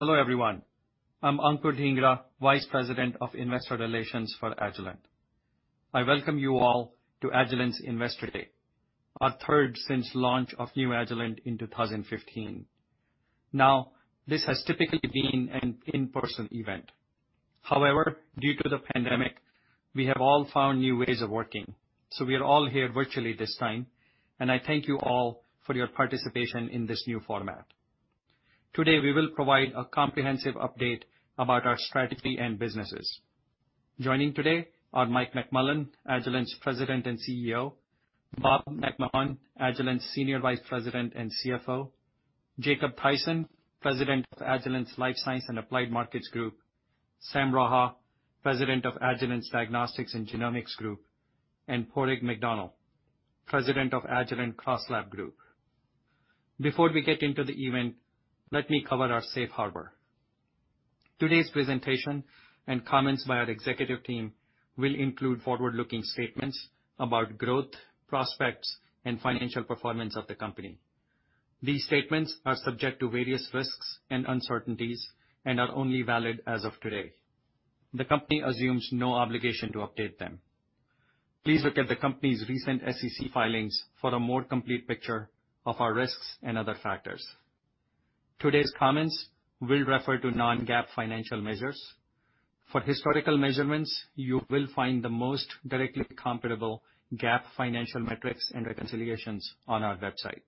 Hello, everyone. I'm Ankur Dhingra, Vice President of Investor Relations for Agilent. I welcome you all to Agilent's Investor Day, our third since launch of new Agilent in 2015. This has typically been an in-person event. Due to the pandemic, we have all found new ways of working, so we are all here virtually this time, and I thank you all for your participation in this new format. Today, we will provide a comprehensive update about our strategy and businesses. Joining today are Mike McMullen, Agilent's President and Chief Executive Officer, Bob McMahon, Agilent's Senior Vice President and Chief Financial Officer, Jacob Thaysen, President of Agilent's Life Sciences and Applied Markets Group, Sam Raha, President of Agilent's Diagnostics and Genomics Group, and Padraig McDonnell, President of Agilent CrossLab Group. Before we get into the event, let me cover our safe harbor. Today's presentation and comments by our executive team will include forward-looking statements about growth, prospects, and financial performance of the company. These statements are subject to various risks and uncertainties and are only valid as of today. The company assumes no obligation to update them. Please look at the company's recent SEC filings for a more complete picture of our risks and other factors. Today's comments will refer to non-GAAP financial measures. For historical measurements, you will find the most directly comparable GAAP financial metrics and reconciliations on our website.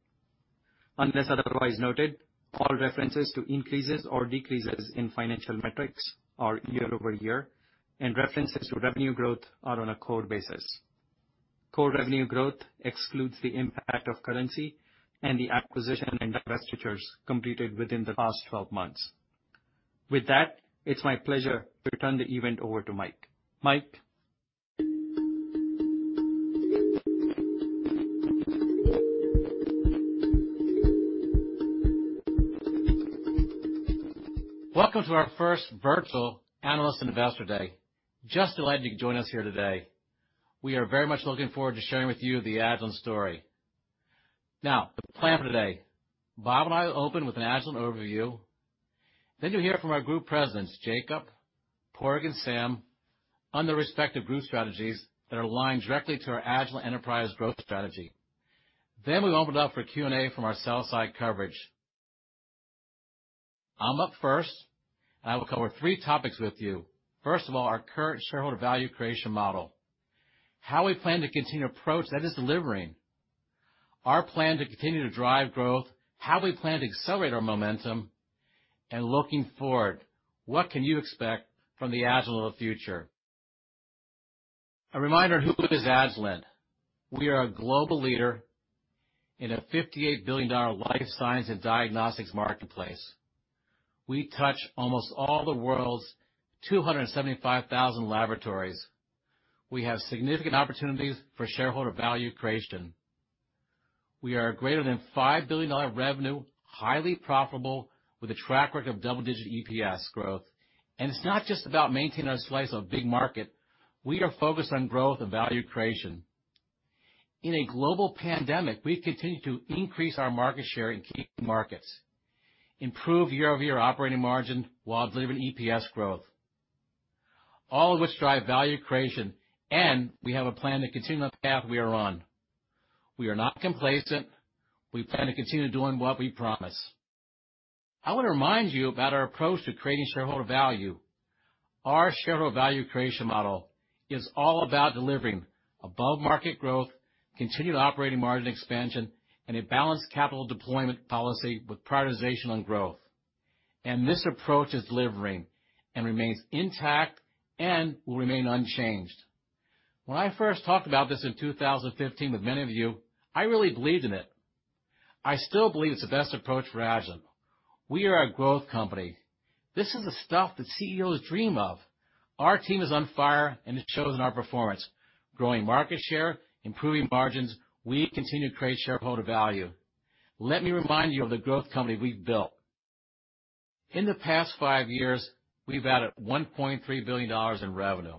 Unless otherwise noted, all references to increases or decreases in financial metrics are year-over-year, and references to revenue growth are on a core basis. Core revenue growth excludes the impact of currency and the acquisition and divestitures completed within the past 12 months. With that, it's my pleasure to turn the event over to Mike. Mike? Welcome to our first virtual Analyst Investor Day. Just delighted you can join us here today. We are very much looking forward to sharing with you the Agilent story. The plan for today, Bob and I will open with an Agilent overview, then you'll hear from our group presidents, Jacob, Padraig, and Sam, on their respective group strategies that align directly to our Agilent Enterprise Growth Strategy. We open it up for Q&A from our sell side coverage. I'm up first. I will cover three topics with you. First of all, our current shareholder value creation model. How we plan to continue an approach that is delivering. Our plan to continue to drive growth, how we plan to accelerate our momentum, and looking forward, what can you expect from the Agilent of the future? A reminder, who is Agilent? We are a global leader in a $58 billion life science and diagnostics marketplace. We touch almost all the world's 275,000 laboratories. We have significant opportunities for shareholder value creation. We are greater than $5 billion revenue, highly profitable with a track record of double-digit EPS growth. It's not just about maintaining our slice of a big market. We are focused on growth and value creation. In a global pandemic, we've continued to increase our market share in key markets, improve year-over-year operating margin while delivering EPS growth. All of which drive value creation. We have a plan to continue on the path we are on. We are not complacent. We plan to continue doing what we promise. I want to remind you about our approach to creating shareholder value. Our shareholder value creation model is all about delivering above-market growth, continued operating margin expansion, and a balanced capital deployment policy with prioritization on growth. This approach is delivering and remains intact and will remain unchanged. When I first talked about this in 2015 with many of you, I really believed in it. I still believe it's the best approach for Agilent. We are a growth company. This is the stuff that Chief Executive Officers dream of. Our team is on fire, and it shows in our performance. Growing market share, improving margins, we continue to create shareholder value. Let me remind you of the growth company we've built. In the past five years, we've added $1.3 billion in revenue.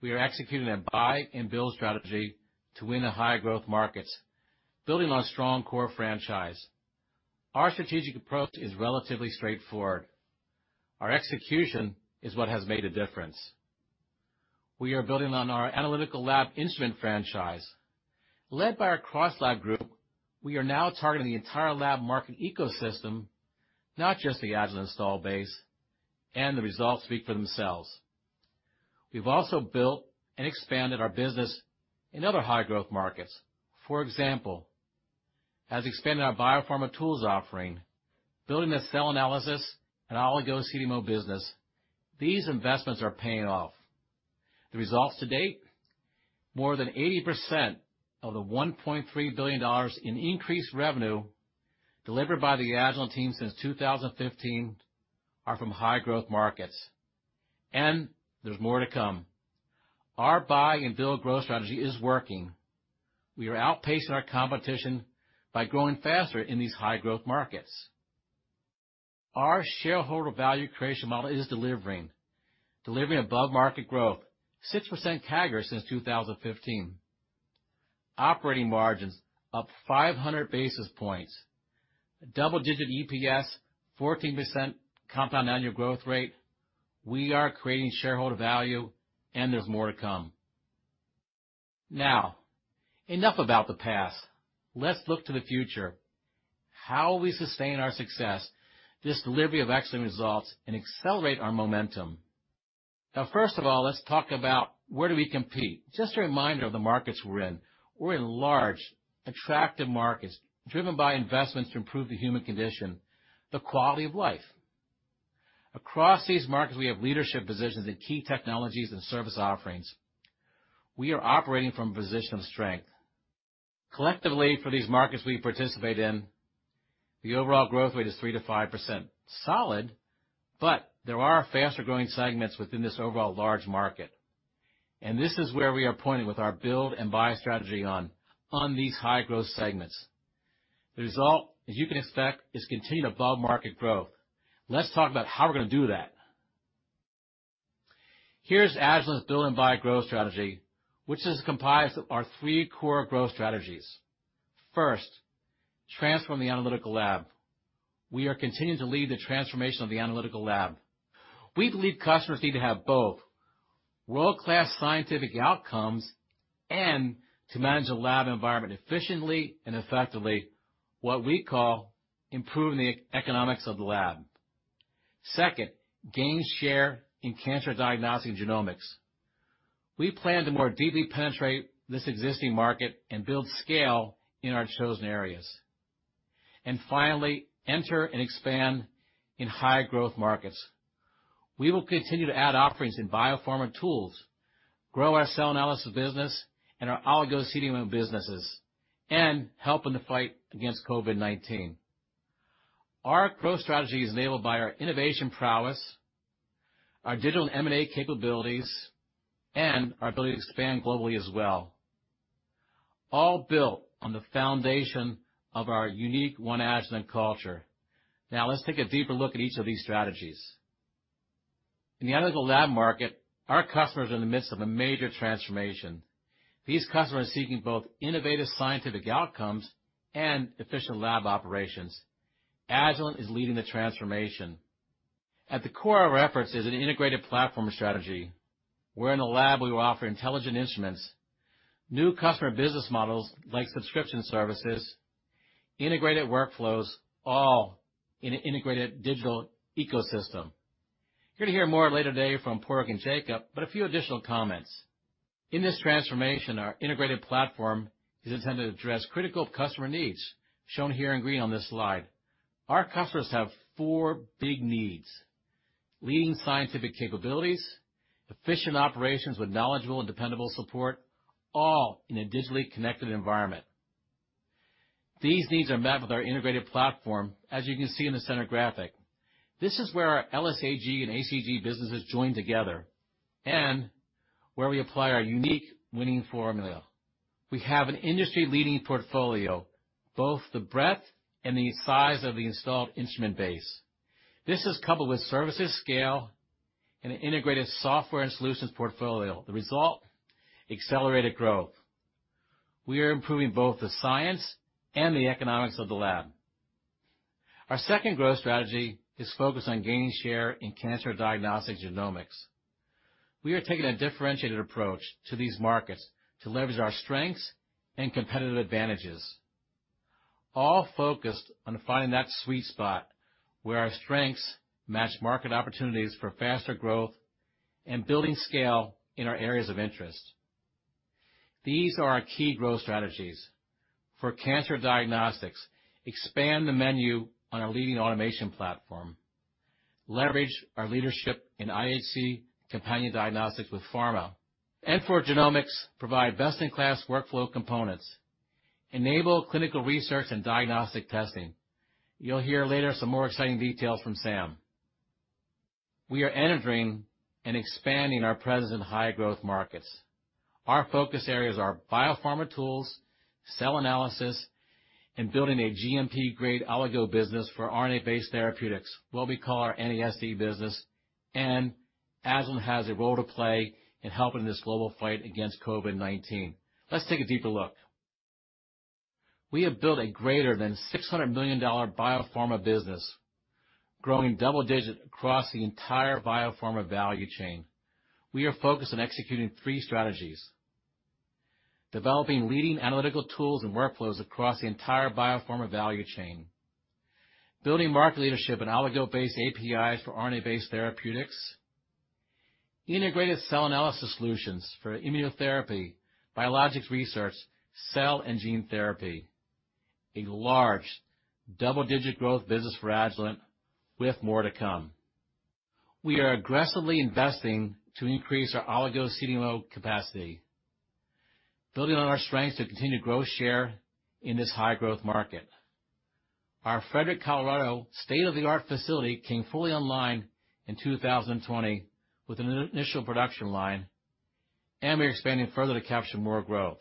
We are executing a buy and build strategy to win the high growth markets, building on a strong core franchise. Our strategic approach is relatively straightforward. Our execution is what has made a difference. We are building on our analytical lab instrument franchise. Led by our CrossLab Group, we are now targeting the entire lab market ecosystem, not just the Agilent install base, and the results speak for themselves. We've also built and expanded our business in other high growth markets. For example, as expanding our biopharma tools offering, building the cell analysis and oligo CDMO business, these investments are paying off. The results to date, more than 80% of the $1.3 billion in increased revenue delivered by the Agilent team since 2015 are from high growth markets. There's more to come. Our buy and build growth strategy is working. We are outpacing our competition by growing faster in these high growth markets. Our shareholder value creation model is delivering. Delivering above-market growth, 6% CAGR since 2015. Operating margins up 500 basis points. Double-digit EPS, 14% compound annual growth rate. We are creating shareholder value, and there's more to come. Enough about the past. Let's look to the future. How will we sustain our success, this delivery of excellent results, and accelerate our momentum? First of all, let's talk about where do we compete. Just a reminder of the markets we're in. We're in large, attractive markets, driven by investments to improve the human condition, the quality of life. Across these markets, we have leadership positions in key technologies and service offerings. We are operating from a position of strength. Collectively, for these markets we participate in, the overall growth rate is 3%-5%. Solid, but there are faster-growing segments within this overall large market. This is where we are pointing with our build and buy strategy on these high-growth segments. The result, as you can expect, is continued above-market growth. Let's talk about how we're going to do that. Here's Agilent's build and buy growth strategy, which is comprised of our three core growth strategies. First, Transform the Analytical Lab. We are continuing to lead the transformation of the analytical lab. We believe customers need to have both world-class scientific outcomes and to manage a lab environment efficiently and effectively, what we call improving the economics of the lab. Second, Gain Share in Cancer Diagnostic and Genomics. We plan to more deeply penetrate this existing market and build scale in our chosen areas. Finally, Enter and Expand in High-Growth Markets. We will continue to add offerings in biopharma tools, grow our cell analysis business and our oligonucleotide businesses, and help in the fight against COVID-19. Our growth strategy is enabled by our innovation prowess, our digital M&A capabilities, and our ability to expand globally as well, all built on the foundation of our unique One Agilent culture. Let's take a deeper look at each of these strategies. In the analytical lab market, our customers are in the midst of a major transformation. These customers are seeking both innovative scientific outcomes and efficient lab operations. Agilent is leading the transformation. At the core of our efforts is an integrated platform strategy, where in the lab we will offer intelligent instruments, new customer business models like subscription services, integrated workflows, all in an integrated digital ecosystem. You're going to hear more later today from Padraig and Jacob, a few additional comments. In this transformation, our integrated platform is intended to address critical customer needs, shown here in green on this slide. Our customers have four big needs: leading scientific capabilities, efficient operations with knowledgeable and dependable support, all in a digitally connected environment. These needs are met with our integrated platform, as you can see in the center graphic. This is where our LSAG and ACG businesses join together, and where we apply our unique winning formula. We have an industry-leading portfolio, both the breadth and the size of the installed instrument base. This is coupled with services scale and an integrated software and solutions portfolio. The result, accelerated growth. We are improving both the science and the economics of the lab. Our second growth strategy is focused on gaining share in cancer diagnostic genomics. We are taking a differentiated approach to these markets to leverage our strengths and competitive advantages, all focused on finding that sweet spot where our strengths match market opportunities for faster growth and building scale in our areas of interest. These are our key growth strategies. For cancer diagnostics, expand the menu on our leading automation platform. Leverage our leadership in IHC companion diagnostics with pharma. For genomics, provide best-in-class workflow components. Enable clinical research and diagnostic testing. You'll hear later some more exciting details from Sam. We are entering and expanding our presence in high-growth markets. Our focus areas are biopharma tools, cell analysis, and building a GMP-grade oligo business for RNA-based therapeutics, what we call our NASD business, and Agilent has a role to play in helping this global fight against COVID-19. Let's take a deeper look. We have built a greater than $600 million biopharma business, growing double digit across the entire biopharma value chain. We are focused on executing three strategies. Developing leading analytical tools and workflows across the entire biopharma value chain. Building market leadership in oligo-based APIs for RNA-based therapeutics. Integrated cell analysis solutions for immunotherapy, biologics research, cell and gene therapy. A large, double-digit growth business for Agilent, with more to come. We are aggressively investing to increase our oligonucleotide capacity, building on our strengths to continue to grow share in this high-growth market. Our Frederick, Colorado state-of-the-art facility came fully online in 2020 with an initial production line, and we're expanding further to capture more growth,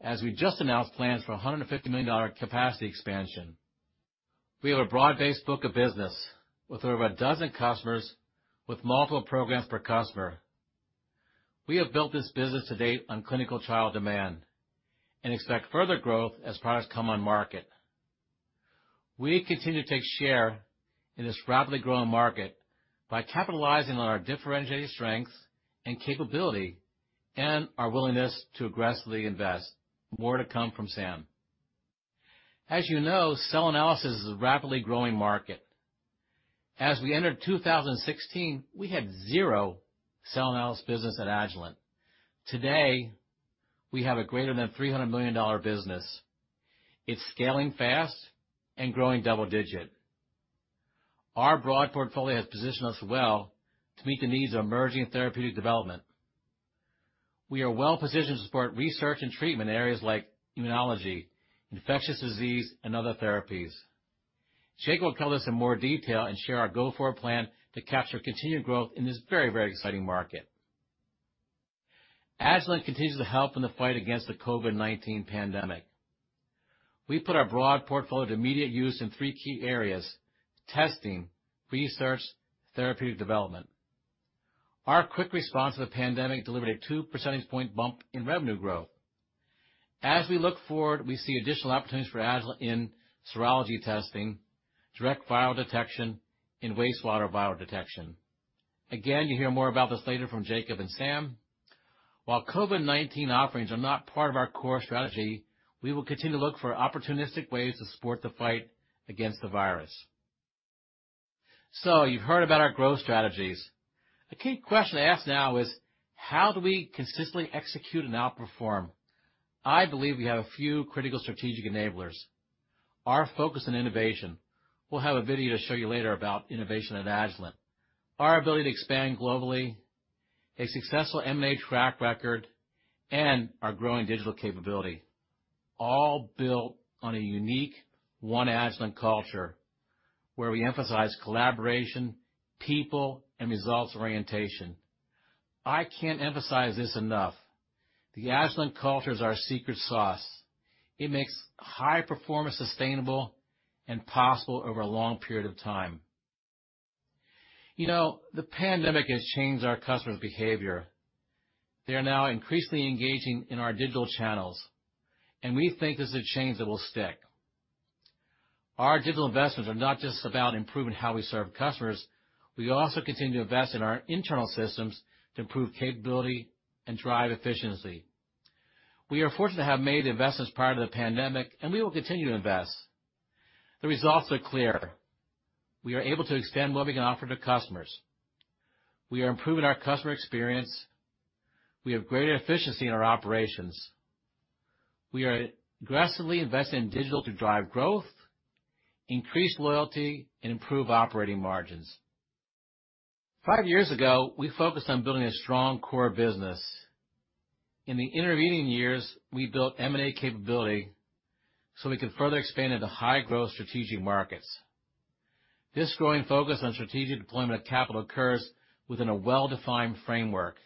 as we just announced plans for $150 million capacity expansion. We have a broad-based book of business with over a dozen customers with multiple programs per customer. We have built this business to date on clinical trial demand and expect further growth as products come on market. We continue to take share in this rapidly growing market by capitalizing on our differentiated strengths and capability and our willingness to aggressively invest. More to come from Sam. As you know, cell analysis is a rapidly growing market. As we entered 2016, we had zero cell analysis business at Agilent. Today, we have a greater than $300 million business. It's scaling fast and growing double digit. Our broad portfolio has positioned us well to meet the needs of emerging therapeutic development. We are well positioned to support research and treatment areas like immunology, infectious disease, and other therapies. Jacob will cover this in more detail and share our go-forward plan to capture continued growth in this very exciting market. Agilent continues to help in the fight against the COVID-19 pandemic. We put our broad portfolio to immediate use in three key areas, testing, research, therapeutic development. Our quick response to the pandemic delivered a 2% point bump in revenue growth. As we look forward, we see additional opportunities for Agilent in serology testing, direct viral detection, and wastewater viral detection. You'll hear more about this later from Jacob and Sam. While COVID-19 offerings are not part of our core strategy, we will continue to look for opportunistic ways to support the fight against the virus. You've heard about our growth strategies. A key question to ask now is, how do we consistently execute and outperform? I believe we have a few critical strategic enablers. Our focus on innovation. We'll have a video to show you later about innovation at Agilent. Our ability to expand globally, a successful M&A track record, and our growing digital capability, all built on a unique One Agilent culture, where we emphasize collaboration, people, and results orientation. I can't emphasize this enough. The Agilent culture is our secret sauce. It makes high performance sustainable and possible over a long period of time. The pandemic has changed our customers' behavior. They are now increasingly engaging in our digital channels, and we think this is a change that will stick. Our digital investments are not just about improving how we serve customers. We also continue to invest in our internal systems to improve capability and drive efficiency. We are fortunate to have made investments prior to the pandemic, and we will continue to invest. The results are clear. We are able to extend what we can offer to customers. We are improving our customer experience. We have greater efficiency in our operations. We are aggressively investing in digital to drive growth, increase loyalty, and improve operating margins. Five years ago, we focused on building a strong core business. In the intervening years, we built M&A capability so we could further expand into high-growth strategic markets. This growing focus on strategic deployment of capital occurs within a well-defined framework.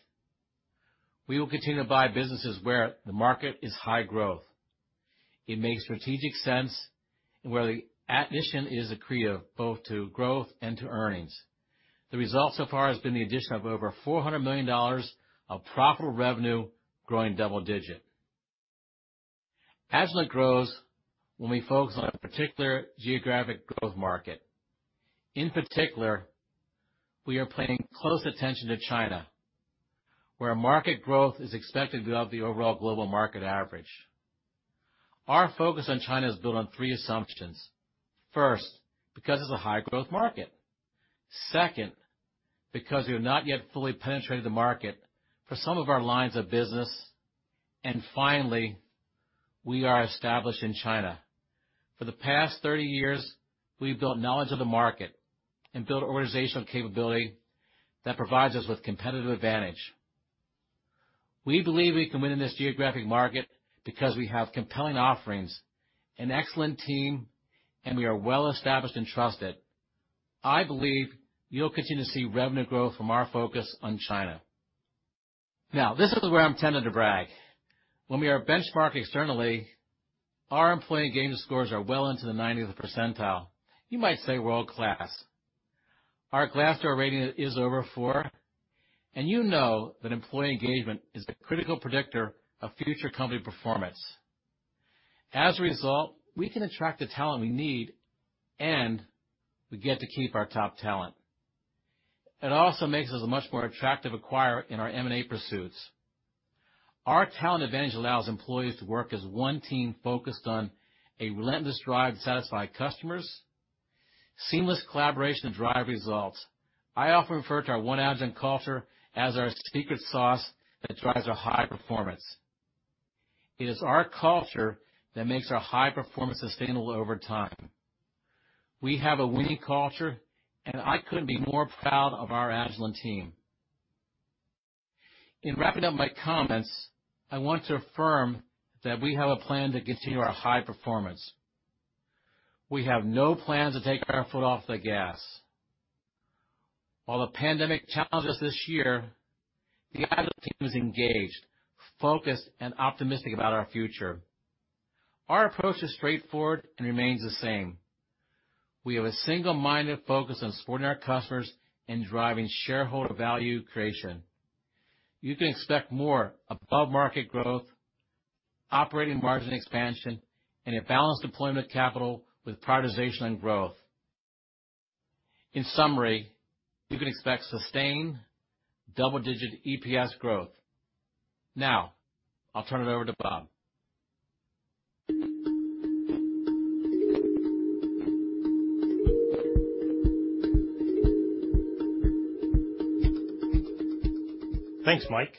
We will continue to buy businesses where the market is high growth. It makes strategic sense and where the acquisition is accretive both to growth and to earnings. The result so far has been the addition of over $400 million of profitable revenue growing double-digit. Agilent grows when we focus on a particular geographic growth market. In particular, we are paying close attention to China, where market growth is expected to be above the overall global market average. Our focus on China is built on three assumptions. First, because it's a high-growth market. Second, because we have not yet fully penetrated the market for some of our lines of business. Finally, we are established in China. For the past 30 years, we've built knowledge of the market and built organizational capability that provides us with competitive advantage. We believe we can win in this geographic market because we have compelling offerings, an excellent team, and we are well established and trusted. I believe you'll continue to see revenue growth from our focus on China. This is where I'm tempted to brag. When we are benchmarked externally, our employee engagement scores are well into the 90th percentile. You might say world-class. Our Glassdoor rating is over four, and you know that employee engagement is a critical predictor of future company performance. As a result, we can attract the talent we need, and we get to keep our top talent. It also makes us a much more attractive acquirer in our M&A pursuits. Our talent advantage allows employees to work as one team focused on a relentless drive to satisfy customers, seamless collaboration to drive results. I often refer to our One Agilent culture as our secret sauce that drives our high performance. It is our culture that makes our high performance sustainable over time. We have a winning culture, and I couldn't be more proud of our Agilent team. In wrapping up my comments, I want to affirm that we have a plan to continue our high performance. We have no plans to take our foot off the gas. While the pandemic challenged us this year, the Agilent team is engaged, focused, and optimistic about our future. Our approach is straightforward and remains the same. We have a single-minded focus on supporting our customers and driving shareholder value creation. You can expect more above-market growth, operating margin expansion, and a balanced deployment capital with prioritization and growth. In summary, you can expect sustained double-digit EPS growth. Now, I'll turn it over to Bob. Thanks, Mike.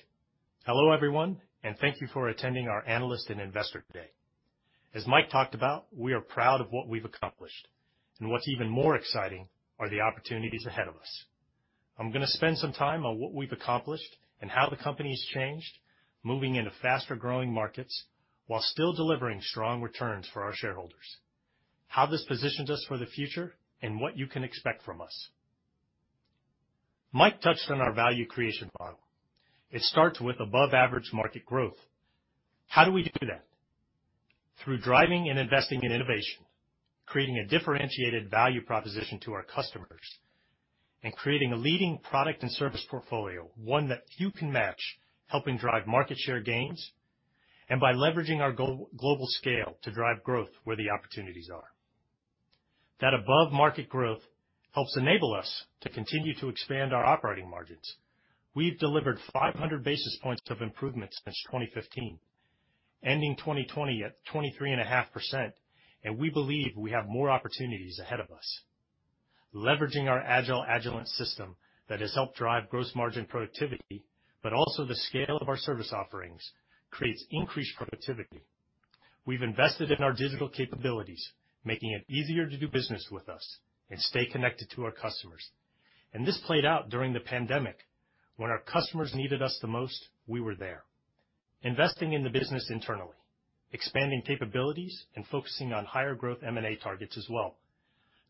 Hello, everyone, and thank you for attending our Analyst and Investor Day. As Mike talked about, we are proud of what we've accomplished, and what's even more exciting are the opportunities ahead of us. I'm going to spend some time on what we've accomplished and how the company has changed, moving into faster-growing markets while still delivering strong returns for our shareholders, how this positions us for the future, and what you can expect from us. Mike touched on our value creation model. It starts with above-average market growth. How do we do that? Through driving and investing in innovation, creating a differentiated value proposition to our customers, and creating a leading product and service portfolio, one that few can match, helping drive market share gains, and by leveraging our global scale to drive growth where the opportunities are. That above-market growth helps enable us to continue to expand our operating margins. We've delivered 500 basis points of improvement since 2015, ending 2020 at 23.5%. We believe we have more opportunities ahead of us. Leveraging our agile Agilent system that has helped drive gross margin productivity, but also the scale of our service offerings, creates increased productivity. We've invested in our digital capabilities, making it easier to do business with us and stay connected to our customers. This played out during the pandemic. When our customers needed us the most, we were there. Investing in the business internally, expanding capabilities, and focusing on higher growth M&A targets as well.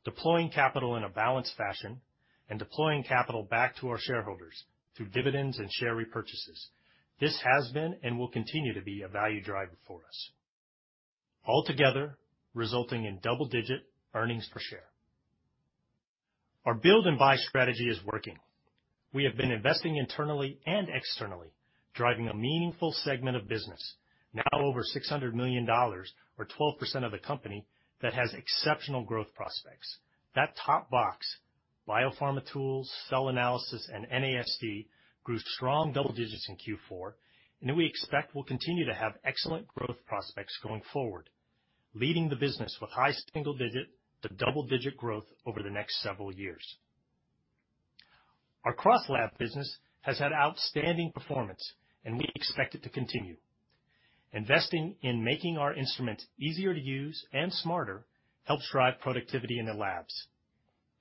Deploying capital in a balanced fashion and deploying capital back to our shareholders through dividends and share repurchases. This has been and will continue to be a value driver for us, all together resulting in double-digit earnings per share. Our build and buy strategy is working. We have been investing internally and externally, driving a meaningful segment of business, now over $600 million, or 12% of the company, that has exceptional growth prospects. That top box, biopharma tools, cell analysis, and NASD, grew strong double digits in Q4, and that we expect will continue to have excellent growth prospects going forward, leading the business with high single digit to double-digit growth over the next several years. Our CrossLab business has had outstanding performance and we expect it to continue. Investing in making our instruments easier to use and smarter helps drive productivity in the labs.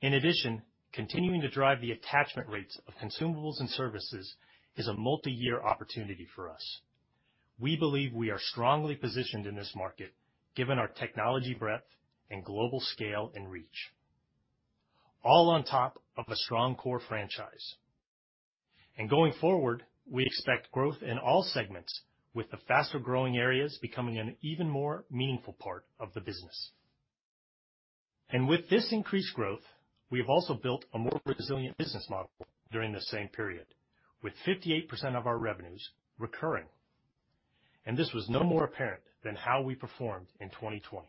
In addition, continuing to drive the attachment rates of consumables and services is a multi-year opportunity for us. We believe we are strongly positioned in this market given our technology breadth and global scale and reach, all on top of a strong core franchise. Going forward, we expect growth in all segments with the faster-growing areas becoming an even more meaningful part of the business. With this increased growth, we have also built a more resilient business model during the same period, with 58% of our revenues recurring. This was no more apparent than how we performed in 2020.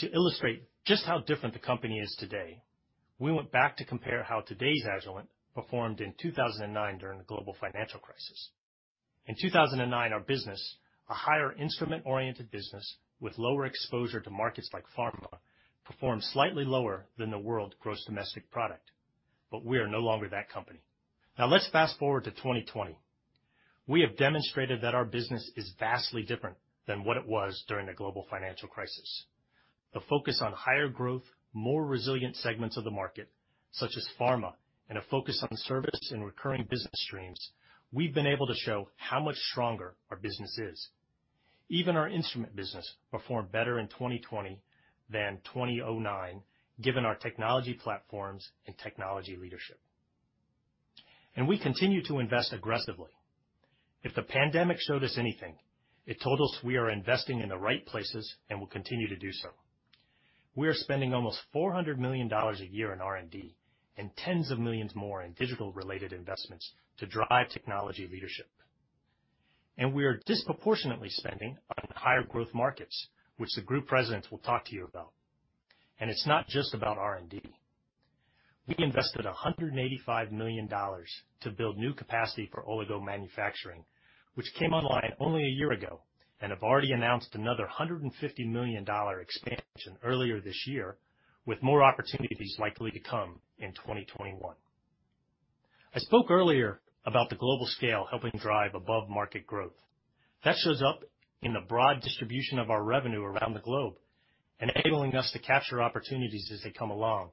To illustrate just how different the company is today, we went back to compare how today's Agilent performed in 2009 during the global financial crisis. In 2009, our business, a higher instrument-oriented business with lower exposure to markets like pharma, performed slightly lower than the world gross domestic product, but we are no longer that company. Let's fast-forward to 2020. We have demonstrated that our business is vastly different than what it was during the global financial crisis. The focus on higher growth, more resilient segments of the market, such as pharma, and a focus on service and recurring business streams, we've been able to show how much stronger our business is. Even our instrument business performed better in 2020 than 2009 given our technology platforms and technology leadership. We continue to invest aggressively. If the pandemic showed us anything, it told us we are investing in the right places and will continue to do so. We are spending almost $400 million a year in R&D and tens of millions more in digital-related investments to drive technology leadership. We are disproportionately spending on higher growth markets, which the group presidents will talk to you about. It's not just about R&D. We invested $185 million to build new capacity for oligo manufacturing, which came online only a year ago and have already announced another $150 million expansion earlier this year, with more opportunities likely to come in 2021. I spoke earlier about the global scale helping drive above-market growth. That shows up in the broad distribution of our revenue around the globe, enabling us to capture opportunities as they come along.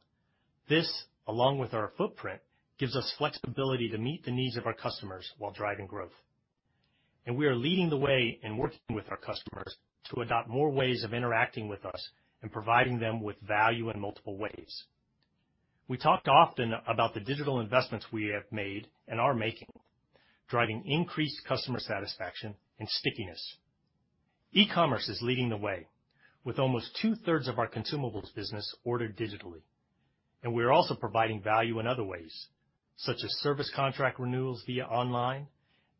This, along with our footprint, gives us flexibility to meet the needs of our customers while driving growth. We are leading the way in working with our customers to adopt more ways of interacting with us and providing them with value in multiple ways. We talked often about the digital investments we have made and are making, driving increased customer satisfaction and stickiness. E-commerce is leading the way, with almost two-thirds of our consumables business ordered digitally. We are also providing value in other ways, such as service contract renewals via online,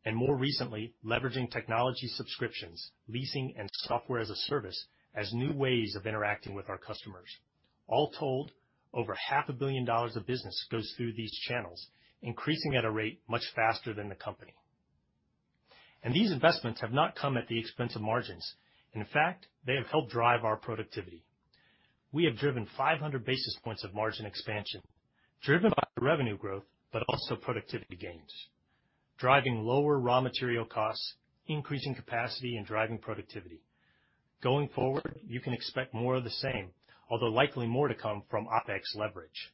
and more recently, leveraging technology subscriptions, leasing, and software as a service as new ways of interacting with our customers. All told, over half a billion dollars of business goes through these channels, increasing at a rate much faster than the company. These investments have not come at the expense of margins. In fact, they have helped drive our productivity. We have driven 500 basis points of margin expansion driven by revenue growth, but also productivity gains, driving lower raw material costs, increasing capacity, and driving productivity. Going forward, you can expect more of the same, although likely more to come from OpEx leverage.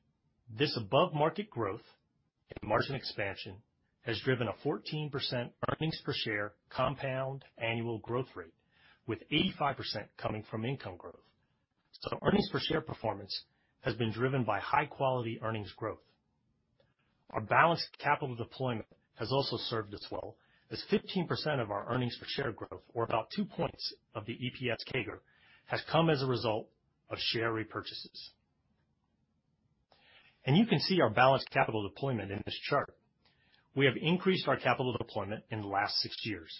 This above-market growth and margin expansion has driven a 14% earnings per share compound annual growth rate, with 85% coming from income growth. Earnings per share performance has been driven by high-quality earnings growth. Our balanced capital deployment has also served us well, as 15% of our earnings per share growth, or about two points of the EPS CAGR, has come as a result of share repurchases. You can see our balanced capital deployment in this chart. We have increased our capital deployment in the last six years,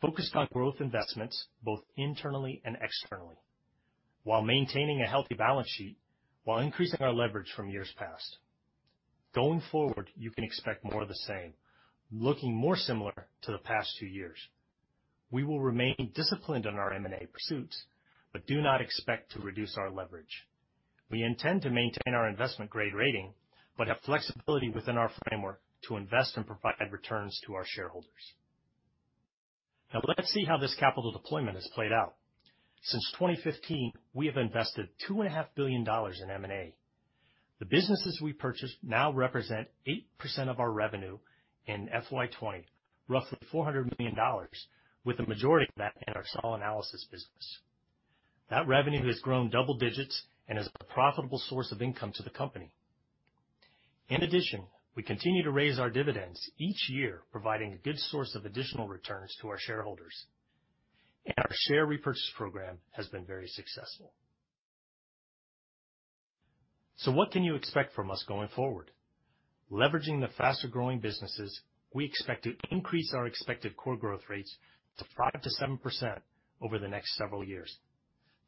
focused on growth investments both internally and externally while maintaining a healthy balance sheet, while increasing our leverage from years past. Going forward, you can expect more of the same, looking more similar to the past few years. We will remain disciplined in our M&A pursuits, but do not expect to reduce our leverage. We intend to maintain our investment-grade rating, but have flexibility within our framework to invest and provide returns to our shareholders. Let's see how this capital deployment has played out. Since 2015, we have invested $2.5 billion in M&A. The businesses we purchased now represent 8% of our revenue in FY 2020, roughly $400 million, with a majority of that in our cell analysis business. That revenue has grown double digits and is a profitable source of income to the company. In addition, we continue to raise our dividends each year, providing a good source of additional returns to our shareholders. Our share repurchase program has been very successful. What can you expect from us going forward? Leveraging the faster-growing businesses, we expect to increase our expected core growth rates to 5%-7% over the next several years.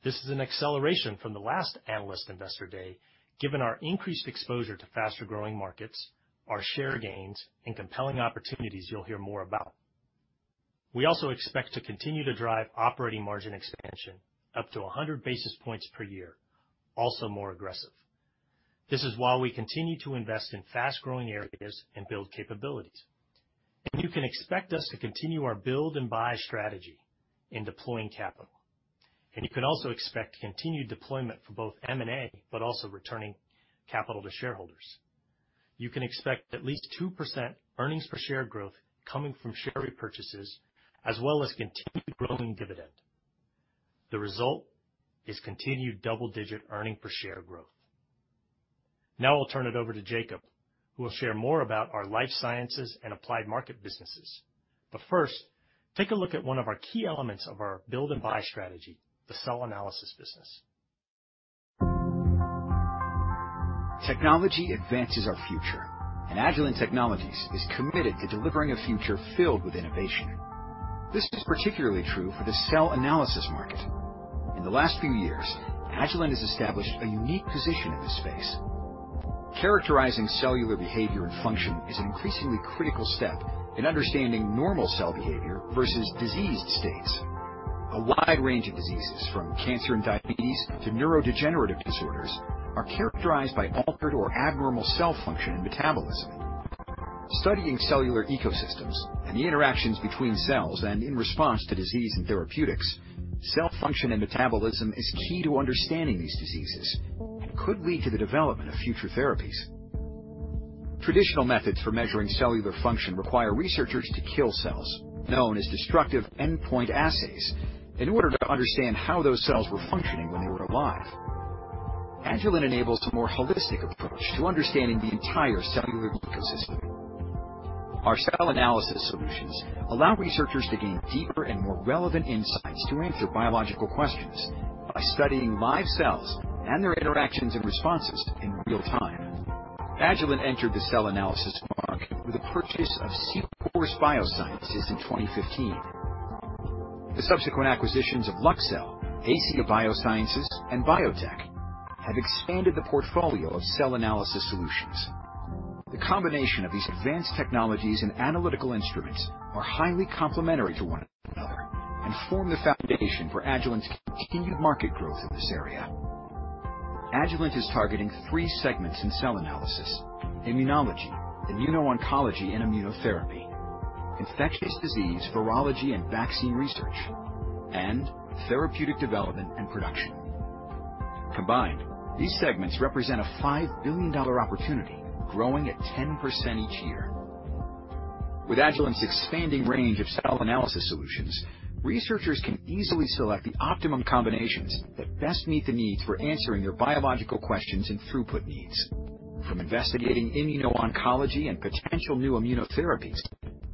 This is an acceleration from the last Analyst Investor Day, given our increased exposure to faster-growing markets, our share gains, and compelling opportunities you'll hear more about. We also expect to continue to drive operating margin expansion up to 100 basis points per year, also more aggressive. This is while we continue to invest in fast-growing areas and build capabilities. You can expect us to continue our build and buy strategy in deploying capital. You can also expect continued deployment for both M&A, but also returning capital to shareholders. You can expect at least 2% earnings per share growth coming from share repurchases, as well as continued growing dividend. The result is continued double-digit earnings per share growth. I'll turn it over to Jacob, who will share more about our Life Sciences and Applied Markets businesses. First, take a look at one of our key elements of our build and buy strategy, the cell analysis business. Technology advances our future. Agilent Technologies is committed to delivering a future filled with innovation. This is particularly true for the cell analysis market. In the last few years, Agilent has established a unique position in this space. Characterizing cellular behavior and function is an increasingly critical step in understanding normal cell behavior versus diseased states. A wide range of diseases, from cancer and diabetes to neurodegenerative disorders, are characterized by altered or abnormal cell function and metabolism. Studying cellular ecosystems and the interactions between cells and in response to disease and therapeutics, cell function and metabolism is key to understanding these diseases and could lead to the development of future therapies. Traditional methods for measuring cellular function require researchers to kill cells, known as destructive endpoint assays, in order to understand how those cells were functioning when they were alive. Agilent enables a more holistic approach to understanding the entire cellular ecosystem. Our cell analysis solutions allow researchers to gain deeper and more relevant insights to answer biological questions by studying live cells and their interactions and responses in real time. Agilent entered the cell analysis market with the purchase of Seahorse Bioscience in 2015. The subsequent acquisitions of Luxcel, ACEA Biosciences, and BioTek have expanded the portfolio of cell analysis solutions. The combination of these advanced technologies and analytical instruments are highly complementary to one another and form the foundation for Agilent's continued market growth in this area. Agilent is targeting three segments in cell analysis: immunology, immuno-oncology, and immunotherapy, infectious disease, virology, and vaccine research, and therapeutic development and production. Combined, these segments represent a $5 billion opportunity growing at 10% each year. With Agilent's expanding range of cell analysis solutions, researchers can easily select the optimum combinations that best meet the needs for answering their biological questions and throughput needs. From investigating immuno-oncology and potential new immunotherapies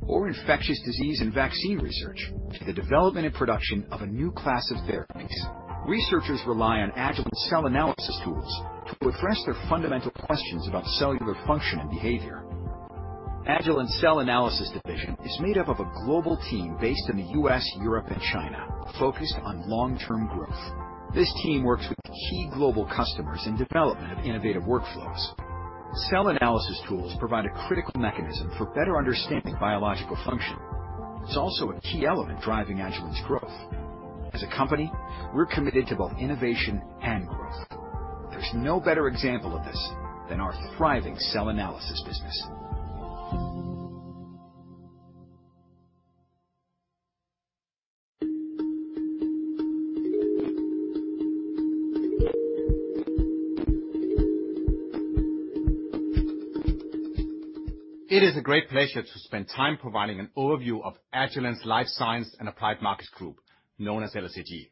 or infectious disease and vaccine research, to the development and production of a new class of therapies, researchers rely on Agilent cell analysis tools to address their fundamental questions about cellular function and behavior. Agilent Cell Analysis Division is made up of a global team based in the U.S., Europe, and China, focused on long-term growth. This team works with key global customers in development of innovative workflows. Cell analysis tools provide a critical mechanism for better understanding biological function. It's also a key element driving Agilent's growth. As a company, we're committed to both innovation and growth. There's no better example of this than our thriving cell analysis business. It is a great pleasure to spend time providing an overview of Agilent's Life Sciences and Applied Markets Group, known as LSAG.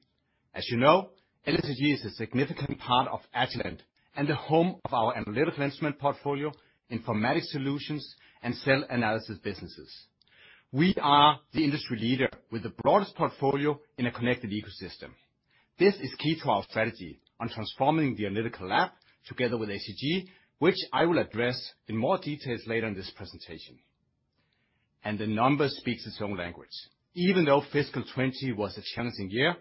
As you know, LSAG is a significant part of Agilent and the home of our analytical instrument portfolio, informatics solutions, and cell analysis businesses. We are the industry leader with the broadest portfolio in a connected ecosystem. This is key to our strategy on transforming the analytical lab together with ACG, which I will address in more details later in this presentation. The numbers speaks its own language. Even though FY 2020 was a challenging year,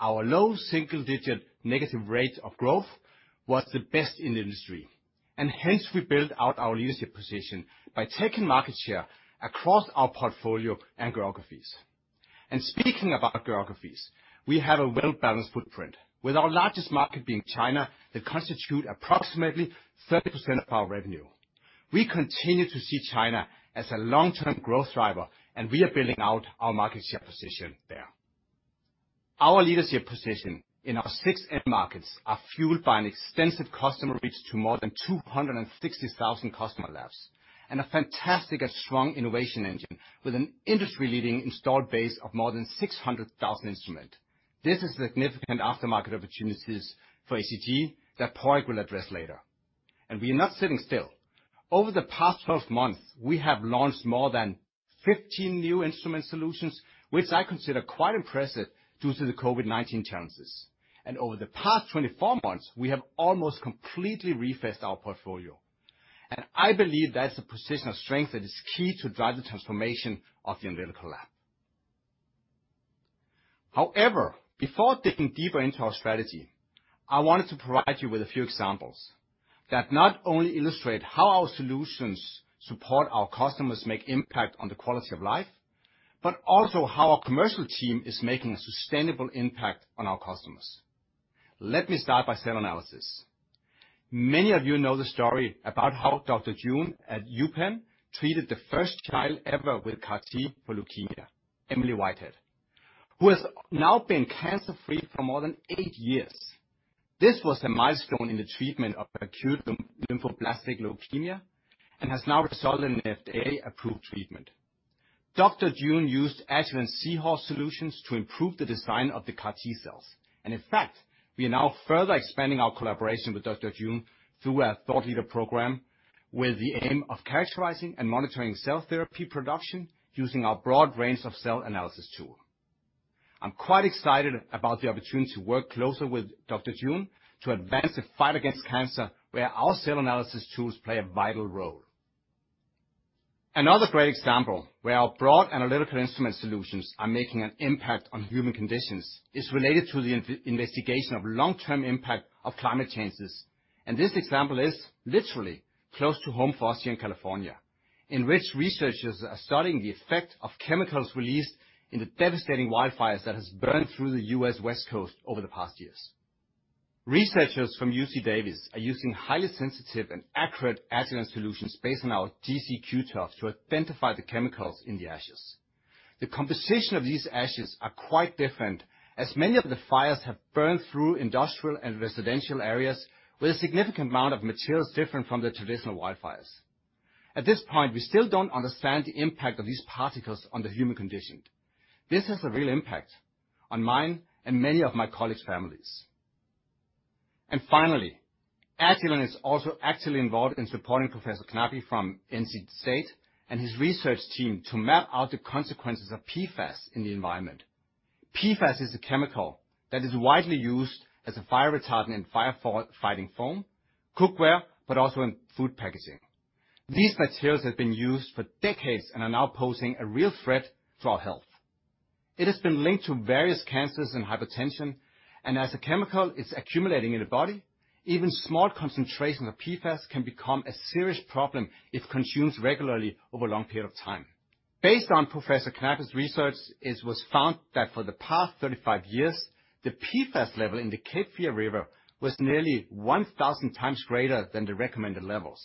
our low single-digit negative rate of growth was the best in the industry, and hence we built out our leadership position by taking market share across our portfolio and geographies. Speaking about geographies, we have a well-balanced footprint, with our largest market being China, that constitute approximately 30% of our revenue. We continue to see China as a long-term growth driver. We are building out our market share position there. Our leadership position in our six end markets are fueled by an extensive customer reach to more than 260,000 customer labs. A fantastic and strong innovation engine with an industry-leading installed base of more than 600,000 instrument. This is significant aftermarket opportunities for ACG that Padraig will address later. We are not sitting still. Over the past 12 months, we have launched more than 15 new instrument solutions, which I consider quite impressive due to the COVID-19 challenges. Over the past 24 months, we have almost completely refreshed our portfolio. I believe that's a position of strength that is key to drive the transformation of the analytical lab. However, before digging deeper into our strategy, I wanted to provide you with a few examples that not only illustrate how our solutions support our customers make impact on the quality of life, but also how our commercial team is making a sustainable impact on our customers. Let me start by cell analysis. Many of you know the story about how Dr. June at UPenn treated the first child ever with CAR T-cell for leukemia, Emily Whitehead, who has now been cancer-free for more than eight years. This was a milestone in the treatment of acute lymphoblastic leukemia and has now resulted in an FDA-approved treatment. Dr. June used Agilent's Seahorse solutions to improve the design of the CAR T-cells, and in fact, we are now further expanding our collaboration with Dr. June through our thought leader program, with the aim of characterizing and monitoring cell therapy production using our broad range of cell analysis tool. I'm quite excited about the opportunity to work closer with Dr. June to advance the fight against cancer, where our cell analysis tools play a vital role. Another great example where our broad analytical instrument solutions are making an impact on human conditions is related to the investigation of long-term impact of climate changes, and this example is literally close to home for us here in California, in which researchers are studying the effect of chemicals released in the devastating wildfires that has burned through the U.S. West Coast over the past years. Researchers from UC Davis are using highly sensitive and accurate Agilent solutions based on our GC/Q-TOF to identify the chemicals in the ashes. The composition of these ashes are quite different, as many of the fires have burned through industrial and residential areas with a significant amount of materials different from the traditional wildfires. At this point, we still don't understand the impact of these particles on the human condition. This has a real impact on mine and many of my colleagues' families. Finally, Agilent is also actively involved in supporting Professor Knappe from NC State and his research team to map out the consequences of PFAS in the environment. PFAS is a chemical that is widely used as a fire fighting foam, cookware, but also in food packaging. These materials have been used for decades and are now posing a real threat to our health. It has been linked to various cancers and hypertension, and as the chemical is accumulating in the body, even small concentrations of PFAS can become a serious problem if consumed regularly over a long period of time. Based on Professor Knappe's research, it was found that for the past 35 years, the PFAS level in the Cape Fear River was nearly 1,000x greater than the recommended levels.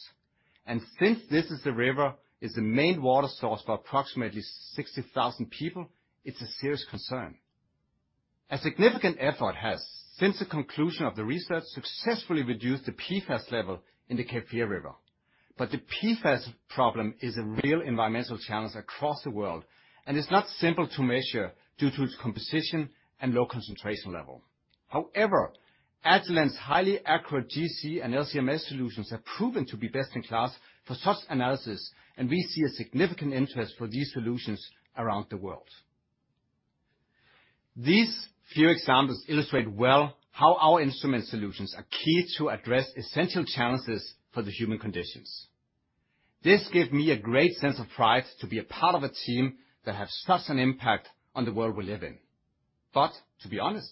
Since this is the river is the main water source for approximately 60,000 people, it's a serious concern. A significant effort has, since the conclusion of the research, successfully reduced the PFAS level in the Cape Fear River. The PFAS problem is a real environmental challenge across the world, and it's not simple to measure due to its composition and low concentration level. Agilent's highly accurate GC and LC-MS solutions have proven to be best in class for such analysis, and we see a significant interest for these solutions around the world. These few examples illustrate well how our instrument solutions are key to address essential challenges for the human conditions. This gives me a great sense of pride to be a part of a team that has such an impact on the world we live in. To be honest,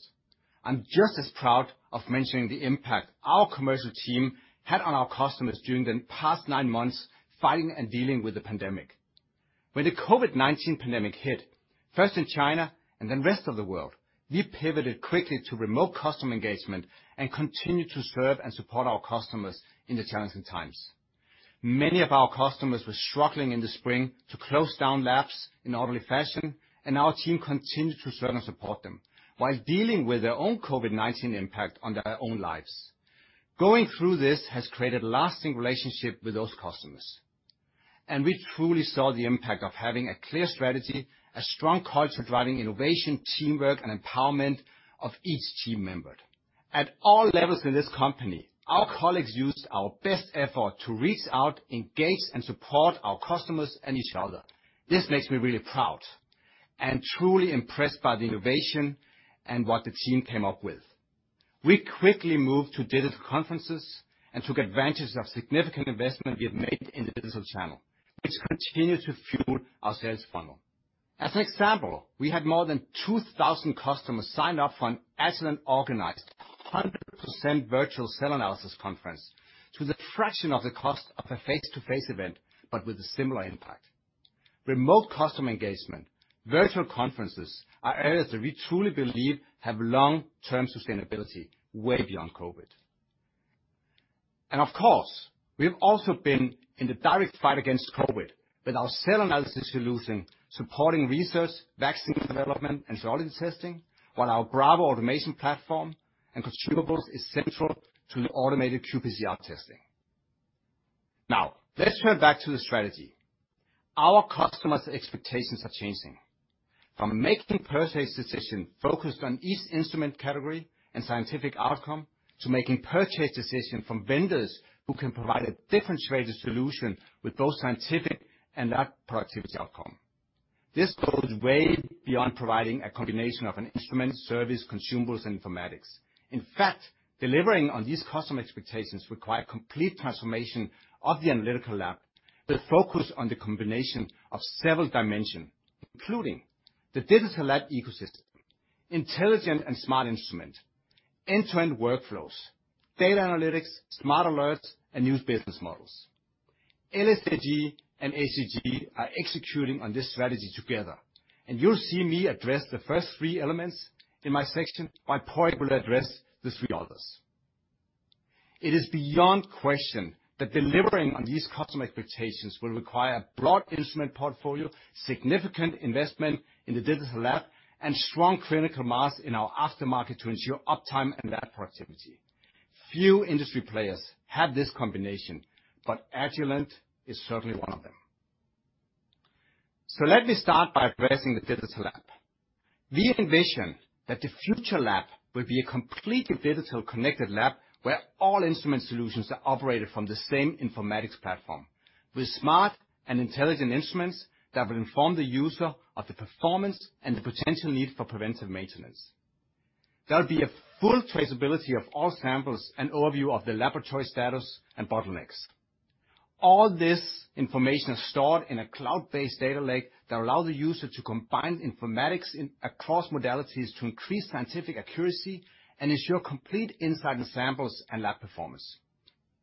I'm just as proud of mentioning the impact our commercial team had on our customers during the past nine months fighting and dealing with the pandemic. When the COVID-19 pandemic hit, first in China and then rest of the world, we pivoted quickly to remote customer engagement and continued to serve and support our customers in the challenging times. Many of our customers were struggling in the spring to close down labs in orderly fashion, and our team continued to serve and support them while dealing with their own COVID-19 impact on their own lives. Going through this has created lasting relationship with those customers, and we truly saw the impact of having a clear strategy, a strong culture driving innovation, teamwork, and empowerment of each team member. At all levels in this company, our colleagues used our best effort to reach out, engage, and support our customers and each other. This makes me really proud and truly impressed by the innovation and what the team came up with. We quickly moved to digital conferences and took advantage of significant investment we have made in the digital channel, which continued to fuel our sales funnel. As an example, we had more than 2,000 customers signed up for an Agilent organized 100% virtual cell analysis conference to the fraction of the cost of a face-to-face event, but with a similar impact. Remote customer engagement, virtual conferences are areas that we truly believe have long-term sustainability way beyond COVID. Of course, we have also been in the direct fight against COVID with our cell analysis solution, supporting research, vaccine development, and oncology testing while our Bravo automation platform and consumables is central to the automated QPCR testing. Now, let's turn back to the strategy. Our customers' expectations are changing. From making purchase decision focused on each instrument category and scientific outcome to making purchase decision from vendors who can provide a differentiated solution with both scientific and lab productivity outcome. This goes way beyond providing a combination of an instrument, service, consumables, and informatics. In fact, delivering on these custom expectations require complete transformation of the analytical lab with focus on the combination of several dimension, including the digital lab ecosystem, intelligent and smart instrument, end-to-end workflows, data analytics, Smart Alerts, and new business models. LSAG and ACG are executing on this strategy together, and you'll see me address the first three elements in my section. My partner will address the three others. It is beyond question that delivering on these customer expectations will require a broad instrument portfolio, significant investment in the digital lab, and strong clinical mass in our aftermarket to ensure uptime and lab productivity. Few industry players have this combination, but Agilent is certainly one of them. Let me start by addressing the digital lab. We envision that the future lab will be a completely digital connected lab where all instrument solutions are operated from the same informatics platform with smart and intelligent instruments that will inform the user of the performance and the potential need for preventive maintenance. There'll be a full traceability of all samples and overview of the laboratory status and bottlenecks. All this information is stored in a cloud-based data lake that allow the user to combine informatics in across modalities to increase scientific accuracy and ensure complete insight into samples and lab performance.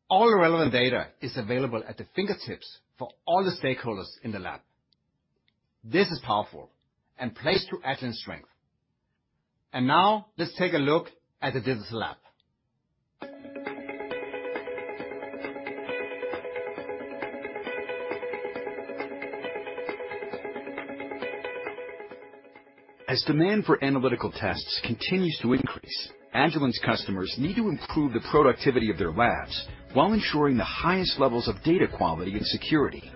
All the relevant data is available at the fingertips for all the stakeholders in the lab. This is powerful and plays to Agilent's strength. Now let's take a look at the digital lab. As demand for analytical tests continues to increase, Agilent's customers need to improve the productivity of their labs while ensuring the highest levels of data quality and security.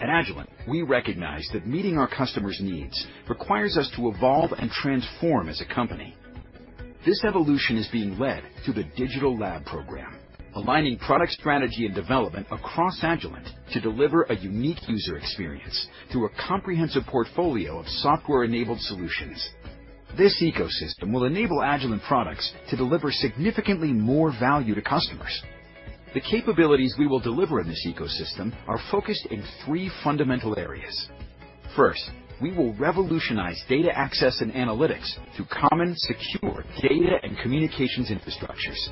At Agilent, we recognize that meeting our customers' needs requires us to evolve and transform as a company. This evolution is being led through the Digital Lab Program, aligning product strategy and development across Agilent to deliver a unique user experience through a comprehensive portfolio of software-enabled solutions. This ecosystem will enable Agilent products to deliver significantly more value to customers. The capabilities we will deliver in this ecosystem are focused in three fundamental areas. First, we will revolutionize data access and analytics through common, secure data and communications infrastructures.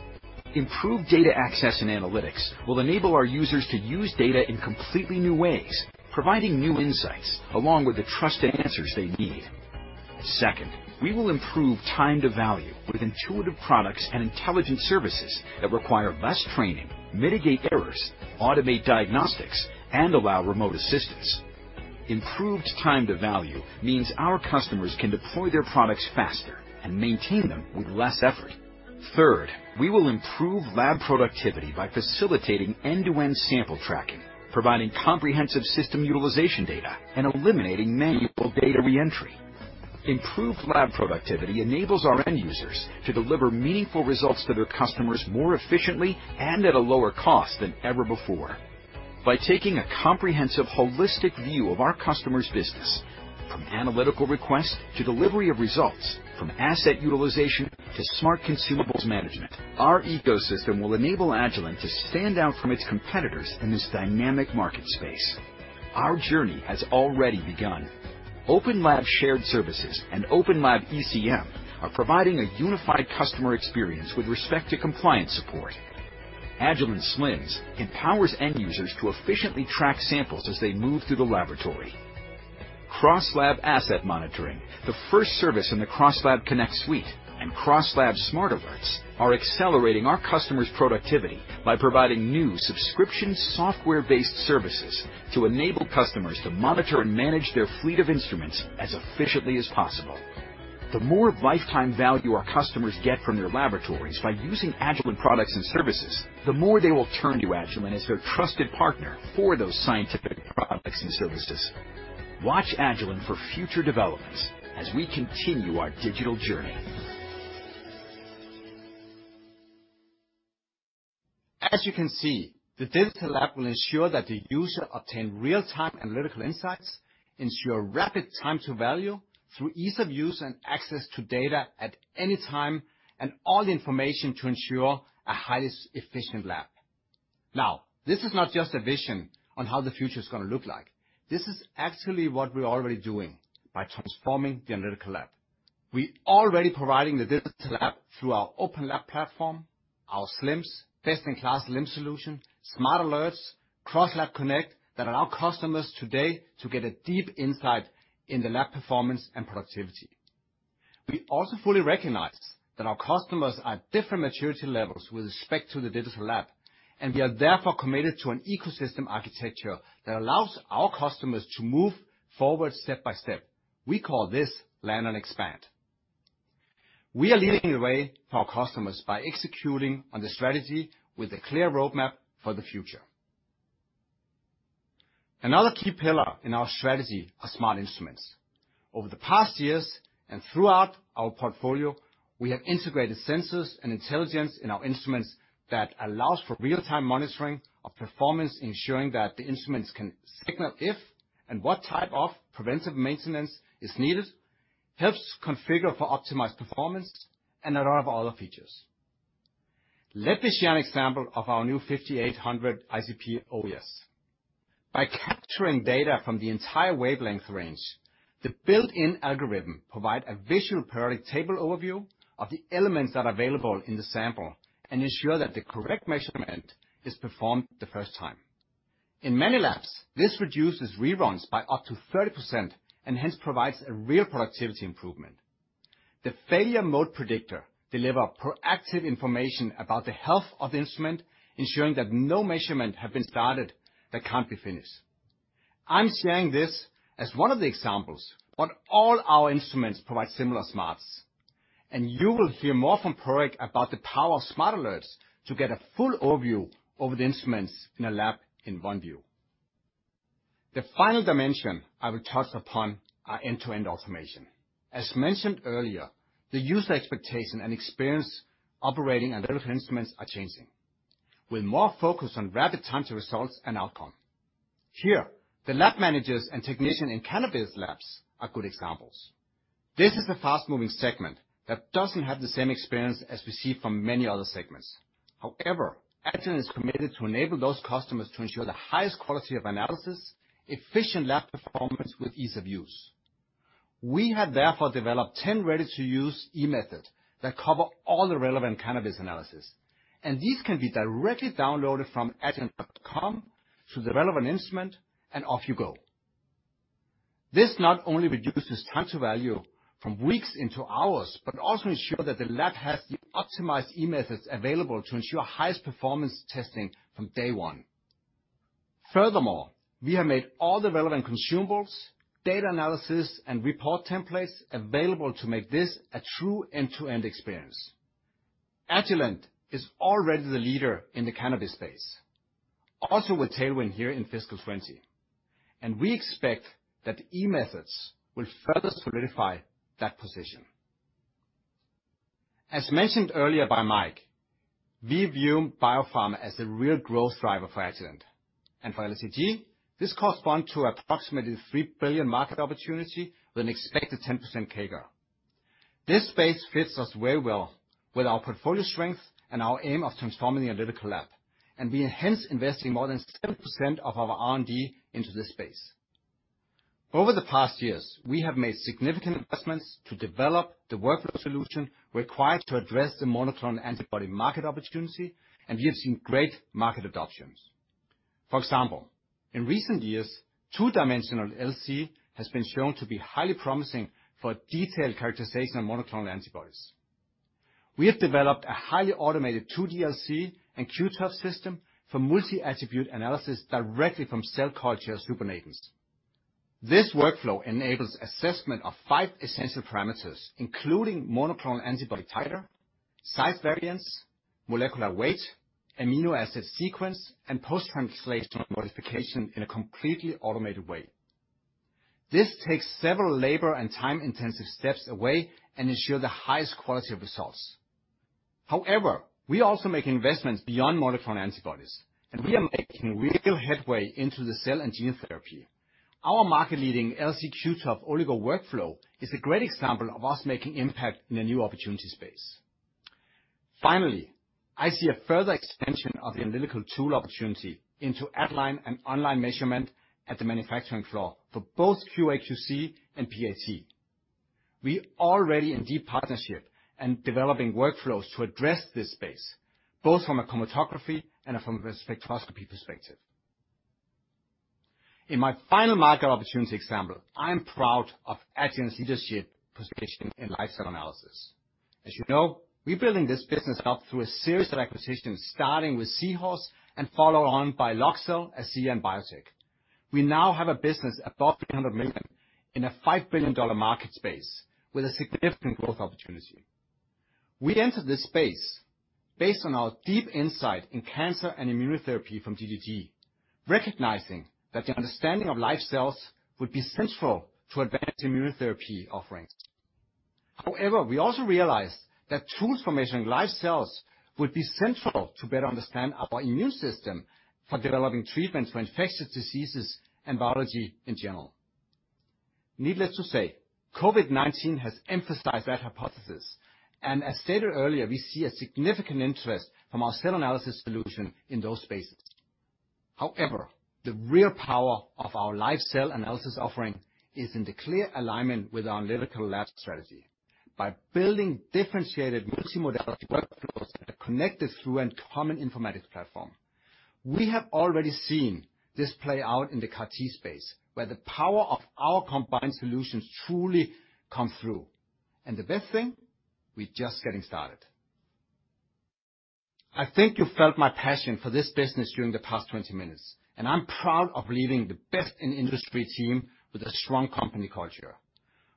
Improved data access and analytics will enable our users to use data in completely new ways, providing new insights along with the trusted answers they need. Second, we will improve time to value with intuitive products and intelligent services that require less training, mitigate errors, automate diagnostics, and allow remote assistance. Improved time to value means our customers can deploy their products faster and maintain them with less effort. Third, we will improve lab productivity by facilitating end-to-end sample tracking, providing comprehensive system utilization data, and eliminating manual data re-entry. Improved lab productivity enables our end users to deliver meaningful results to their customers more efficiently and at a lower cost than ever before. By taking a comprehensive holistic view of our customers' business, from analytical request to delivery of results, from asset utilization to smart consumables management, our ecosystem will enable Agilent to stand out from its competitors in this dynamic market space. Our journey has already begun. OpenLab Shared Services and OpenLab ECM are providing a unified customer experience with respect to compliance support. Agilent SLIMS empowers end users to efficiently track samples as they move through the laboratory. CrossLab Asset Monitoring, the first service in the CrossLab Connect suite, and CrossLab Smart Alerts are accelerating our customers' productivity by providing new subscription software-based services to enable customers to monitor and manage their fleet of instruments as efficiently as possible. The more lifetime value our customers get from their laboratories by using Agilent products and services, the more they will turn to Agilent as their trusted partner for those scientific products and services. Watch Agilent for future developments as we continue our digital journey. As you can see, the digital lab will ensure that the user obtain real-time analytical insights, ensure rapid time to value through ease of use and access to data at any time, and all the information to ensure a highly efficient lab. This is not just a vision on how the future's going to look like. This is actually what we're already doing by transforming the analytical lab. We already providing the digital lab through our OpenLab platform, our SLIMS, best-in-class LIMS solution, Smart Alerts, CrossLab Connect, that allow customers today to get a deep insight in the lab performance and productivity. We also fully recognize that our customers are at different maturity levels with respect to the digital lab, we are therefore committed to an ecosystem architecture that allows our customers to move forward step by step. We call this land and expand. We are leading the way for our customers by executing on the strategy with a clear roadmap for the future. Another key pillar in our strategy are smart instruments. Over the past years and throughout our portfolio, we have integrated sensors and intelligence in our instruments that allows for real-time monitoring of performance, ensuring that the instruments can signal if and what type of preventive maintenance is needed, helps configure for optimized performance, and a lot of other features. Let me share an example of our new 5800 ICP-OES. By capturing data from the entire wavelength range, the built-in algorithm provide a visual periodic table overview of the elements that are available in the sample and ensure that the correct measurement is performed the first time. In many labs, this reduces reruns by up to 30% and hence provides a real productivity improvement. The failure mode predictor deliver proactive information about the health of the instrument, ensuring that no measurement have been started that can't be finished. I'm sharing this as one of the examples, but all our instruments provide similar smarts, and you will hear more from Ulrik about the power of Smart Alerts to get a full overview of the instruments in a lab in one view. The final dimension I will touch upon are end-to-end automation. As mentioned earlier, the user expectation and experience operating analytical instruments are changing, with more focus on rapid time to results and outcome. Here, the lab managers and technician in cannabis labs are good examples. This is a fast-moving segment that doesn't have the same experience as we see from many other segments. Agilent is committed to enable those customers to ensure the highest quality of analysis, efficient lab performance with ease of use. We have therefore developed 10 ready-to-use eMethods that cover all the relevant cannabis analysis, these can be directly downloaded from agilent.com to the relevant instrument and off you go. This not only reduces time to value from weeks into hours, also ensure that the lab has the optimized eMethods available to ensure highest performance testing from day one. We have made all the relevant consumables, data analysis, and report templates available to make this a true end-to-end experience. Agilent is already the leader in the cannabis space, also with tailwind here in FY 2020, we expect that eMethods will further solidify that position. As mentioned earlier by Mike, we view biopharma as a real growth driver for Agilent and for LSAG. This correspond to approximately $3 billion market opportunity with an expected 10% CAGR. This space fits us very well with our portfolio strength and our aim of transforming the analytical lab, and we are hence investing more than 7% of our R&D into this space. Over the past years, we have made significant investments to develop the workflow solution required to address the monoclonal antibody market opportunity, and we have seen great market adoptions. For example, in recent years, 2D-LC has been shown to be highly promising for detailed characterization of monoclonal antibodies. We have developed a highly automated 2D-LC and Q-TOF system for multi-attribute analysis directly from cell culture supernatants. This workflow enables assessment of five essential parameters, including monoclonal antibody titer, size variance, molecular weight, amino acid sequence, and post-translational modification in a completely automated way. This takes several labor and time-intensive steps away and ensure the highest quality of results. However, we also make investments beyond monoclonal antibodies, and we are making real headway into the cell and gene therapy. Our market-leading LC/Q-TOF oligo workflow is a great example of us making an impact in a new opportunity space. Finally, I see a further extension of the analytical tool opportunity into at-line and online measurement at the manufacturing floor for both QA/QC and PAT. We already in deep partnership and developing workflows to address this space, both from a chromatography and from a spectroscopy perspective. In my final market opportunity example, I'm proud of Agilent's leadership position in live cell analysis. As you know, we're building this business up through a series of acquisitions, starting with Seahorse and followed on by Luxcel, ACEA and BioTek. We now have a business above $300 million in a $5 billion market space with a significant growth opportunity. We entered this space based on our deep insight in cancer and immunotherapy from DGG, recognizing that the understanding of live cells would be central to advanced immunotherapy offerings. We also realized that tools for measuring live cells would be central to better understand our immune system for developing treatments for infectious diseases and biology in general. Needless to say, COVID-19 has emphasized that hypothesis, and as stated earlier, we see a significant interest from our cell analysis solution in those spaces. The real power of our live cell analysis offering is in the clear alignment with our analytical lab strategy by building differentiated multimodality workflows that are connected through a common informatics platform. We have already seen this play out in the CAR T-cell space, where the power of our combined solutions truly come through, and the best thing, we're just getting started. I think you felt my passion for this business during the past 20 minutes, and I'm proud of leading the best in industry team with a strong company culture.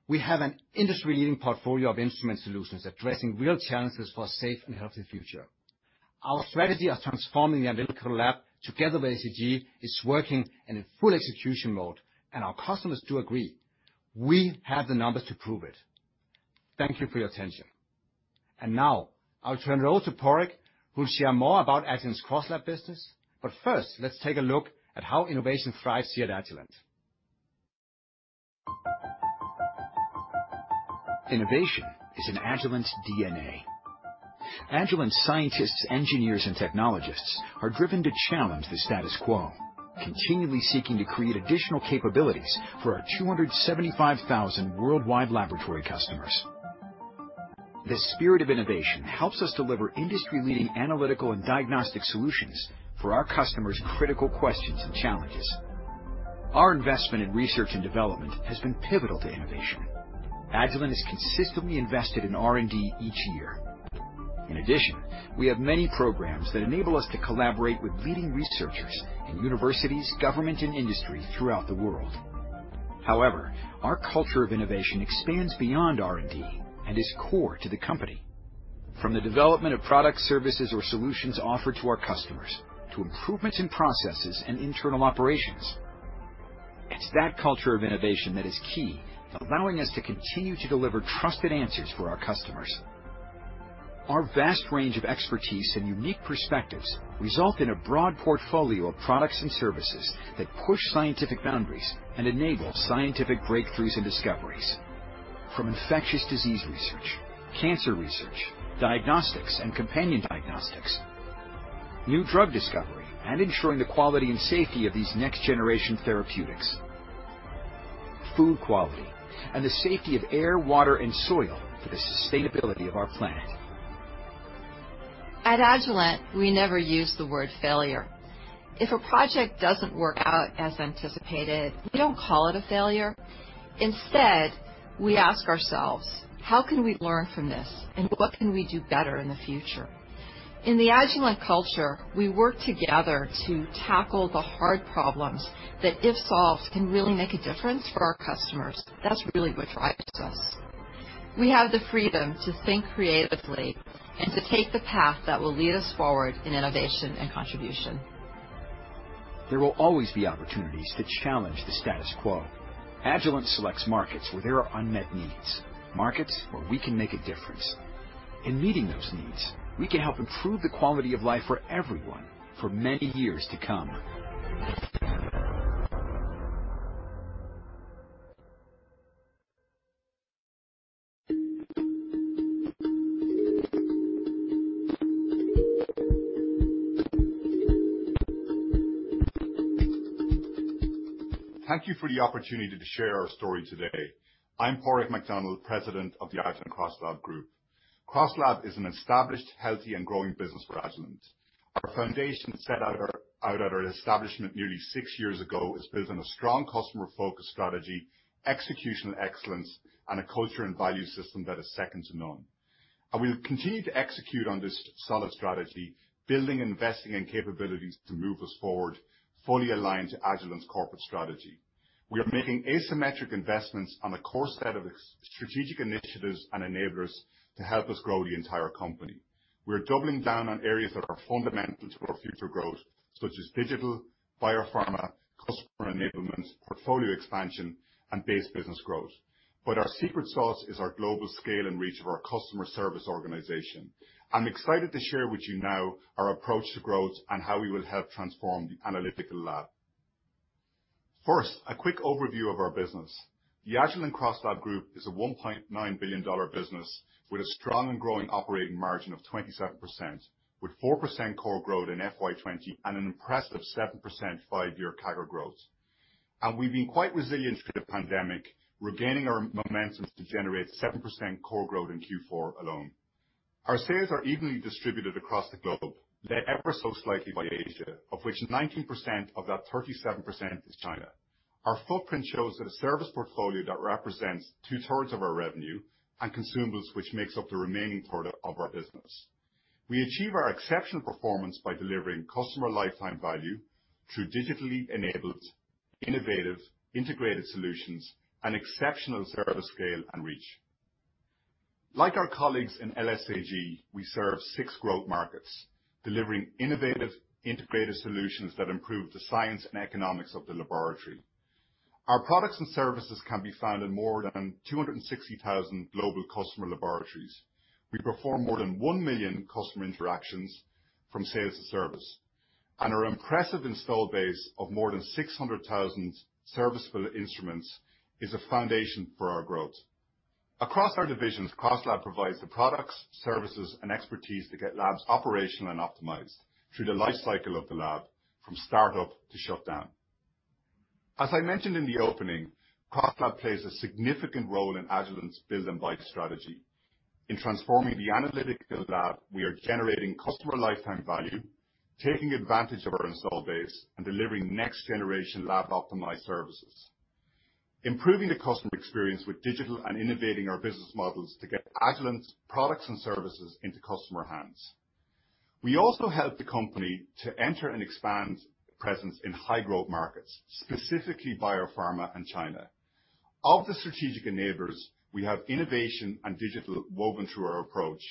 We have an industry-leading portfolio of instrument solutions addressing real challenges for a safe and healthy future. Our strategy of transforming the analytical lab together with ACG is working and in full execution mode, and our customers do agree. We have the numbers to prove it. Thank you for your attention. Now I'll turn it over to Padraig, who'll share more about Agilent's CrossLab business. First, let's take a look at how innovation thrives here at Agilent. Innovation is in Agilent's DNA. Agilent scientists, engineers, and technologists are driven to challenge the status quo, continually seeking to create additional capabilities for our 275,000 worldwide laboratory customers. This spirit of innovation helps us deliver industry-leading analytical and diagnostic solutions for our customers' critical questions and challenges. Our investment in research and development has been pivotal to innovation. Agilent has consistently invested in R&D each year. In addition, we have many programs that enable us to collaborate with leading researchers in universities, government, and industry throughout the world. However, our culture of innovation expands beyond R&D and is core to the company. From the development of products, services, or solutions offered to our customers to improvements in processes and internal operations, it's that culture of innovation that is key in allowing us to continue to deliver trusted answers for our customers. Our vast range of expertise and unique perspectives result in a broad portfolio of products and services that push scientific boundaries and enable scientific breakthroughs and discoveries from infectious disease research, cancer research, diagnostics and companion diagnostics, new drug discovery, and ensuring the quality and safety of these next-generation therapeutics, food quality, and the safety of air, water, and soil for the sustainability of our planet. At Agilent, we never use the word failure. If a project doesn't work out as anticipated, we don't call it a failure. Instead, we ask ourselves, "How can we learn from this, and what can we do better in the future?" In the Agilent culture, we work together to tackle the hard problems that, if solved, can really make a difference for our customers. That's really what drives us. We have the freedom to think creatively and to take the path that will lead us forward in innovation and contribution. There will always be opportunities to challenge the status quo. Agilent selects markets where there are unmet needs, markets where we can make a difference. In meeting those needs, we can help improve the quality of life for everyone for many years to come. Thank you for the opportunity to share our story today. I'm Padraig McDonnell, President of the Agilent CrossLab Group. CrossLab is an established, healthy, and growing business for Agilent. Our foundation set out at our establishment nearly six years ago is built on a strong customer-focused strategy, executional excellence, and a culture and value system that is second to none. We'll continue to execute on this solid strategy, building, investing in capabilities to move us forward, fully aligned to Agilent's corporate strategy. We are making asymmetric investments on a core set of strategic initiatives and enablers to help us grow the entire company. We're doubling down on areas that are fundamental to our future growth, such as digital, biopharma, customer enablement, portfolio expansion, and base business growth. Our secret sauce is our global scale and reach of our customer service organization. I'm excited to share with you now our approach to growth and how we will help transform the analytical lab. First, a quick overview of our business. The Agilent CrossLab Group is a $1.9 billion business with a strong and growing operating margin of 27%, with 4% core growth in FY 2020 and an impressive 7% five-year CAGR growth. We've been quite resilient through the pandemic, regaining our momentum to generate 7% core growth in Q4 alone. Our sales are evenly distributed across the globe. They're ever so slightly by Asia, of which 19% of that 37% is China. Our footprint shows that a service portfolio that represents two-thirds of our revenue and consumables, which makes up the remaining third of our business. We achieve our exceptional performance by delivering customer lifetime value through digitally enabled, innovative, integrated solutions and exceptional service scale and reach. Like our colleagues in LSAG, we serve six growth markets, delivering innovative, integrated solutions that improve the science and economics of the laboratory. Our products and services can be found in more than 260,000 global customer laboratories. We perform more than 1 million customer interactions from sales to service, and our impressive install base of more than 600,000 serviceable instruments is a foundation for our growth. Across our divisions, CrossLab provides the products, services, and expertise to get labs operational and optimized through the life cycle of the lab from start-up to shutdown. As I mentioned in the opening, CrossLab plays a significant role in Agilent's Build & Buy strategy. In transforming the analytical lab, we are generating customer lifetime value, taking advantage of our install base and delivering next generation lab optimized services. Improving the customer experience with digital and innovating our business models to get Agilent's products and services into customer hands. We also help the company to enter and expand presence in high growth markets, specifically biopharma and China. Of the strategic enablers, we have innovation and digital woven through our approach,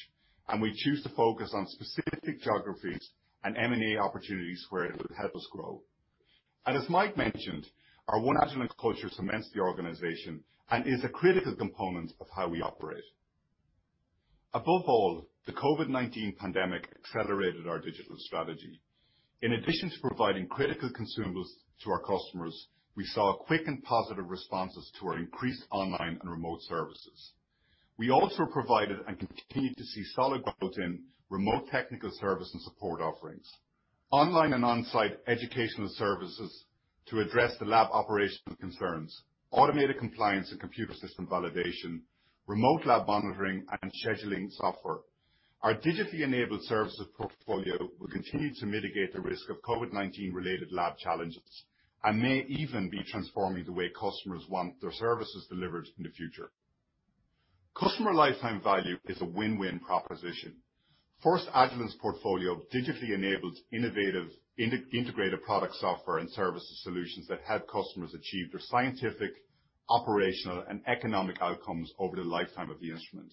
we choose to focus on specific geographies and M&A opportunities where it would help us grow. As Mike mentioned, our One Agilent culture cements the organization and is a critical component of how we operate. Above all, the COVID-19 pandemic accelerated our digital strategy. In addition to providing critical consumables to our customers, we saw quick and positive responses to our increased online and remote services. We also provided and continued to see solid growth in remote technical service and support offerings. Online and on-site educational services to address the lab operational concerns, automated compliance and computer system validation, remote lab monitoring, and scheduling software. Our digitally enabled services portfolio will continue to mitigate the risk of COVID-19 related lab challenges and may even be transforming the way customers want their services delivered in the future. Customer lifetime value is a win-win proposition. First, Agilent's portfolio digitally enables innovative, integrated product software and services solutions that help customers achieve their scientific, operational, and economic outcomes over the lifetime of the instrument.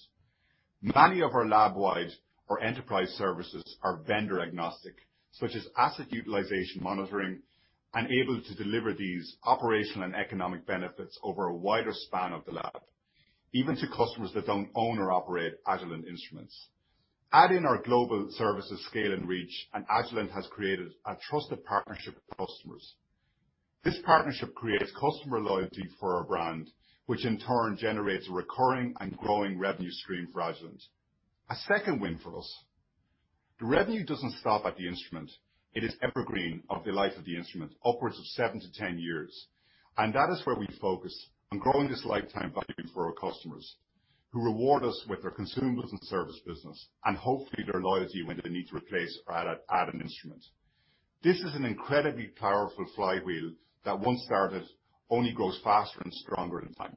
Many of our lab-wide or enterprise services are vendor agnostic, such as asset utilization monitoring, and able to deliver these operational and economic benefits over a wider span of the lab, even to customers that don't own or operate Agilent instruments. Add in our global services scale and reach, and Agilent has created a trusted partnership with customers. This partnership creates customer loyalty for our brand, which in turn generates a recurring and growing revenue stream for Agilent. A second win for us. The revenue doesn't stop at the instrument. It is evergreen of the life of the instrument, upwards of seven to 10 years. That is where we focus on growing this lifetime value for our customers who reward us with their consumables and service business and hopefully their loyalty when they need to replace or add an instrument. This is an incredibly powerful flywheel that once started, only grows faster and stronger in time.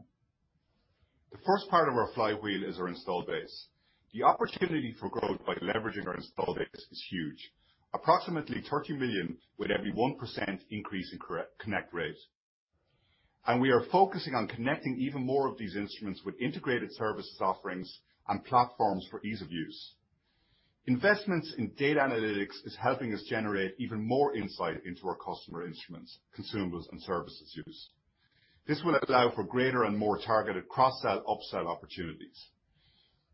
The first part of our flywheel is our install base. The opportunity for growth by leveraging our install base is huge. Approximately $30 million with every 1% increase in connect rate. We are focusing on connecting even more of these instruments with integrated services offerings and platforms for ease of use. Investments in data analytics is helping us generate even more insight into our customer instruments, consumables, and services used. This will allow for greater and more targeted cross-sell/upsell opportunities.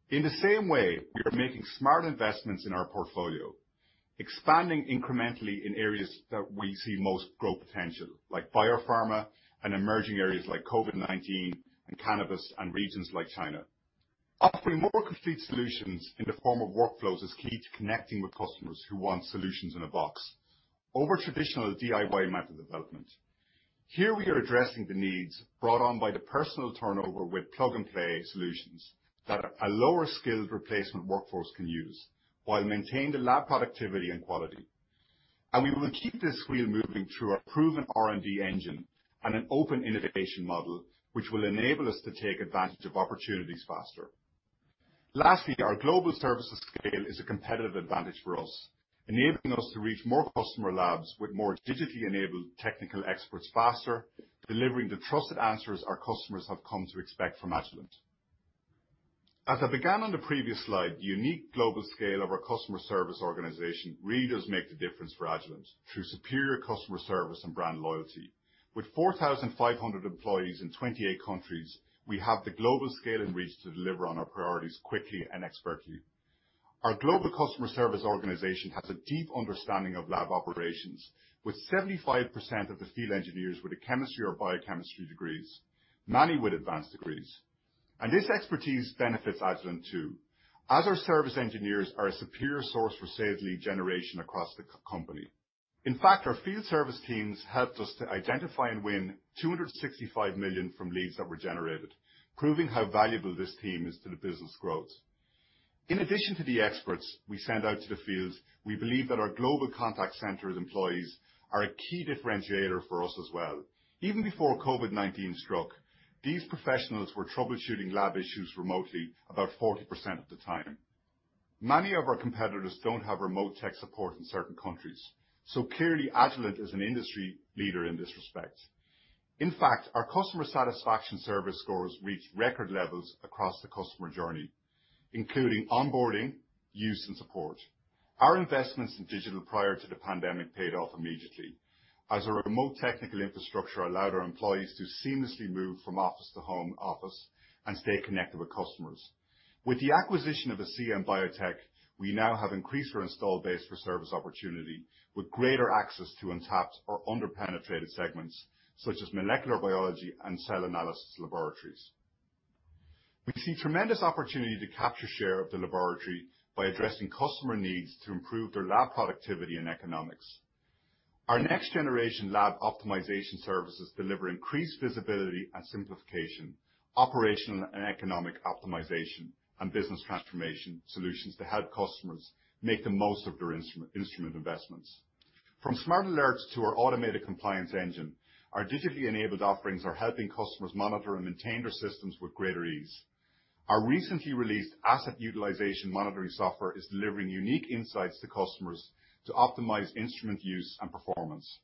In the same way, we are making smart investments in our portfolio, expanding incrementally in areas that we see most growth potential, like biopharma and emerging areas like COVID-19 and cannabis and regions like China. Offering more complete solutions in the form of workflows is key to connecting with customers who want solutions in a box over traditional DIY method development. Here we are addressing the needs brought on by the personal turnover with plug-and-play solutions that a lower skilled replacement workforce can use while maintaining lab productivity and quality. We will keep this wheel moving through our proven R&D engine and an open innovation model, which will enable us to take advantage of opportunities faster. Lastly, our global services scale is a competitive advantage for us, enabling us to reach more customer labs with more digitally enabled technical experts faster, delivering the trusted answers our customers have come to expect from Agilent. As I began on the previous slide, the unique global scale of our customer service organization really does make the difference for Agilent through superior customer service and brand loyalty. With 4,500 employees in 28 countries, we have the global scale and reach to deliver on our priorities quickly and expertly. Our global customer service organization has a deep understanding of lab operations. With 75% of the field engineers with a chemistry or biochemistry degrees, many with advanced degrees. This expertise benefits Agilent too, as our service engineers are a superior source for sales lead generation across the company. In fact, our field service teams helped us to identify and win $265 million from leads that were generated, proving how valuable this team is to the business growth. In addition to the experts we send out to the field, we believe that our global contact center employees are a key differentiator for us as well. Even before COVID-19 struck, these professionals were troubleshooting lab issues remotely about 40% of the time. Many of our competitors don't have remote tech support in certain countries, clearly Agilent is an industry leader in this respect. In fact, our customer satisfaction service scores reached record levels across the customer journey, including onboarding, use, and support. Our investments in digital prior to the pandemic paid off immediately as our remote technical infrastructure allowed our employees to seamlessly move from office to home office and stay connected with customers. With the acquisition of the ACEA Biosciences, we now have increased our install base for service opportunity with greater access to untapped or under-penetrated segments such as molecular biology and cell analysis laboratories. We see tremendous opportunity to capture share of the laboratory by addressing customer needs to improve their lab productivity and economics. Our next-generation lab optimization services deliver increased visibility and simplification, operational and economic optimization, and business transformation solutions to help customers make the most of their instrument investments. From Smart Alerts to our automated compliance engine, our digitally enabled offerings are helping customers monitor and maintain their systems with greater ease. Our recently released asset utilization monitoring software is delivering unique insights to customers to optimize instrument use and performance.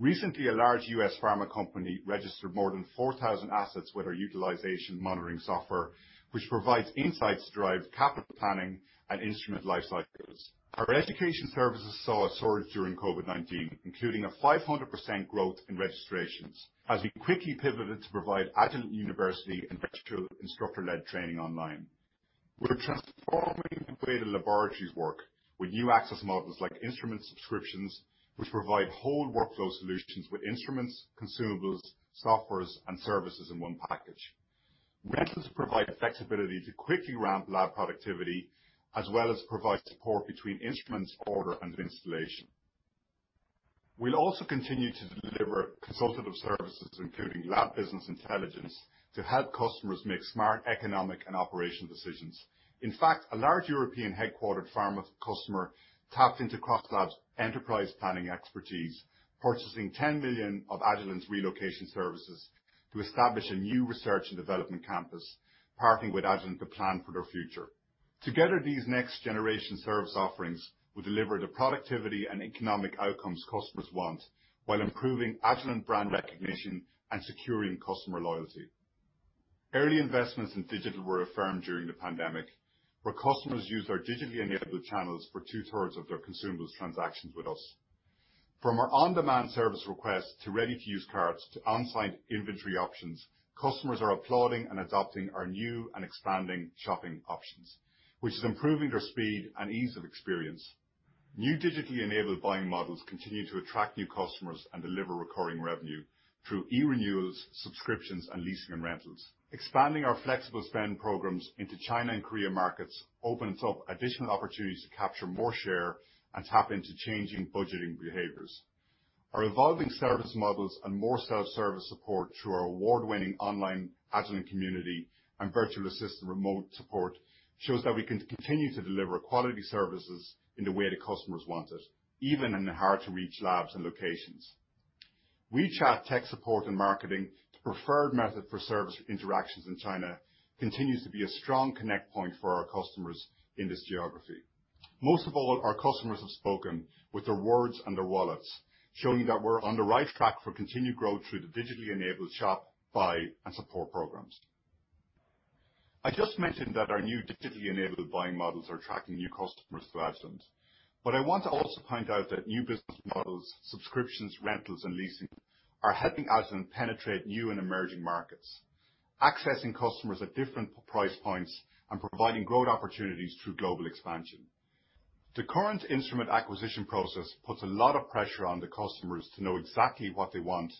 Recently, a large U.S. pharma company registered more than 4,000 assets with our utilization monitoring software, which provides insights to drive capital planning and instrument life cycles. Our education services saw a surge during COVID-19, including a 500% growth in registrations as we quickly pivoted to provide Agilent University and virtual instructor-led training online. We're transforming the way the laboratories work with new access models like instrument subscriptions, which provide whole workflow solutions with instruments, consumables, softwares, and services in one package. Rentals provide flexibility to quickly ramp lab productivity, as well as provide support between instruments order and installation. We'll also continue to deliver consultative services, including lab business intelligence, to help customers make smart economic and operational decisions. In fact, a large European headquartered pharma customer tapped into CrossLab's enterprise planning expertise, purchasing $10 million of Agilent's relocation services to establish a new research and development campus, partnering with Agilent to plan for their future. Together, these next-generation service offerings will deliver the productivity and economic outcomes customers want while improving Agilent brand recognition and securing customer loyalty. Early investments in digital were affirmed during the pandemic, where customers used our digitally enabled channels for two-thirds of their consumables transactions with us. From our on-demand service request to ready-to-use carts, to on-site inventory options, customers are applauding and adopting our new and expanding shopping options, which is improving their speed and ease of experience. New digitally enabled buying models continue to attract new customers and deliver recurring revenue through e-renewals, subscriptions, and leasing and rentals. Expanding our flexible spend programs into China and Korea markets opens up additional opportunities to capture more share and tap into changing budgeting behaviors. Our evolving service models and more self-service support through our award-winning online Agilent community and virtual assistant remote support shows that we can continue to deliver quality services in the way that customers want it, even in the hard-to-reach labs and locations. WeChat tech support and marketing, the preferred method for service interactions in China continues to be a strong connect point for our customers in this geography. Most of all, our customers have spoken with their words and their wallets, showing that we're on the right track for continued growth through the digitally enabled shop, buy, and support programs. I just mentioned that our new digitally enabled buying models are attracting new customers to Agilent, but I want to also point out that new business models, subscriptions, rentals, and leasing are helping Agilent penetrate new and emerging markets, accessing customers at different price points and providing growth opportunities through global expansion. The current instrument acquisition process puts a lot of pressure on the customers to know exactly what they want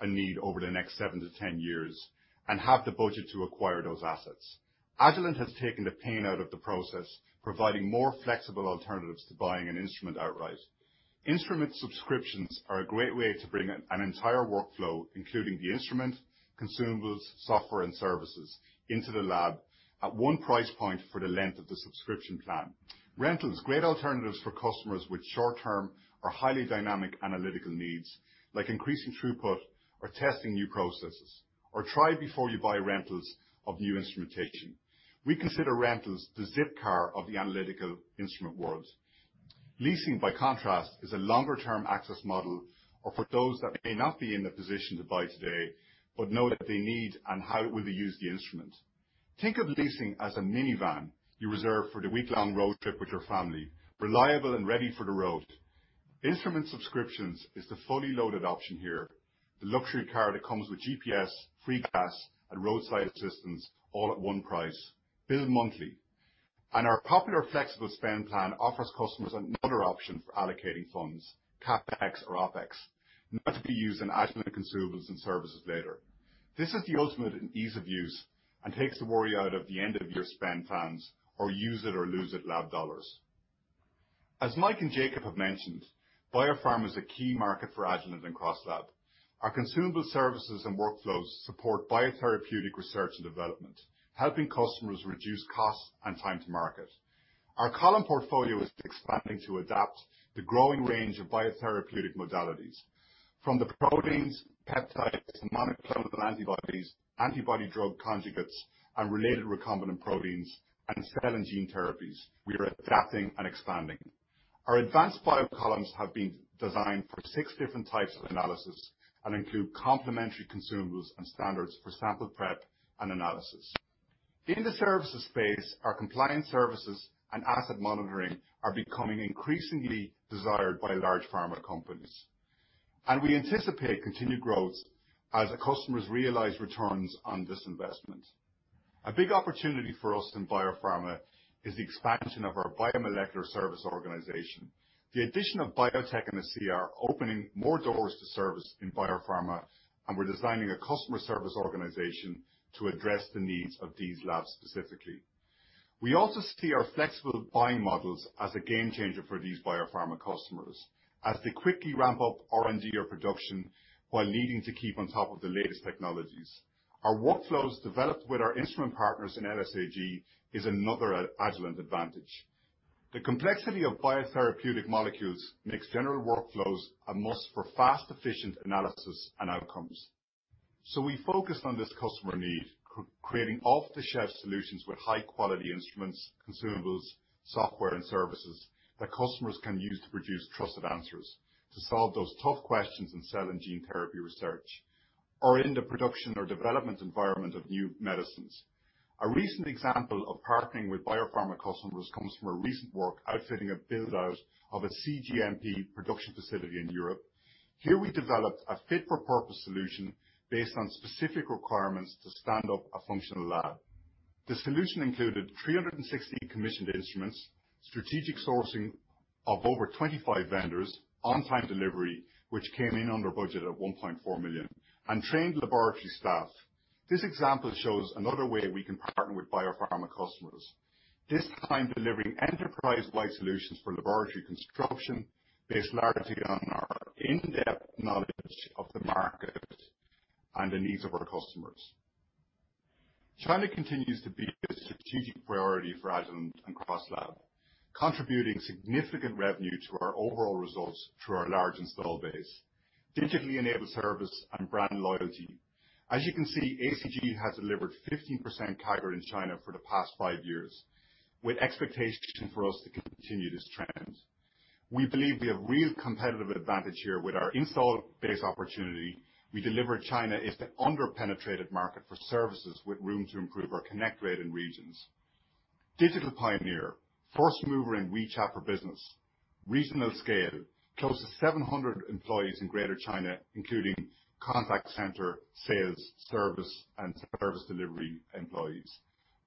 and need over the next seven to 10 years, and have the budget to acquire those assets. Agilent has taken the pain out of the process, providing more flexible alternatives to buying an instrument outright. Instrument subscriptions are a great way to bring an entire workflow, including the instrument, consumables, software, and services into the lab at one price point for the length of the subscription plan. Rentals, great alternatives for customers with short-term or highly dynamic analytical needs, like increasing throughput or testing new processes, or try before you buy rentals of new instrumentation. We consider rentals the Zipcar of the analytical instrument world. Leasing, by contrast, is a longer-term access model, or for those that may not be in the position to buy today, but know what they need and how will they use the instrument. Think of leasing as a minivan you reserve for the week-long road trip with your family, reliable and ready for the road. Instrument subscriptions is the fully loaded option here. The luxury car that comes with GPS, free gas, and roadside assistance all at one price, billed monthly. Our popular flexible spend plan offers customers another option for allocating funds, CapEx or OpEx, and that's to be used in Agilent consumables and services later. This is the ultimate in ease of use and takes the worry out of the end-of-year spend plans or use-it-or-lose-it lab dollars. As Mike and Jacob have mentioned, biopharma is a key market for Agilent and CrossLab. Our consumable services and workflows support biotherapeutic research and development, helping customers reduce costs and time to market. Our column portfolio is expanding to adapt the growing range of biotherapeutic modalities. From the proteins, peptides, monoclonal antibodies, antibody-drug conjugates, and related recombinant proteins and cell and gene therapies, we are adapting and expanding. Our advanced bio columns have been designed for 6 different types of analysis and include complementary consumables and standards for sample prep and analysis. In the services space, our compliance services and asset monitoring are becoming increasingly desired by large pharma companies. We anticipate continued growth as the customers realize returns on this investment. A big opportunity for us in biopharma is the expansion of our biomolecular service organization. The addition of BioTek and theACEA opening more doors to service in biopharma, and we're designing a customer service organization to address the needs of these labs specifically. We also see our flexible buying models as a game changer for these biopharma customers, as they quickly ramp up R&D or production while needing to keep on top of the latest technologies. Our workflows developed with our instrument partners in LSAG is another Agilent advantage. The complexity of biotherapeutic molecules makes general workflows a must for fast, efficient analysis and outcomes. We focused on this customer need, creating off-the-shelf solutions with high-quality instruments, consumables, software, and services that customers can use to produce trusted answers to solve those tough questions in cell and gene therapy research, or in the production or development environment of new medicines. A recent example of partnering with biopharma customers comes from a recent work outfitting a build-out of a cGMP production facility in Europe. Here we developed a fit-for-purpose solution based on specific requirements to stand up a functional lab. The solution included 360 commissioned instruments, strategic sourcing of over 25 vendors, on-time delivery, which came in under budget at $1.4 million, and trained laboratory staff. This example shows another way we can partner with biopharma customers. This time delivering enterprise-wide solutions for laboratory construction based largely on our in-depth knowledge of the market and the needs of our customers. China continues to be a strategic priority for Agilent and CrossLab, contributing significant revenue to our overall results through our large install base, digitally enabled service and brand loyalty. As you can see, ACG has delivered 15% CAGR in China for the past five years, with expectation for us to continue this trend. We believe we have real competitive advantage here with our install base opportunity we deliver China is the under-penetrated market for services with room to improve our connect rate in regions. Digital pioneer, first mover in WeChat for business, regional scale, close to 700 employees in Greater China, including contact center, sales, service, and service delivery employees.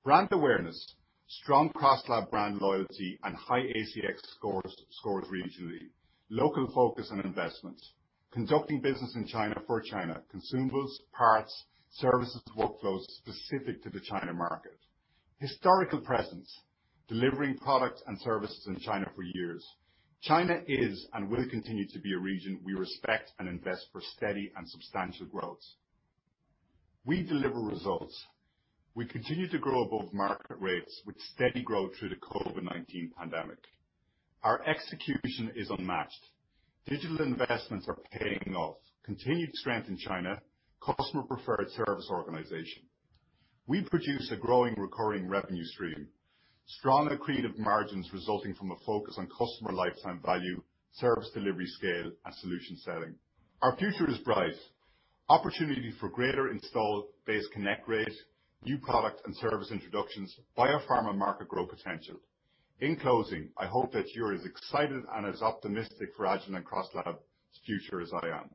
Brand awareness, strong CrossLab brand loyalty and high ACSI scores regionally. Local focus and investment. Conducting business in China for China. Consumables, parts, services, workflows specific to the China market. Historical presence. Delivering products and services in China for years. China is and will continue to be a region we respect and invest for steady and substantial growth. We deliver results. We continue to grow above market rates with steady growth through the COVID-19 pandemic. Our execution is unmatched. Digital investments are paying off. Continued strength in China. Customer preferred service organization. We produce a growing recurring revenue stream. Strong accretive margins resulting from a focus on customer lifetime value, service delivery scale, and solution selling. Our future is bright. Opportunity for greater install base connect rate, new product and service introductions, biopharma market growth potential. In closing, I hope that you're as excited and as optimistic for Agilent CrossLab's future as I am.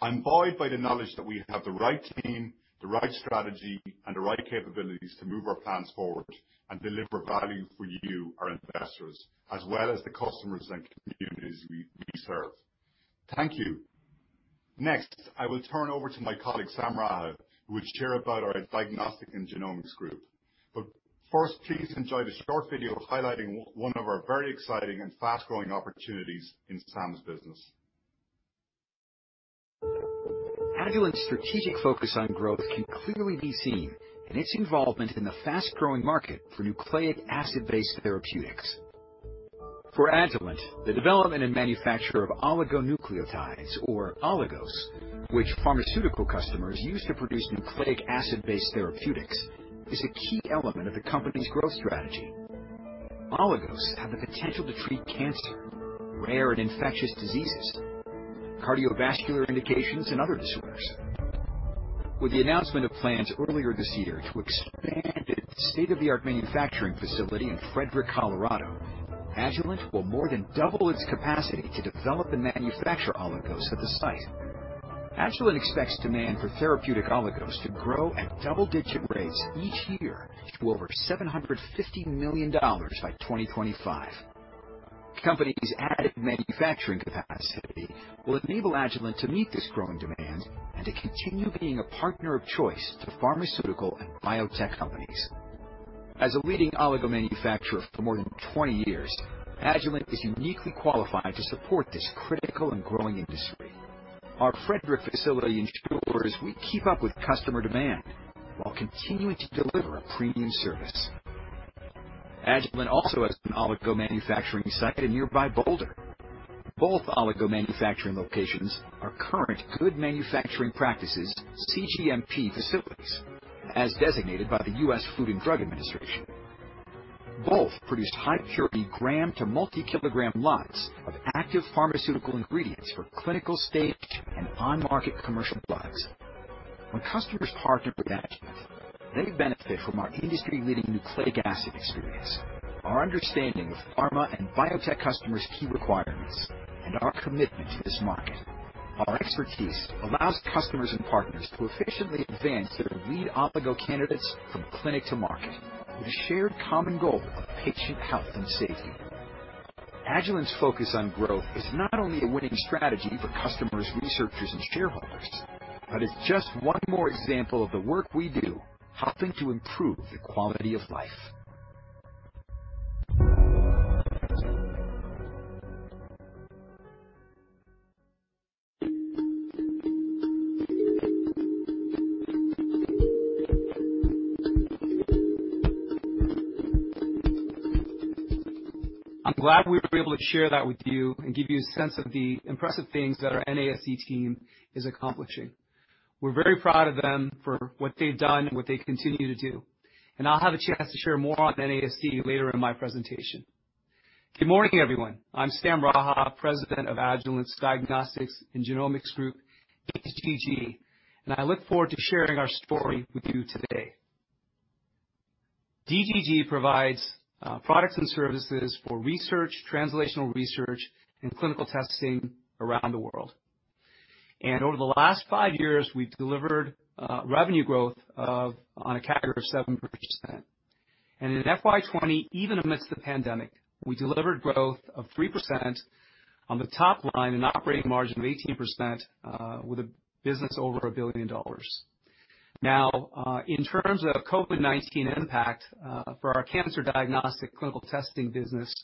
I'm buoyed by the knowledge that we have the right team, the right strategy, and the right capabilities to move our plans forward and deliver value for you, our investors, as well as the customers and communities we serve. Thank you. Next, I will turn over to my colleague, Sam Raha, who will share about our Diagnostics and Genomics Group. First, please enjoy this short video highlighting one of our very exciting and fast-growing opportunities in Sam's business. Agilent's strategic focus on growth can clearly be seen in its involvement in the fast-growing market for nucleic acid-based therapeutics. For Agilent, the development and manufacture of oligonucleotides or oligos, which pharmaceutical customers use to produce nucleic acid-based therapeutics, is a key element of the company's growth strategy. Oligos have the potential to treat cancer, rare and infectious diseases, cardiovascular indications, and other disorders. With the announcement of plans earlier this year to expand its state-of-the-art manufacturing facility in Frederick, Colorado, Agilent will more than double its capacity to develop and manufacture oligos at the site. Agilent expects demand for therapeutic oligos to grow at double-digit rates each year to over $750 million by 2025. Company's added manufacturing capacity will enable Agilent to meet this growing demand and to continue being a partner of choice to pharmaceutical and biotech companies. As a leading oligo manufacturer for more than 20 years, Agilent is uniquely qualified to support this critical and growing industry. Our Frederick facility ensures we keep up with customer demand while continuing to deliver a premium service. Agilent also has an oligo manufacturing site in nearby Boulder. Both oligo manufacturing locations are Current Good Manufacturing Practices, cGMP facilities, as designated by the U.S. Food and Drug Administration. Both produce high-purity gram to multi-kilogram lots of active pharmaceutical ingredients for clinical stage and on-market commercial products. When customers partner with Agilent, they benefit from our industry-leading nucleic acid experience, our understanding of pharma and biotech customers' key requirements, and our commitment to this market. Our expertise allows customers and partners to efficiently advance their lead oligo candidates from clinic to market with a shared common goal of patient health and safety. Agilent's focus on growth is not only a winning strategy for customers, researchers, and shareholders, but it's just one more example of the work we do helping to improve the quality of life. I'm glad we were able to share that with you and give you a sense of the impressive things that our NASD team is accomplishing. We're very proud of them for what they've done and what they continue to do, and I'll have a chance to share more on NASD later in my presentation. Good morning, everyone. I'm Sam Raha, President of Agilent's Diagnostics and Genomics Group, DGG, and I look forward to sharing our story with you today. DGG provides products and services for research, translational research, and clinical testing around the world. Over the last five years, we've delivered revenue growth of a CAGR of 7%. In FY 2020, even amidst the pandemic, we delivered growth of 3% on the top line and operating margin of 18%, with a business over $1 billion. Now, in terms of COVID-19 impact, for our cancer diagnostic clinical testing business,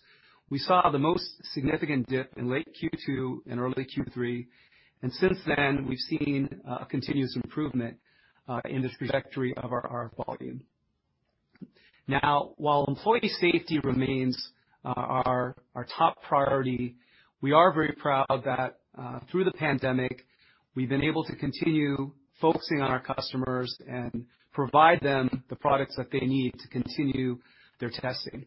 we saw the most significant dip in late Q2 and early Q3, and since then, we've seen a continuous improvement in this trajectory of our volume. Now, while employee safety remains our top priority, we are very proud that, through the pandemic, we've been able to continue focusing on our customers and provide them the products that they need to continue their testing.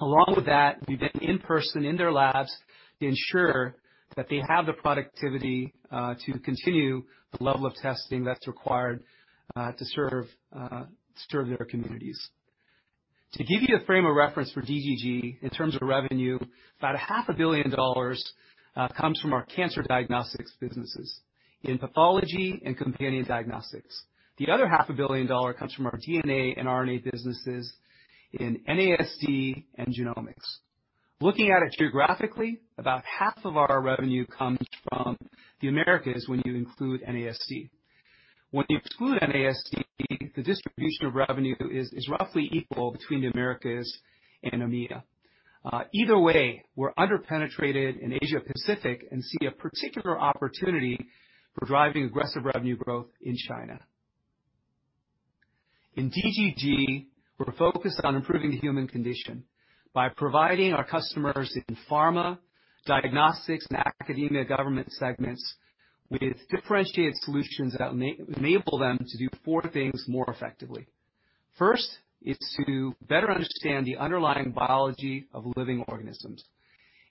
Along with that, we've been in person in their labs to ensure that they have the productivity to continue the level of testing that's required to serve their communities. To give you a frame of reference for DGG in terms of revenue, about a half a billion dollars comes from our cancer diagnostics businesses in pathology and companion diagnostics. The other half a billion dollar comes from our DNA and RNA businesses in NASD and genomics. Looking at it geographically, about half of our revenue comes from the Americas when you include NASD. When you exclude NASD, the distribution of revenue is roughly equal between the Americas and EMEA. Either way, we're under-penetrated in Asia Pacific and see a particular opportunity for driving aggressive revenue growth in China. In DGG, we're focused on improving the human condition by providing our customers in pharma, diagnostics, and academia government segments with differentiated solutions that enable them to do four things more effectively. First is to better understand the underlying biology of living organisms,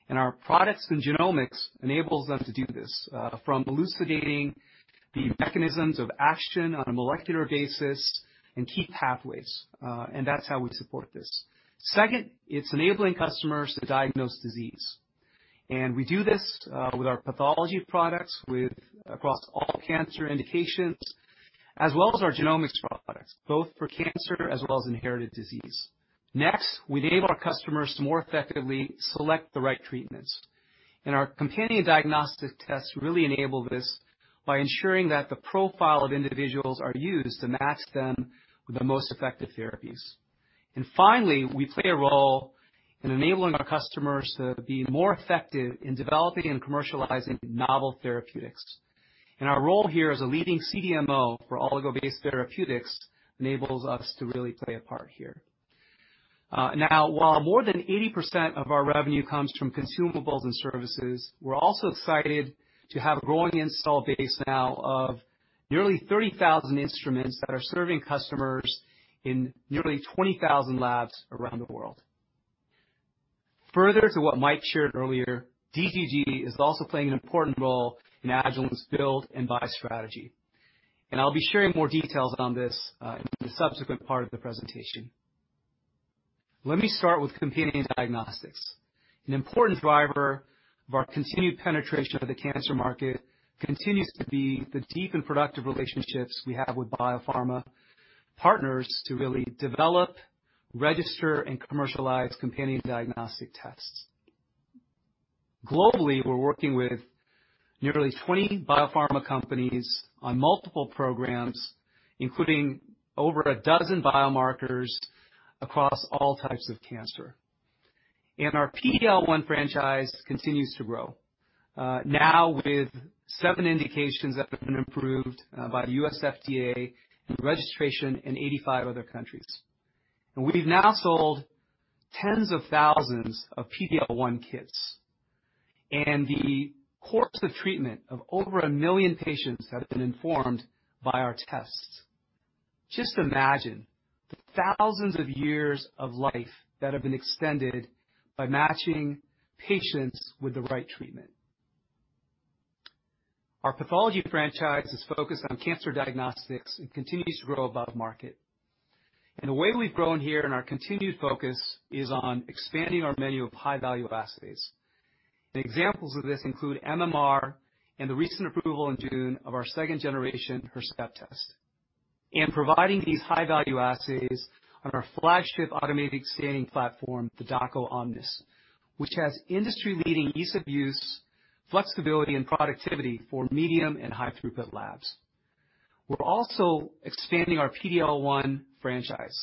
and our products in genomics enables them to do this, from elucidating. The mechanisms of action on a molecular basis and key pathways, that's how we support this. Second, it's enabling customers to diagnose disease. We do this with our pathology products across all cancer indications, as well as our genomics products, both for cancer as well as inherited disease. Next, we enable our customers to more effectively select the right treatments. Our companion diagnostic tests really enable this by ensuring that the profile of individuals are used to match them with the most effective therapies. Finally, we play a role in enabling our customers to be more effective in developing and commercializing novel therapeutics. Our role here as a leading CDMO for oligo-based therapeutics enables us to really play a part here. While more than 80% of our revenue comes from consumables and services, we're also excited to have a growing install base now of nearly 30,000 instruments that are serving customers in nearly 20,000 labs around the world. Further to what Mike shared earlier, DGG is also playing an important role in Agilent's build and buy strategy. I'll be sharing more details on this in the subsequent part of the presentation. Let me start with companion diagnostics. An important driver of our continued penetration of the cancer market continues to be the deep and productive relationships we have with biopharma partners to really develop, register, and commercialize companion diagnostic tests. Globally, we're working with nearly 20 biopharma companies on multiple programs, including over a dozen biomarkers across all types of cancer. Our PD-L1 franchise continues to grow, now with seven indications that have been approved by the U.S. FDA, and registration in 85 other countries. We've now sold tens of thousands of PD-L1 kits. The course of treatment of over 1 million patients have been informed by our tests. Just imagine the thousands of years of life that have been extended by matching patients with the right treatment. Our pathology franchise is focused on cancer diagnostics and continues to grow above market. The way we've grown here and our continued focus is on expanding our menu of high-value assays. Examples of this include MMR and the recent approval in June of our second generation HercepTest. Providing these high-value assays on our flagship automated staining platform, the Dako Omnis, which has industry-leading ease of use, flexibility, and productivity for medium and high throughput labs. We're also expanding our PD-L1 franchise,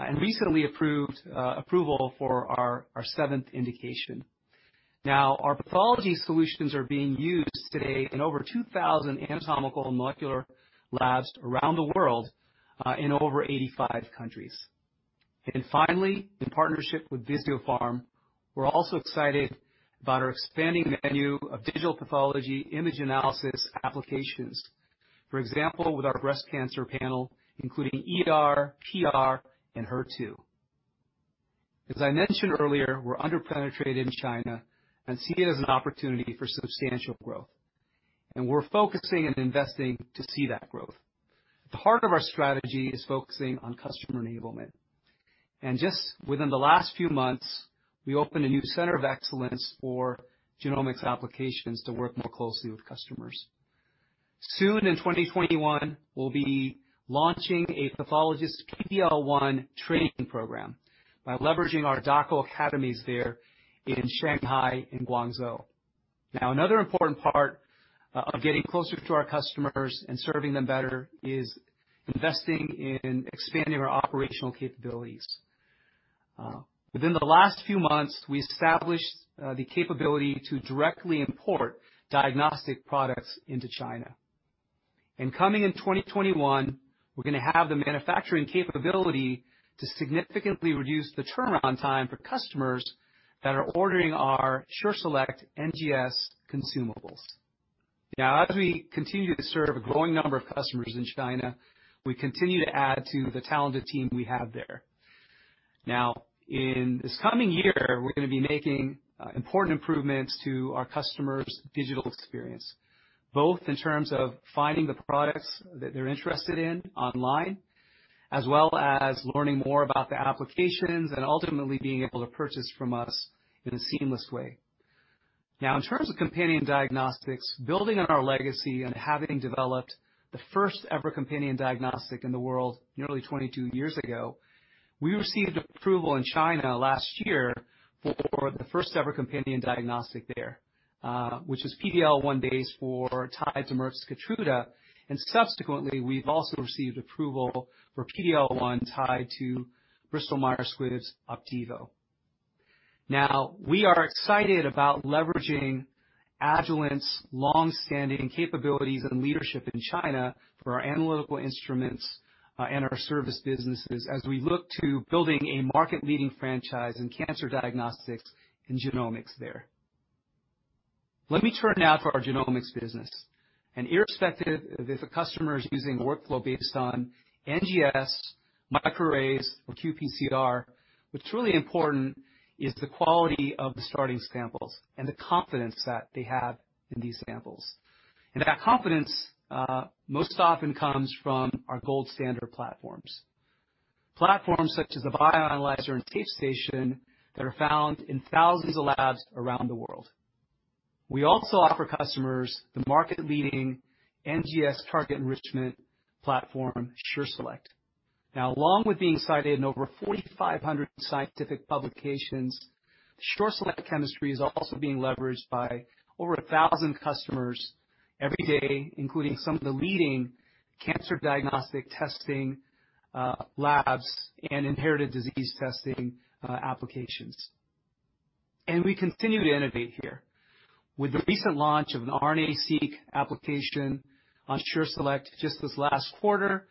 and recently approval for our seventh indication. Now, our pathology solutions are being used today in over 2,000 anatomical and molecular labs around the world, in over 85 countries. Finally, in partnership with Visiopharm, we're also excited about our expanding menu of digital pathology image analysis applications. For example, with our breast cancer panel, including ER, PR, and HER2. As I mentioned earlier, we're under-penetrated in China and see it as an opportunity for substantial growth. We're focusing and investing to see that growth. At the heart of our strategy is focusing on customer enablement. Just within the last few months, we opened a new center of excellence for genomics applications to work more closely with customers. Soon, in 2021, we'll be launching a pathologist PD-L1 training program by leveraging our Dako academies there in Shanghai and Guangzhou. Another important part of getting closer to our customers and serving them better is investing in expanding our operational capabilities. Within the last few months, we established the capability to directly import diagnostic products into China. Coming in 2021, we're going to have the manufacturing capability to significantly reduce the turnaround time for customers that are ordering our SureSelect NGS consumables. As we continue to serve a growing number of customers in China, we continue to add to the talented team we have there. In this coming year, we're going to be making important improvements to our customers' digital experience, both in terms of finding the products that they're interested in online, as well as learning more about the applications and ultimately being able to purchase from us in a seamless way. In terms of companion diagnostics, building on our legacy and having developed the first ever companion diagnostic in the world nearly 22 years ago, we received approval in China last year for the first ever companion diagnostic there, which is PD-L1 base for tied to Merck's Keytruda, and subsequently, we've also received approval for PD-L1 tied to Bristol Myers Squibb's Opdivo. We are excited about leveraging Agilent's long-standing capabilities and leadership in China for our analytical instruments, and our service businesses as we look to building a market-leading franchise in cancer diagnostics and genomics there. Let me turn now to our genomics business. Irrespective if a customer is using a workflow based on NGS microarrays or qPCR, what's really important is the quality of the starting samples and the confidence that they have in these samples. That confidence most often comes from our gold standard platforms such as the Bioanalyzer and TapeStation that are found in thousands of labs around the world. We also offer customers the market-leading NGS target enrichment platform, SureSelect. Now, along with being cited in over 4,500 scientific publications, SureSelect chemistry is also being leveraged by over 1,000 customers every day, including some of the leading cancer diagnostic testing labs and inherited disease testing applications. We continue to innovate here with the recent launch of an RNA-seq application on SureSelect just this last quarter,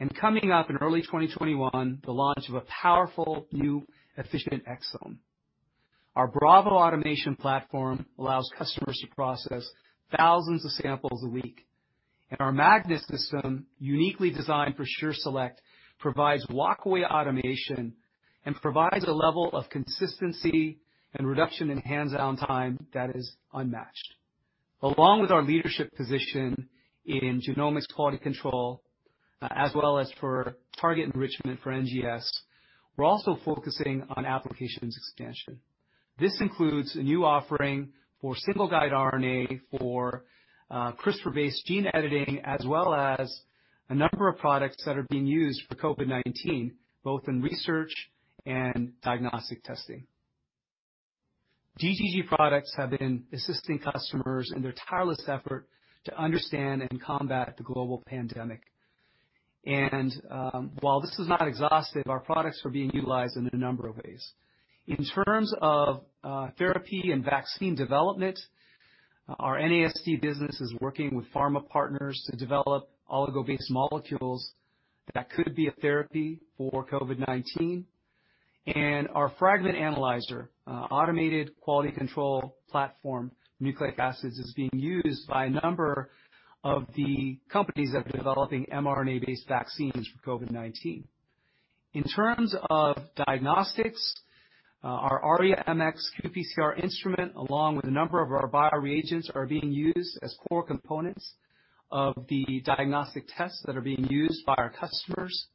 and coming up in early 2021, the launch of a powerful new efficient exome. Our Bravo automation platform allows customers to process thousands of samples a week, and our Magnis system, uniquely designed for SureSelect, provides walkaway automation and provides a level of consistency and reduction in hands-on time that is unmatched. Along with our leadership position in genomics quality control, as well as for target enrichment for NGS, we're also focusing on applications expansion. This includes a new offering for single-guide RNA for CRISPR-based gene editing, as well as a number of products that are being used for COVID-19, both in research and diagnostic testing. DGG products have been assisting customers in their tireless effort to understand and combat the global pandemic. While this is not exhaustive, our products are being utilized in a number of ways. In terms of therapy and vaccine development, our NASD business is working with pharma partners to develop oligo-based molecules that could be a therapy for COVID-19, and our Fragment Analyzer, automated quality control platform nucleic acids, is being used by a number of the companies that are developing mRNA-based vaccines for COVID-19. In terms of diagnostics, our AriaMx qPCR instrument, along with a number of our bio reagents, are being used as core components of the diagnostic tests that are being used by our customers.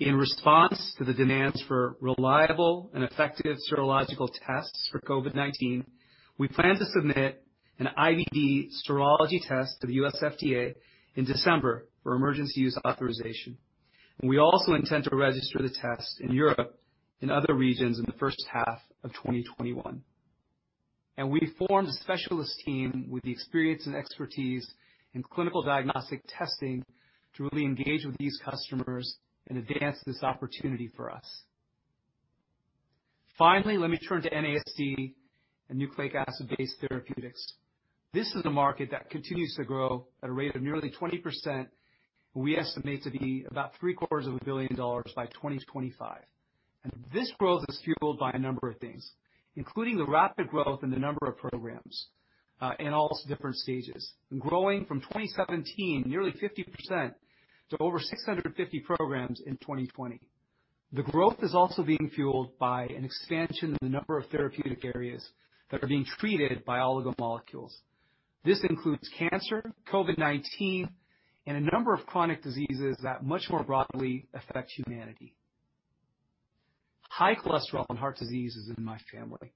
In response to the demands for reliable and effective serological tests for COVID-19, we plan to submit an IVD serology test to the U.S. FDA in December for emergency use authorization. We also intend to register the test in Europe and other regions in the first half of 2021. We formed a specialist team with the experience and expertise in clinical diagnostic testing to really engage with these customers and advance this opportunity for us. Let me turn to NASD and nucleic acid-based therapeutics. This is a market that continues to grow at a rate of nearly 20%, we estimate to be about three-quarters of a billion dollars by 2025. This growth is fueled by a number of things, including the rapid growth in the number of programs, in all different stages, growing from 2017, nearly 50%, to over 650 programs in 2020. The growth is also being fueled by an expansion in the number of therapeutic areas that are being treated by oligo molecules. This includes cancer, COVID-19, and a number of chronic diseases that much more broadly affect humanity. High cholesterol and heart disease is in my family.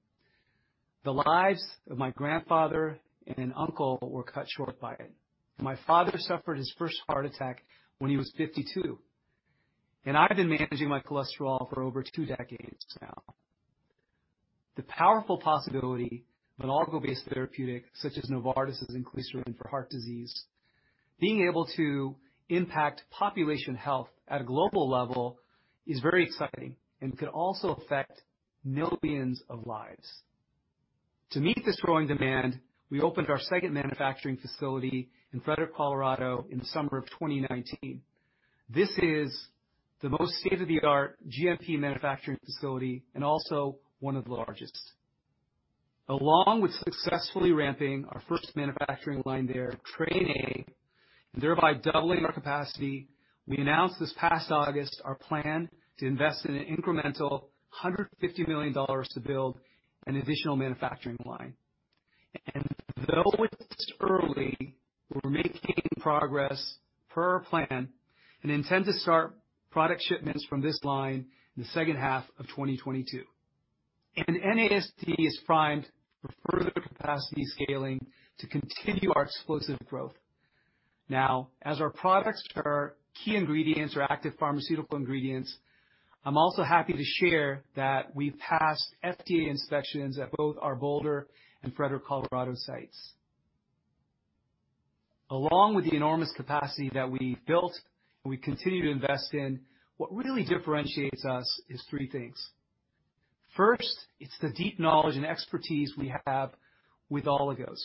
The lives of my grandfather and an uncle were cut short by it. My father suffered his first heart attack when he was 52, and I've been managing my cholesterol for over two decades now. The powerful possibility of an oligo-based therapeutic such as Novartis' inclisiran for heart disease, being able to impact population health at a global level is very exciting and could also affect millions of lives. To meet this growing demand, we opened our second manufacturing facility in Frederick, Colorado in the summer of 2019. This is the most state-of-the-art GMP manufacturing facility and also one of the largest. Along with successfully ramping our first manufacturing line there, Train A, and thereby doubling our capacity, we announced this past August our plan to invest in an incremental $150 million to build an additional manufacturing line. Though it's early, we're making progress per our plan and intend to start product shipments from this line in the second half of 2022. NASD is primed for further capacity scaling to continue our explosive growth. As our products are key ingredients or active pharmaceutical ingredients, I'm also happy to share that we've passed FDA inspections at both our Boulder and Frederick, Colorado sites. Along with the enormous capacity that we built and we continue to invest in, what really differentiates us is three things. First, it's the deep knowledge and expertise we have with oligos,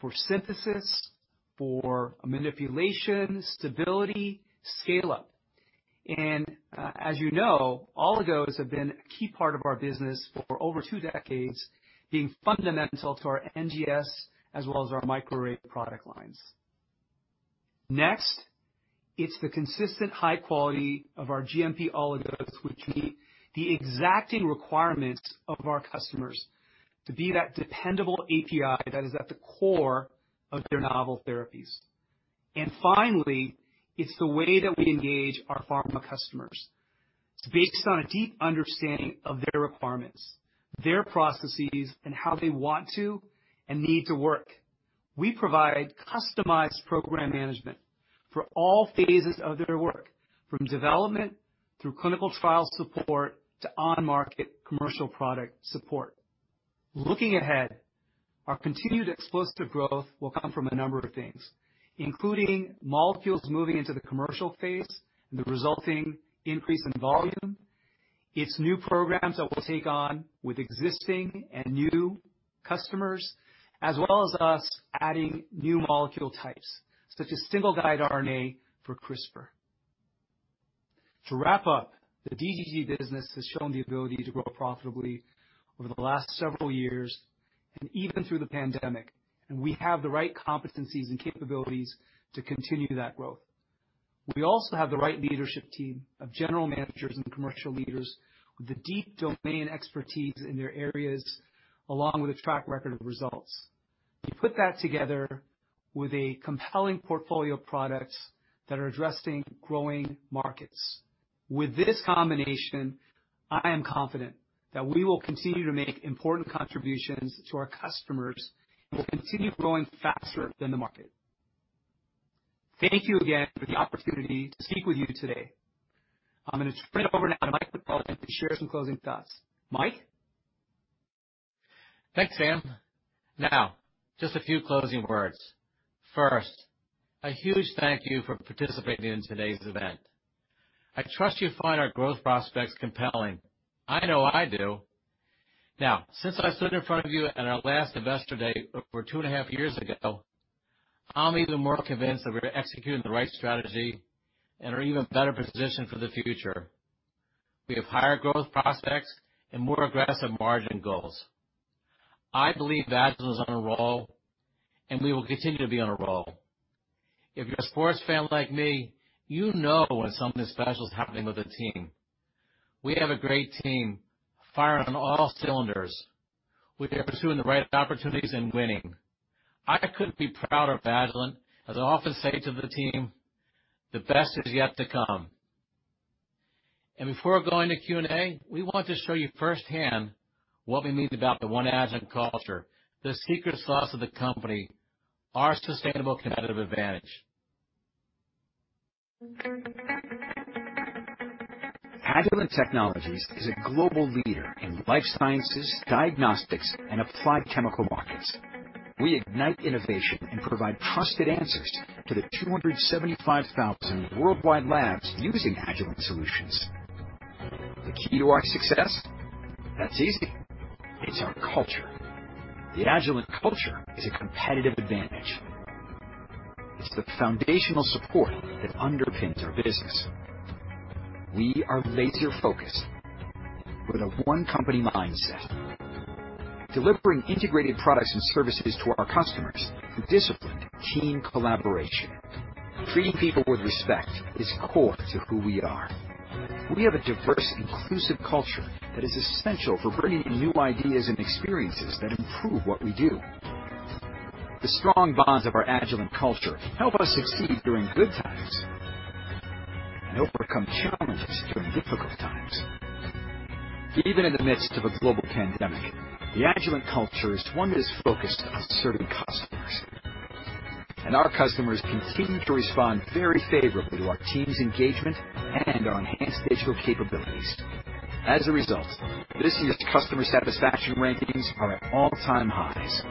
for synthesis, for manipulation, stability, scale-up. As you know, oligos have been a key part of our business for over two decades, being fundamental to our NGS as well as our microarray product lines. Next, it's the consistent high quality of our GMP oligos, which meet the exacting requirements of our customers to be that dependable API that is at the core of their novel therapies. Finally, it's the way that we engage our pharma customers. It's based on a deep understanding of their requirements, their processes, and how they want to and need to work. We provide customized program management for all phases of their work, from development through clinical trial support to on-market commercial product support. Looking ahead, our continued explosive growth will come from a number of things, including molecules moving into the commercial phase and the resulting increase in volume. It's new programs that we'll take on with existing and new customers, as well as us adding new molecule types, such as single guide RNA for CRISPR. To wrap up, the DGG business has shown the ability to grow profitably over the last several years and even through the pandemic, and we have the right competencies and capabilities to continue that growth. We also have the right leadership team of general managers and commercial leaders with the deep domain expertise in their areas, along with a track record of results. We put that together with a compelling portfolio of products that are addressing growing markets. With this combination, I am confident that we will continue to make important contributions to our customers and will continue growing faster than the market. Thank you again for the opportunity to speak with you today. I'm going to turn it over now to Mike McMullen to share some closing thoughts. Mike? Thanks, Sam. Just a few closing words. First, a huge thank you for participating in today's event. I trust you find our growth prospects compelling. I know I do. Since I stood in front of you at our last Investor Day over two and a half years ago, I'm even more convinced that we're executing the right strategy and are even better positioned for the future. We have higher growth prospects and more aggressive margin goals. I believe Agilent is on a roll, and we will continue to be on a roll. If you're a sports fan like me, you know when something special is happening with a team. We have a great team, firing on all cylinders. We are pursuing the right opportunities and winning. I couldn't be prouder of Agilent. As I often say to the team, the best is yet to come. Before going to Q&A, we want to show you firsthand what we mean about the One Agilent culture, the secret sauce of the company, our sustainable competitive advantage. Agilent Technologies is a global leader in life sciences, diagnostics, and applied chemical markets. We ignite innovation and provide trusted answers to the 275,000 worldwide labs using Agilent solutions. The key to our success? That's easy. It's our culture. The Agilent culture is a competitive advantage. It's the foundational support that underpins our business. We are laser-focused with a one-company mindset, delivering integrated products and services to our customers through disciplined team collaboration. Treating people with respect is core to who we are. We have a diverse, inclusive culture that is essential for bringing in new ideas and experiences that improve what we do. The strong bonds of our Agilent culture help us succeed during good times and overcome challenges during difficult times. Even in the midst of a global pandemic, the Agilent culture is one that is focused on serving customers. Our customers continue to respond very favorably to our team's engagement and our enhanced digital capabilities. As a result, this year's customer satisfaction rankings are at all-time highs.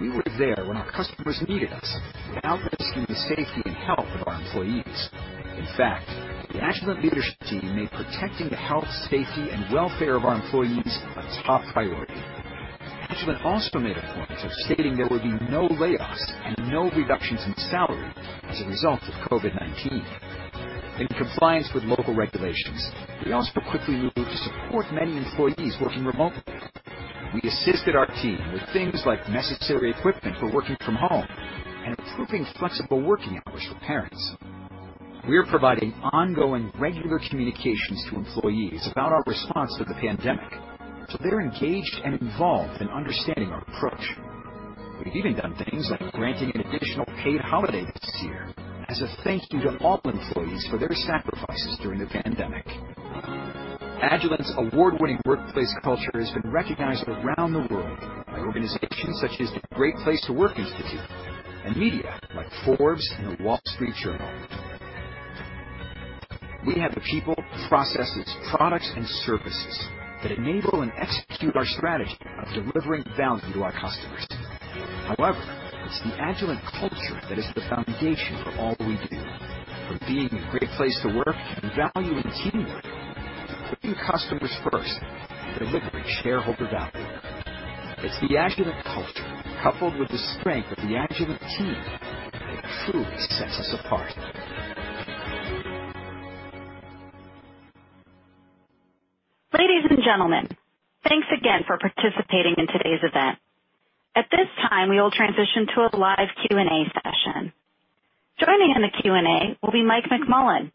We were there when our customers needed us, without risking the safety and health of our employees. In fact, the Agilent leadership team made protecting the health, safety, and welfare of our employees a top priority. Agilent also made a point of stating there would be no layoffs and no reductions in salary as a result of COVID-19. In compliance with local regulations, we also quickly moved to support many employees working remotely. We assisted our team with things like necessary equipment for working from home and approving flexible working hours for parents. We are providing ongoing regular communications to employees about our response to the pandemic so they're engaged and involved in understanding our approach. We've even done things like granting an additional paid holiday this year as a thank you to all employees for their sacrifices during the pandemic. Agilent's award-winning workplace culture has been recognized around the world by organizations such as The Great Place to Work Institute and media like Forbes and The Wall Street Journal. We have the people, processes, products, and services that enable and execute our strategy of delivering value to our customers. It's the Agilent culture that is the foundation for all we do. From being a great place to work and valuing teamwork, to putting customers first and delivering shareholder value. It's the Agilent culture, coupled with the strength of the Agilent team, that truly sets us apart. Ladies and gentlemen, thanks again for participating in today's event. At this time, we will transition to a live Q&A session. Joining in the Q&A will be Mike McMullen,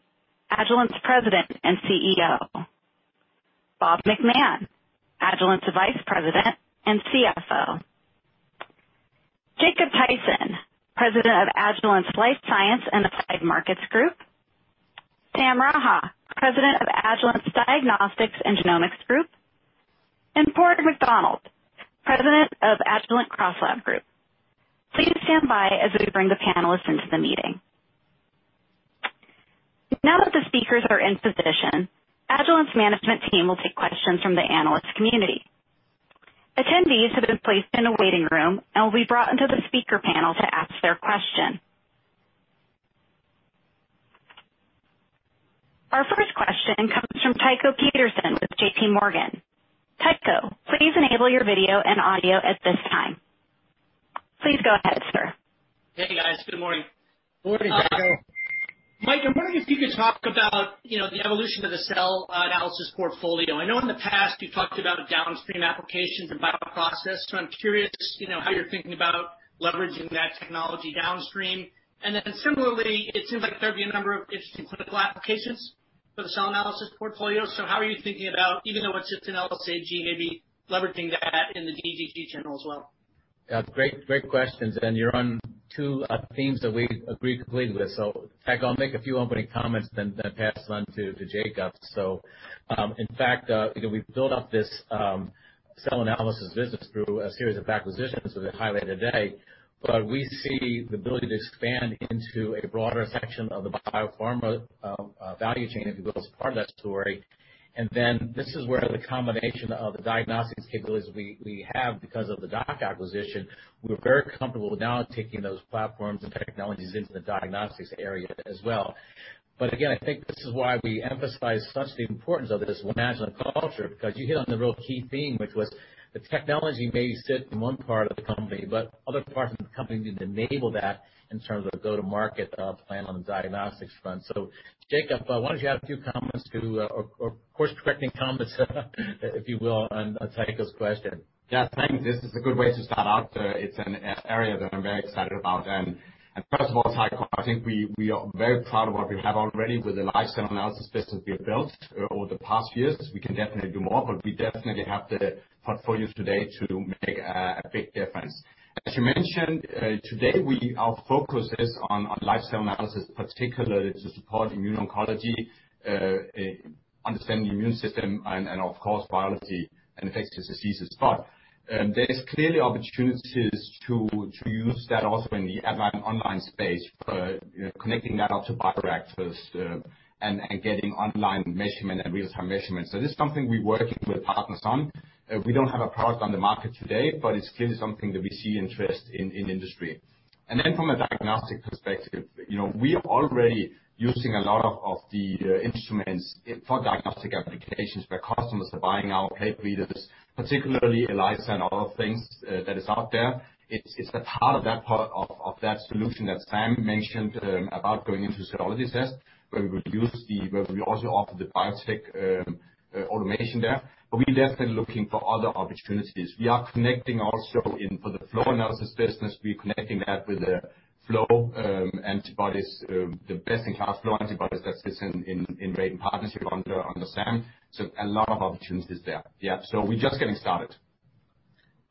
Agilent's President and Chief Executive Officer. Bob McMahon, Agilent's Vice President and Chief Financial Officer. Jacob Thaysen, President of Agilent's Life Sciences and Applied Markets Group. Sam Raha, President of Agilent's Diagnostics and Genomics Group, and Padraig McDonnell, President of Agilent CrossLab Group. Please stand by as we bring the panelists into the meeting. That the speakers are in position, Agilent's management team will take questions from the analyst community. Attendees have been placed in a waiting room and will be brought into the speaker panel to ask their question. Our first question comes from Tycho Peterson with J.P. Morgan. Tycho, please enable your video and audio at this time. Please go ahead, sir. Hey, guys. Good morning. Morning, Tycho. Mike, I'm wondering if you could talk about the evolution of the cell analysis portfolio. I know in the past you talked about downstream applications and bioprocess, so I'm curious how you're thinking about leveraging that technology downstream. Similarly, it seems like there'd be a number of interesting clinical applications for the cell analysis portfolio. How are you thinking about, even though it's just in LC-MS, maybe leveraging that in the DGG channel as well? Yeah. Great questions. You're on two themes that we agree completely with. Tycho, I'll make a few opening comments, then pass it on to Jacob. In fact, we've built up this cell analysis business through a series of acquisitions that we highlighted today. We see the ability to expand into a broader section of the biopharma value chain, if you will, as part of that story. This is where the combination of the diagnostics capabilities we have because of the Dako acquisition, we're very comfortable now taking those platforms and technologies into the diagnostics area as well. Again, I think this is why we emphasize such the importance of this One Agilent culture, because you hit on the real key theme, which was the technology may sit in one part of the company, but other parts of the company need to enable that in terms of go-to-market plan on the diagnostics front. Jacob, why don't you add a few comments to or course-correcting comments if you will, on Tycho's question? Yeah, thank you. This is a good way to start out. It's an area that I'm very excited about. First of all, Tycho, I think we are very proud of what we have already with the cell analysis business we have built over the past years. We can definitely do more, but we definitely have the portfolios today to make a big difference. As you mentioned, today our focus is on cell analysis, particularly to support immune oncology, understand the immune system and of course, biology and infectious diseases. There's clearly opportunities to use that also in the online space for connecting that up to bioreactors, and getting online measurement and real-time measurement. This is something we're working with partners on. We don't have a product on the market today, but it's clearly something that we see interest in industry. From a diagnostic perspective, we are already using a lot of the instruments for diagnostic applications where customers are buying our plate readers, particularly ELISA and other things that is out there. It's a part of that solution that Sam mentioned about going into serology tests where we also offer the BioTek automation there. We're definitely looking for other opportunities. We are connecting also for the flow analysis business. We're connecting that with the best-in-class flow antibodies that sits in great partnership under Sam. A lot of opportunities there. We're just getting started.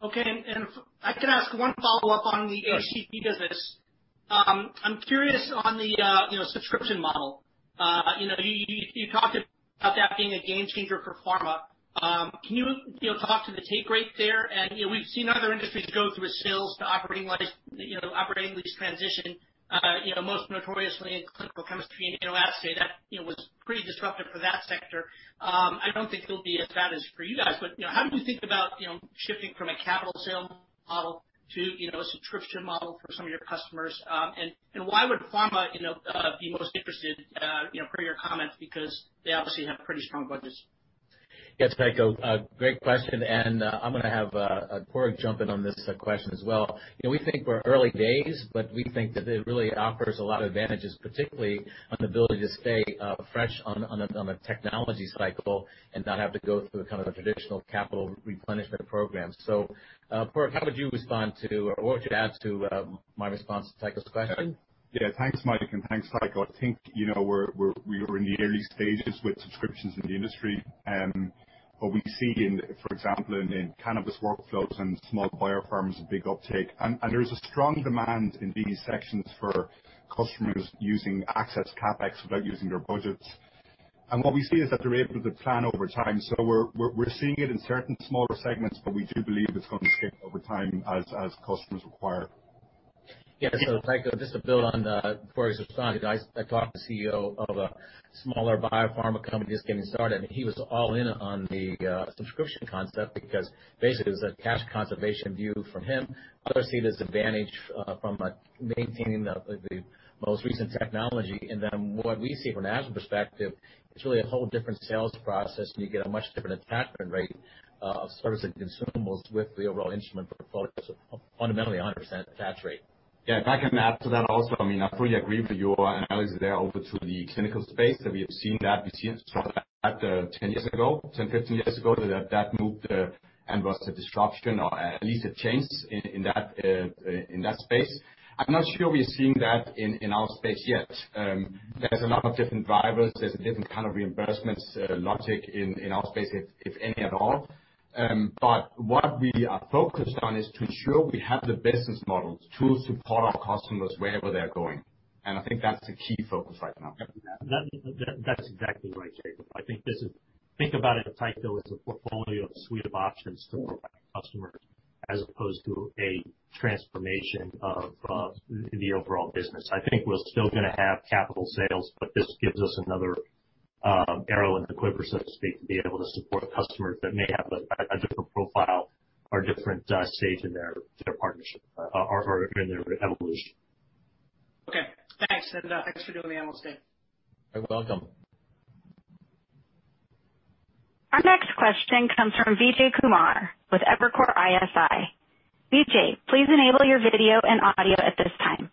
Okay. If I can ask one follow-up on the HCP business. I'm curious on the subscription model. You talked about that being a game changer for pharma. Can you talk to the take rate there? We've seen other industries go through a sales to operating lease transition, most notoriously in clinical chemistry and assay. That was pretty disruptive for that sector. I don't think it'll be as bad as for you guys, but how do you think about shifting from a capital sale model to a subscription model for some of your customers? Why would pharma be most interested per your comments? Because they obviously have pretty strong budgets. Yes, Tycho, great question, and I'm going to have Padraig jump in on this question as well. We think we're early days, but we think that it really offers a lot of advantages, particularly on the ability to stay fresh on a technology cycle and not have to go through the kind of traditional capital replenishment program. Padraig, how would you respond to or what would you add to my response to Tycho's question? Yeah, thanks, Mike, and thanks, Tycho. I think we are in the early stages with subscriptions in the industry. We see, for example, in cannabis workflows and small biopharmas, a big uptake, and there is a strong demand in these sections for customers using access CapEx without using their budgets. What we see is that they're able to plan over time. We're seeing it in certain smaller segments, but we do believe it's going to scale over time as customers require. Yeah. Tycho, just to build on Padraig's response. I talked to a CEO of a smaller biopharma company just getting started, and he was all in on the subscription concept because basically it was a cash conservation view from him. Others see it as advantage from maintaining the most recent technology. What we see from an Agilent perspective, it's really a whole different sales process and you get a much different attachment rate. Of service and consumables with the overall instrument for products. Fundamentally, 100% attach rate. Yeah, if I can add to that also, I fully agree with your analysis there over to the clinical space that we have seen that. We've seen it start about 10 years ago, 10, 15 years ago, that moved and was a disruption or at least a change in that space. I'm not sure we're seeing that in our space yet. There's a lot of different drivers. There's a different kind of reimbursement logic in our space, if any at all. What we are focused on is to ensure we have the business models, tools to support our customers wherever they're going. I think that's the key focus right now. That's exactly right, Jacob. I think about it in a title as a portfolio of suite of options to provide customers as opposed to a transformation of the overall business. I think we're still going to have capital sales, but this gives us another arrow in the quiver, so to speak, to be able to support customers that may have a different profile or different stage in their partnership or in their evolution. Okay, thanks. Thanks for doing the analyst day. You're welcome. Our next question comes from Vijay Kumar with Evercore ISI. Vijay, please enable your video and audio at this time.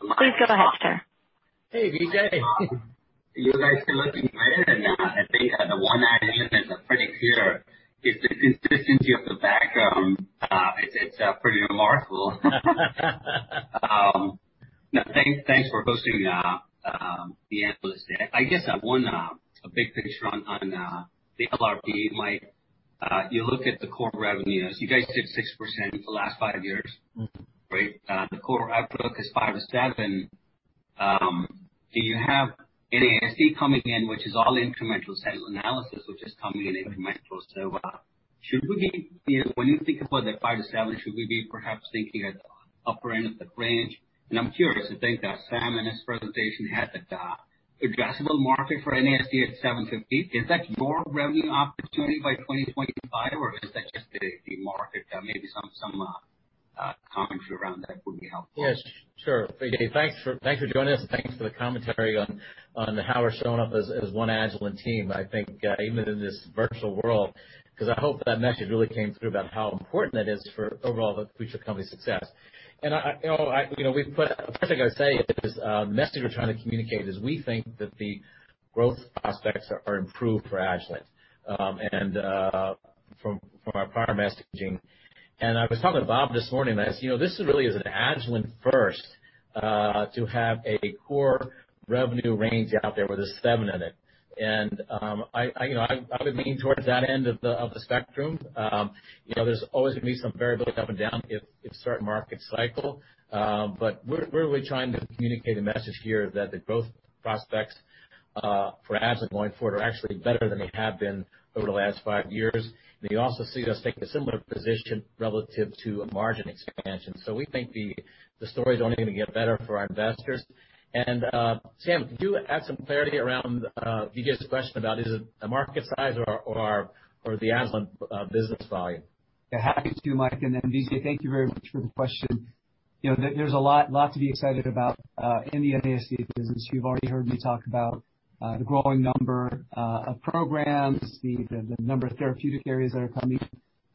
Please go ahead, sir. Hey, Vijay. You guys are looking better now. I think the one item that's pretty clear is the consistency of the background. It's pretty remarkable. Thanks for hosting the Analyst Day. One big picture on the LRP, Mike, you look at the core revenues, you guys did 6% the last five years. Right. The core outlook is five to seven. Do you have NASD coming in, which is all incremental cell analysis, which is coming in incremental. When you think about the five to seven, should we be perhaps thinking at the upper end of the range? I'm curious to think that Sam, in his presentation, had the addressable market for NASD at $750. Is that your revenue opportunity by 2025, or is that just the market? Maybe some commentary around that would be helpful. Yes, sure. Vijay, thanks for joining us, and thanks for the commentary on how we're showing up as One Agilent team, I think even in this virtual world. Because I hope that message really came through about how important that is for overall the future company success. The first thing I'd say is, the message we're trying to communicate is we think that the growth prospects are improved for Agilent from our prior messaging. I was talking to Bob this morning, and I said, "This really is an Agilent first to have a core revenue range out there with a seven in it." I would lean towards that end of the spectrum. There's always going to be some variability up and down in a certain market cycle. We're really trying to communicate a message here that the growth prospects for Agilent going forward are actually better than they have been over the last five years. You also see us taking a similar position relative to margin expansion. We think the stories are only going to get better for our investors. Sam, could you add some clarity around Vijay's question about is it a market size or the Agilent business volume? Yeah, happy to, Mike. Then Vijay, thank you very much for the question. There's a lot to be excited about in the NASD business. You've already heard me talk about the growing number of programs, the number of therapeutic areas that are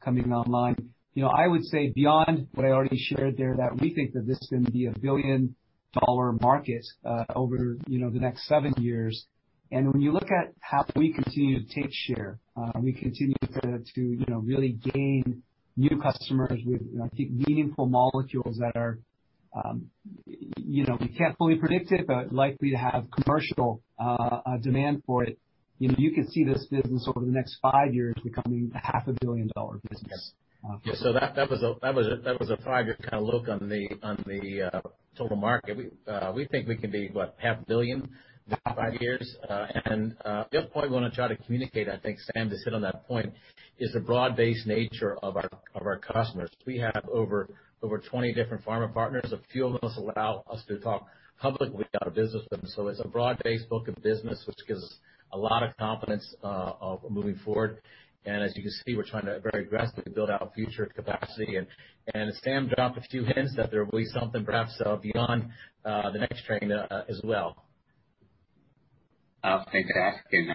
coming online. I would say beyond what I already shared there, that we think that this is going to be a billion-dollar market over the next seven years. When you look at how we continue to take share, we continue to really gain new customers with meaningful molecules that we can't fully predict it, but likely to have commercial demand for it. You could see this business over the next five years becoming a half a billion-dollar business. That was a five-year kind of look on the total market. We think we can be, what, half a billion in five years. The other point I want to try to communicate, I think, Sam, to hit on that point, is the broad-based nature of our customers. We have over 20 different pharma partners. A few of those allow us to talk publicly about our business with them. It's a broad-based book of business, which gives us a lot of confidence moving forward. As you can see, we're trying to very aggressively build out future capacity. Sam dropped a few hints that there will be something perhaps beyond the next train as well. Fantastic.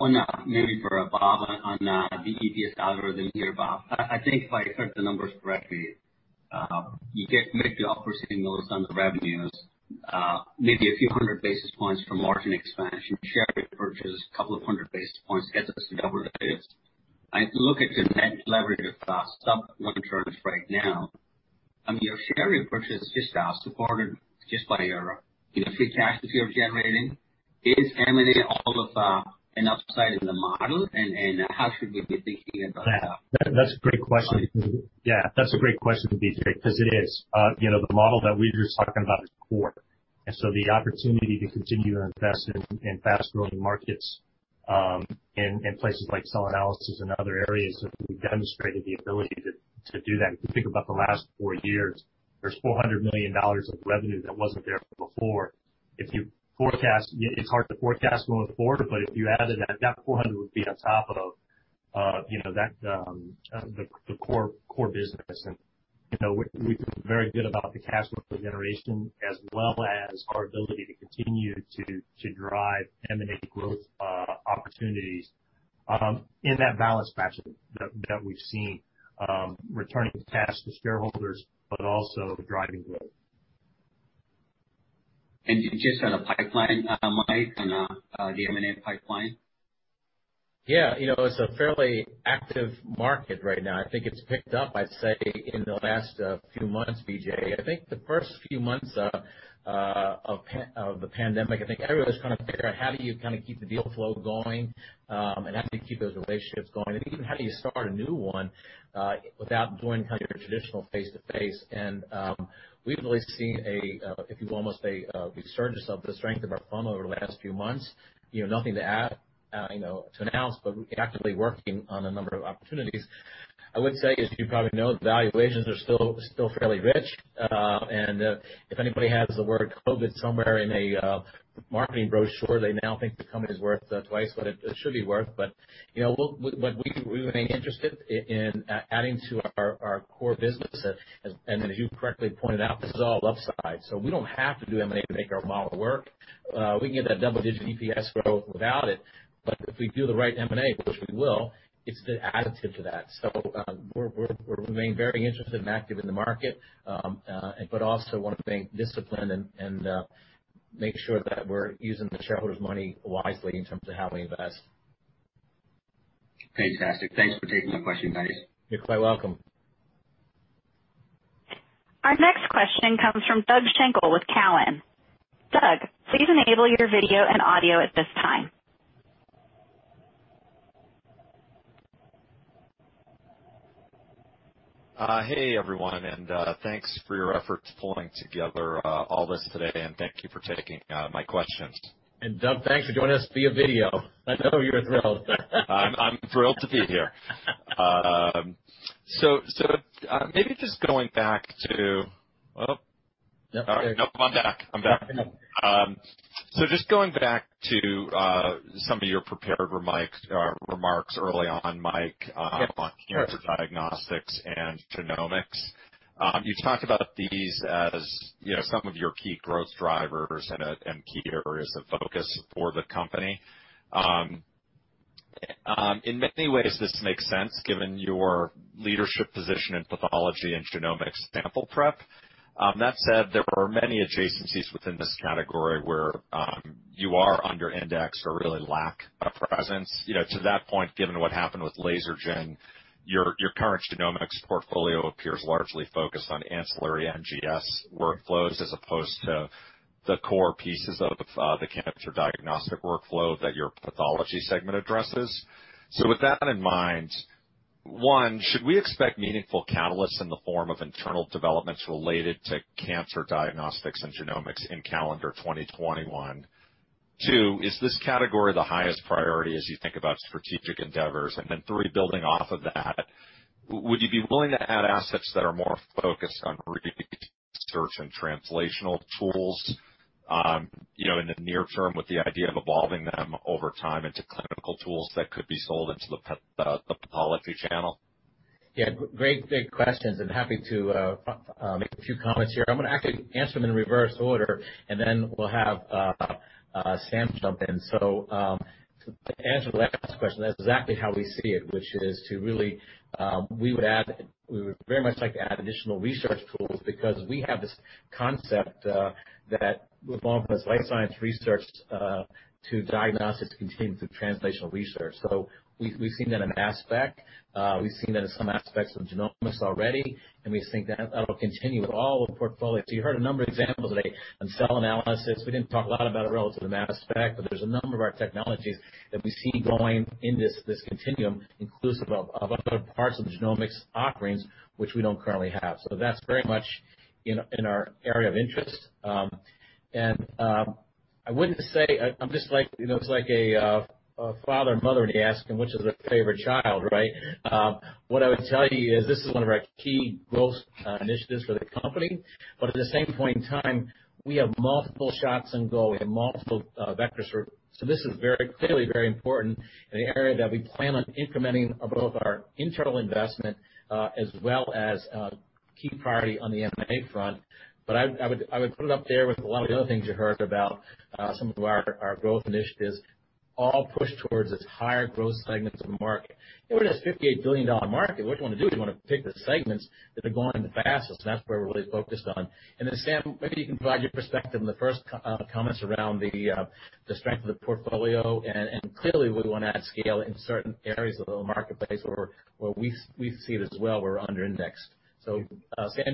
One maybe for Bob on the EPS algorithm here, Bob. I think if I heard the numbers correctly, you get maybe the upper singles on the revenues, maybe a few 100 basis points from margin expansion. Share repurchase, couple of 100 basis points gets us to double digits. I look at the net leverage of stock returns right now. Your share repurchase is supported just by your free cash that you're generating. Is M&A all of an upside in the model, and how should we be thinking about that? That's a great question, Vijay. Because it is. The model that we were just talking about is core. The opportunity to continue to invest in fast-growing markets in places like cell analysis and other areas that we've demonstrated the ability to do that. If you think about the last four years, there's $400 million of revenue that wasn't there before. It's hard to forecast going forward, but if you added that 400 would be on top of the core business. We feel very good about the cash flow generation as well as our ability to continue to drive M&A growth opportunities in that balance fashion that we've seen, returning cash to shareholders but also driving growth. You touched on a pipeline, Mike, on the M&A pipeline. Yeah. It's a fairly active market right now. I think it's picked up, I'd say, in the last few months, Vijay. I think the first few months of the pandemic, I think everyone was trying to figure out how do you keep the deal flow going, and how do you keep those relationships going, and even how do you start a new one without doing your traditional face-to-face? We've really seen a, if you could almost say, a resurgence of the strength of our firm over the last few months. Nothing to announce, but we're actively working on a number of opportunities. I would say, as you probably know, the valuations are still fairly rich. If anybody has the word COVID somewhere in a marketing brochure, they now think the company's worth twice what it should be worth. We remain interested in adding to our core business. As you correctly pointed out, this is all upside. We don't have to do M&A to make our model work. We can get that double-digit EPS growth without it. If we do the right M&A, which we will, it's the additive to that. We remain very interested and active in the market, but also want to remain disciplined and make sure that we're using the shareholders' money wisely in terms of how we invest. Fantastic. Thanks for taking the question, guys. You're quite welcome. Our next question comes from Doug Schenkel with Cowen. Doug, please enable your video and audio at this time. Hey, everyone, thanks for your efforts pulling together all this today, and thank you for taking my questions. Doug, thanks for joining us via video. I know you're thrilled. I'm thrilled to be here. maybe just going back to Oh. Yeah. There you go. Nope, I'm back. There you go. Just going back to some of your prepared remarks early on, Mike. Yeah, sure. on cancer diagnostics and genomics. You talked about these as some of your key growth drivers and key areas of focus for the company. In many ways, this makes sense given your leadership position in pathology and genomics sample prep. That said, there are many adjacencies within this category where you are under indexed or really lack a presence. With that in mind, one, should we expect meaningful catalysts in the form of internal developments related to cancer diagnostics and genomics in calendar 2021? Two, is this category the highest priority as you think about strategic endeavors? Three, building off of that, would you be willing to add assets that are more focused on research and translational tools, in the near term with the idea of evolving them over time into clinical tools that could be sold into the pathology channel? Great questions and happy to make a few comments here. I'm going to actually answer them in reverse order and then we'll have Sam jump in. To answer the last question, that's exactly how we see it, which is we would very much like to add additional research tools because we have this concept that we've evolved from this life science research to diagnostics continuing through translational research. We've seen that in aspect. We've seen that in some aspects of genomics already, and we think that'll continue with all of the portfolios. You heard a number of examples today on cell analysis. We didn't talk a lot about it relative to mass spec, but there's a number of our technologies that we see going in this continuum inclusive of other parts of the genomics offerings which we don't currently have. That's very much in our area of interest. I wouldn't say it's like a father and mother when you ask them which is their favorite child, right? What I would tell you is this is one of our key growth initiatives for the company. At the same point in time, we have multiple shots on goal. We have multiple vectors for it. This is clearly very important in an area that we plan on incrementing both our internal investment, as well as a key priority on the M&A front. I would put it up there with a lot of the other things you heard about some of our growth initiatives all push towards this higher growth segments of the market. When it's a $58 billion market, what you want to do is you want to pick the segments that are growing the fastest, that's where we're really focused on. Sam, maybe you can provide your perspective on the first comments around the strength of the portfolio. Clearly, we want to add scale in certain areas of the marketplace where we see it as well, we're under indexed. Sam,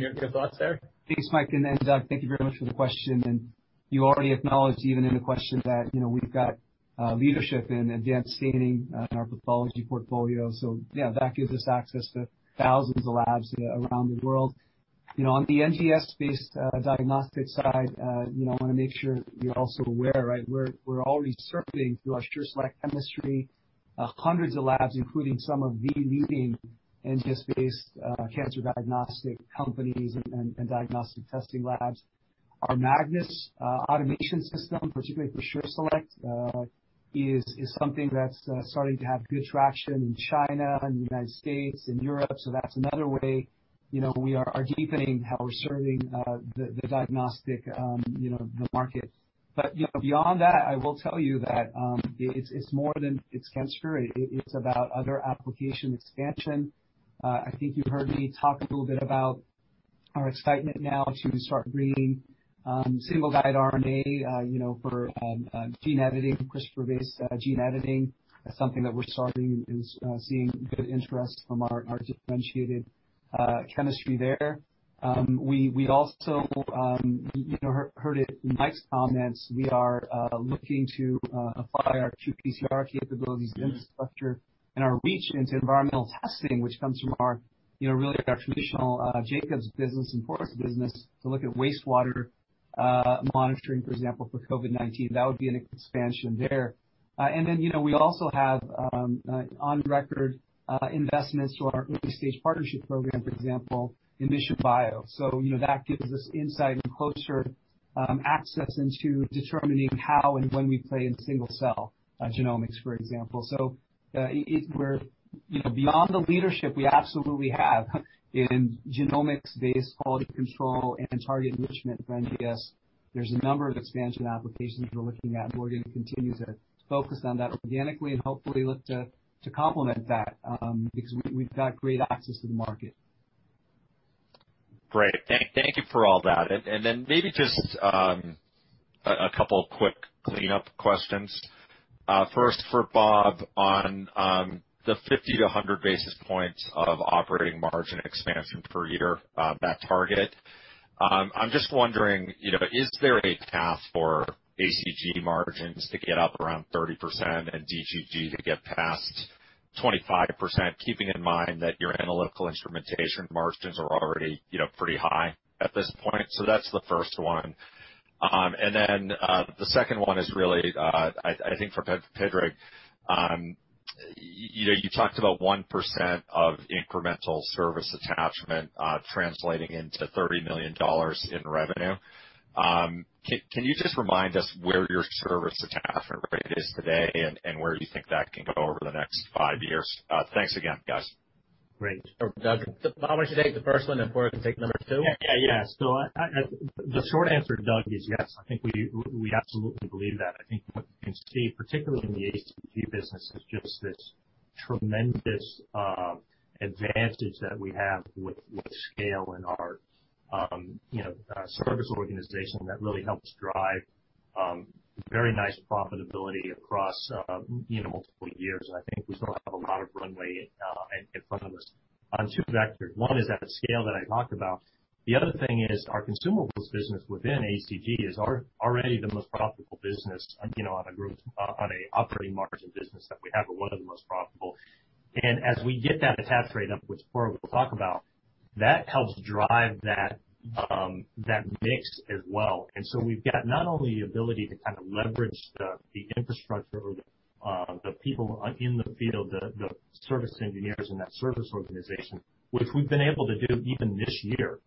your thoughts there? Thanks, Mike, and Doug, thank you very much for the question. You already acknowledged even in the question that we've got leadership in advanced staining in our pathology portfolio. Yeah, that gives us access to thousands of labs around the world. On the NGS-based diagnostics side, I want to make sure you're also aware, we're already serving, through our SureSelect chemistry, hundreds of labs, including some of the leading NGS-based cancer diagnostic companies and diagnostic testing labs. Our Magnis automation system, particularly for SureSelect, is something that's starting to have good traction in China, in the U.S., in Europe. That's another way we are deepening how we're serving the diagnostic market. Beyond that, I will tell you that it's more than just cancer. It's about other application expansion. I think you heard me talk a little bit about our excitement now to start reading single-guide RNA for gene editing, CRISPR-based gene editing. That's something that we're starting and seeing good interest from our differentiated chemistry there. We also, you heard it in Mike's comments, we are looking to apply our qPCR capabilities, infrastructure, and our reach into environmental testing, which comes from our traditional Jacobs business and Padraig's business to look at wastewater monitoring, for example, for COVID-19. That would be an expansion there. We also have on-record investments through our early-stage partnership program, for example, Inivata. That gives us insight and closer access into determining how and when we play in single-cell genomics, for example. Beyond the leadership we absolutely have in genomics-based quality control and target enrichment for NGS, there's a number of expansion applications we're looking at, and we're going to continue to focus on that organically and hopefully look to complement that because we've got great access to the market. Great. Thank you for all that. Maybe just a couple of quick cleanup questions. First for Bob on the 50 to 100 basis points of operating margin expansion per year, that target. I'm just wondering, is there a path for ACG margins to get up around 30% and DGG to get past 25%, keeping in mind that your analytical instrumentation margins are already pretty high at this point? That's the first one. The second one is really, I think, for Padraig. You talked about 1% of incremental service attachment translating into $30 million in revenue. Can you just remind us where your service attachment rate is today and where you think that can go over the next five years? Thanks again, guys. Great. Doug, Bob wants to take the first one and Padraig can take number two. Yeah. The short answer, Doug, is yes, I think we absolutely believe that. I think what you can see, particularly in the ACG business, is just this tremendous advantage that we have with scale in our service organization that really helps drive very nice profitability across multiple years. I think we still have a lot of runway in front of us on two vectors. One is that scale that I talked about. The other thing is our consumables business within ACG is already the most profitable business on a operating margin business that we have, or one of the most profitable. As we get that attach rate up, which Padraig will talk about, that helps drive that mix as well. We've got not only the ability to leverage the infrastructure or the people in the field, the service engineers in that service organization, which we've been able to do even this year,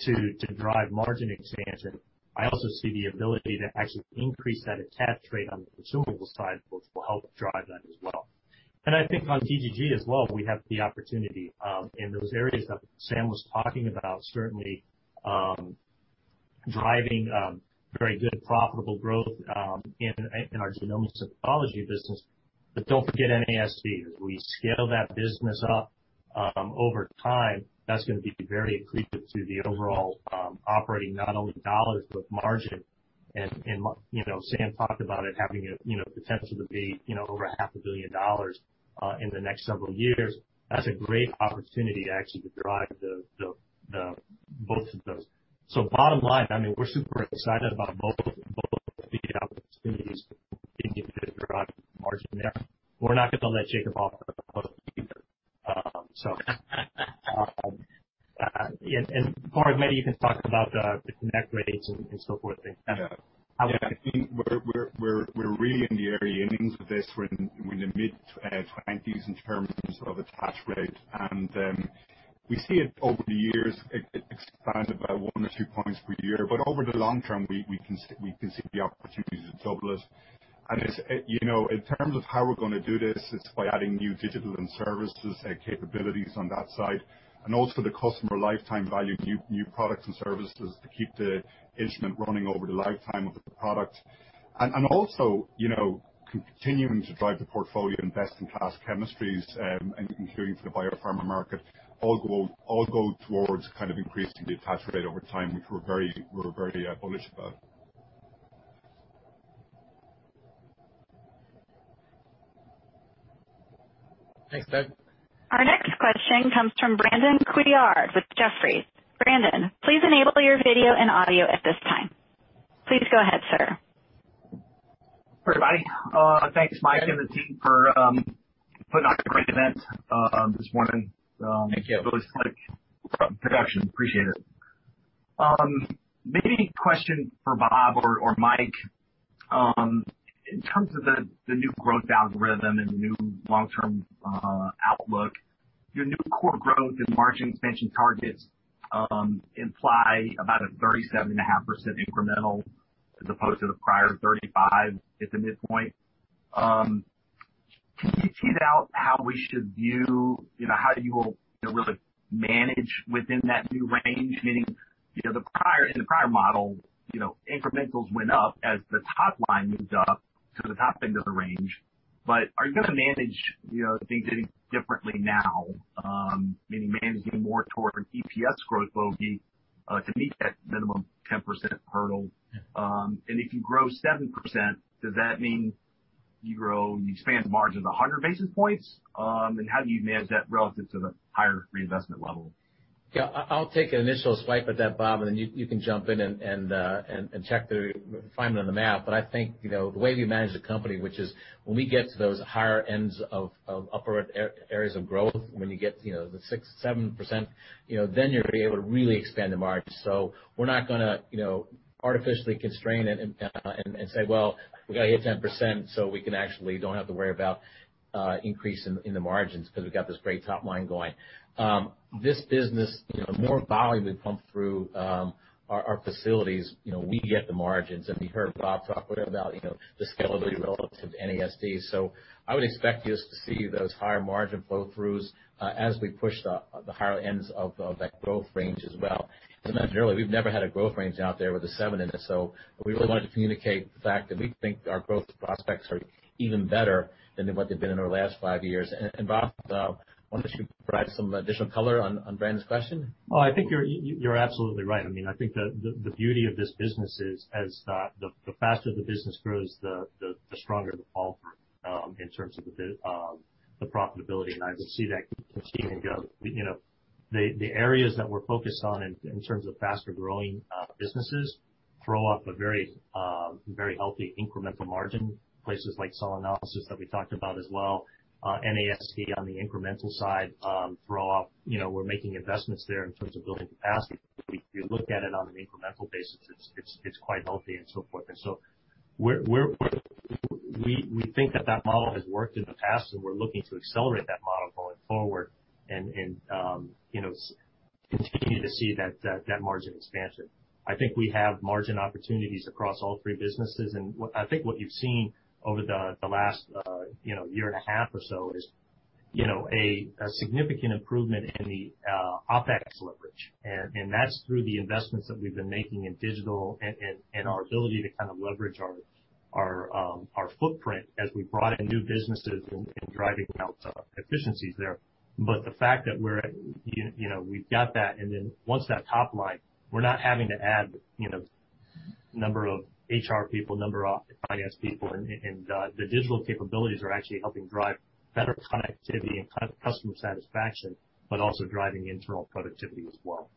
to drive margin expansion. I also see the ability to actually increase that attach rate on the consumable side, which will help drive that as well. I think on DGG as well, we have the opportunity in those areas that Sam was talking about, certainly driving very good profitable growth in our genomics business. Don't forget NASD. As we scale that business up over time, that's going to be very accretive to the overall operating, not only dollars, but margin. Sam talked about it having a potential to be over a half a billion dollars in the next several years. That's a great opportunity to actually drive both of those. Bottom line, we're super excited about both the opportunities to drive margin there. We're not going to let Jacob off the hook either. Padraig, maybe you can talk about the connect rates and so forth. Yeah. I think we're really in the early innings with this. We're in the mid-20s in terms of attach rate. We see it over the years, it expanded by one or two points per year. Over the long term, we can see the opportunity to double it. In terms of how we're going to do this, it's by adding new digital and services capabilities on that side. Also the customer lifetime value, new products and services to keep the instrument running over the lifetime of the product. Also, continuing to drive the portfolio, invest in class chemistries, and including for the biopharma market, all go towards increasing the attach rate over time, which we're very bullish about. Thanks, Padraig. Our next question comes from Brandon Couillard with Jefferies. Brandon, please enable your video and audio at this time. Please go ahead, sir. Hey, everybody. Thanks, Mike and the team, for putting on a great event this morning. Thank you. Really slick production. Appreciate it. Maybe question for Bob or Mike. In terms of the new growth algorithm and the new long-term outlook, your new core growth and margin expansion targets imply about a 37.5% incremental as opposed to the prior 35 at the midpoint. Can you tease out how we should view how you will really manage within that new range? Meaning, in the prior model, incrementals went up as the top line moved up to the top end of the range. Are you going to manage things any differently now? Meaning managing more toward an EPS growth bogey to meet that minimum 10% hurdle. If you grow 7%, does that mean you expand the margin to 100 basis points? How do you manage that relative to the higher reinvestment level? Yeah, I'll take an initial swipe at that, Bob, and then you can jump in and check the finding on the math. I think, the way we manage the company, which is when we get to those higher ends of upward areas of growth, when you get the 6%, 7%, then you're going to be able to really expand the margin. We're not going to artificially constrain it and say, "Well, we've got to hit 10% so we can actually don't have to worry about increase in the margins because we've got this great top line going." This business, more volume would pump through our facilities, we get the margins. We heard Bob talk about the scalability relative to NASD. I would expect us to see those higher margin flow throughs as we push the higher ends of that growth range as well. Generally, we've never had a growth range out there with a seven in it, so we really wanted to communicate the fact that we think our growth prospects are even better than what they've been in our last five years. Bob, why don't you provide some additional color on Brandon's question? Well, I think you're absolutely right. I think the beauty of this business is as the faster the business grows, the stronger the fall through in terms of the profitability, and I would see that continuing. The areas that we're focused on in terms of faster-growing businesses throw off a very healthy incremental margin. Places like cell analysis that we talked about as well. NASD on the incremental side throw off. We're making investments there in terms of building capacity. If you look at it on an incremental basis, it's quite healthy and so forth. We think that that model has worked in the past, and we're looking to accelerate that model going forward and continue to see that margin expansion. I think we have margin opportunities across all three businesses. I think what you've seen over the last year and a half or so is a significant improvement in the OpEx leverage. That's through the investments that we've been making in digital and our ability to leverage our footprint as we brought in new businesses and driving out efficiencies there. The fact that we've got that, and then once that top line, we're not having to add number of HR people, number of IS people, and the digital capabilities are actually helping drive better connectivity and customer satisfaction, but also driving internal productivity as well.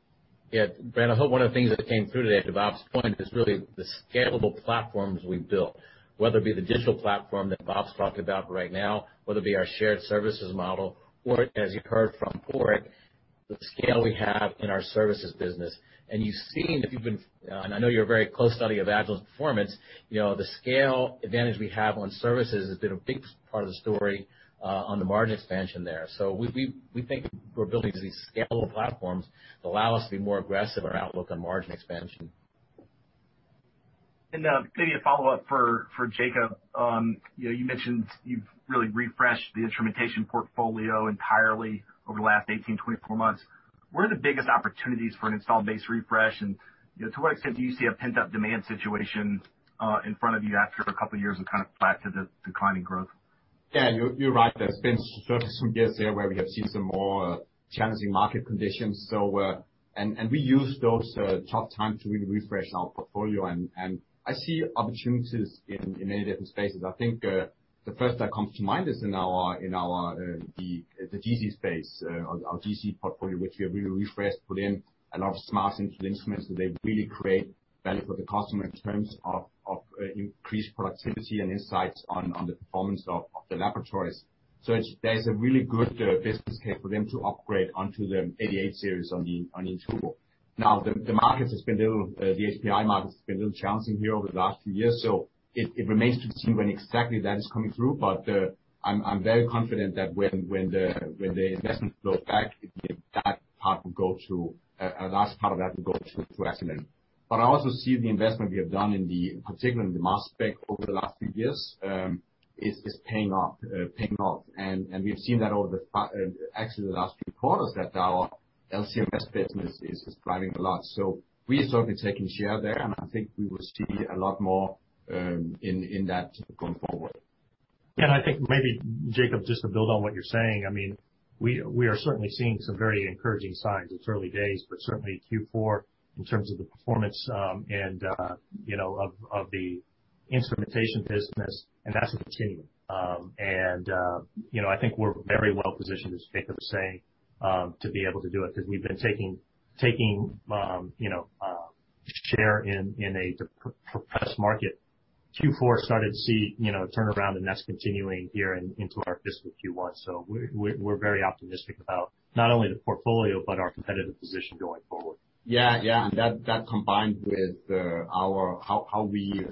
Yeah. Brandon, I hope one of the things that came through today, to Bob's point, is really the scalable platforms we've built, whether it be the digital platform that Bob's talked about right now, whether it be our shared services model, or, as you heard from Padraig, the scale we have in our services business. You've seen, and I know you're a very close study of Agilent's performance, the scale advantage we have on services has been a big part of the story on the margin expansion there. We think we're building these scalable platforms that allow us to be more aggressive in our outlook on margin expansion. Maybe a follow-up for Jacob. You mentioned you've really refreshed the instrumentation portfolio entirely over the last 18-24 months. What are the biggest opportunities for an installed base refresh? To what extent do you see a pent-up demand situation in front of you after a couple of years of kind of flat to declining growth? Yeah, you're right. There's been certainly some years there where we have seen some more challenging market conditions. We use those tough times to really refresh our portfolio, and I see opportunities in many different spaces. I think the first that comes to mind is in the GC space, our GC portfolio, which we have really refreshed, put in a lot of smart instruments so they really create value for the customer in terms of increased productivity and insights on the performance of the laboratories. There's a really good business case for them to upgrade onto the 88 series on each tool. The HPI market has been a little challenging here over the last few years, so it remains to be seen when exactly that is coming through. I'm very confident that when the investment goes back, a large part of that will go to Agilent. I also see the investment we have done in the, particularly in the mass spec over the last few years, is paying off. We've seen that over, actually, the last few quarters, that our LC-MS business is thriving a lot. We are certainly taking share there, and I think we will see a lot more in that going forward. Yeah, I think maybe, Jacob, just to build on what you're saying, we are certainly seeing some very encouraging signs. It's early days, but certainly Q4 in terms of the performance of the instrumentation business, and that's continuing. I think we're very well positioned, as Jacob was saying, to be able to do it, because we've been taking share in a depressed market. Q4 started to see a turnaround. That's continuing here into our fiscal Q1. We're very optimistic about not only the portfolio, but our competitive position going forward. Yeah. That combined with how we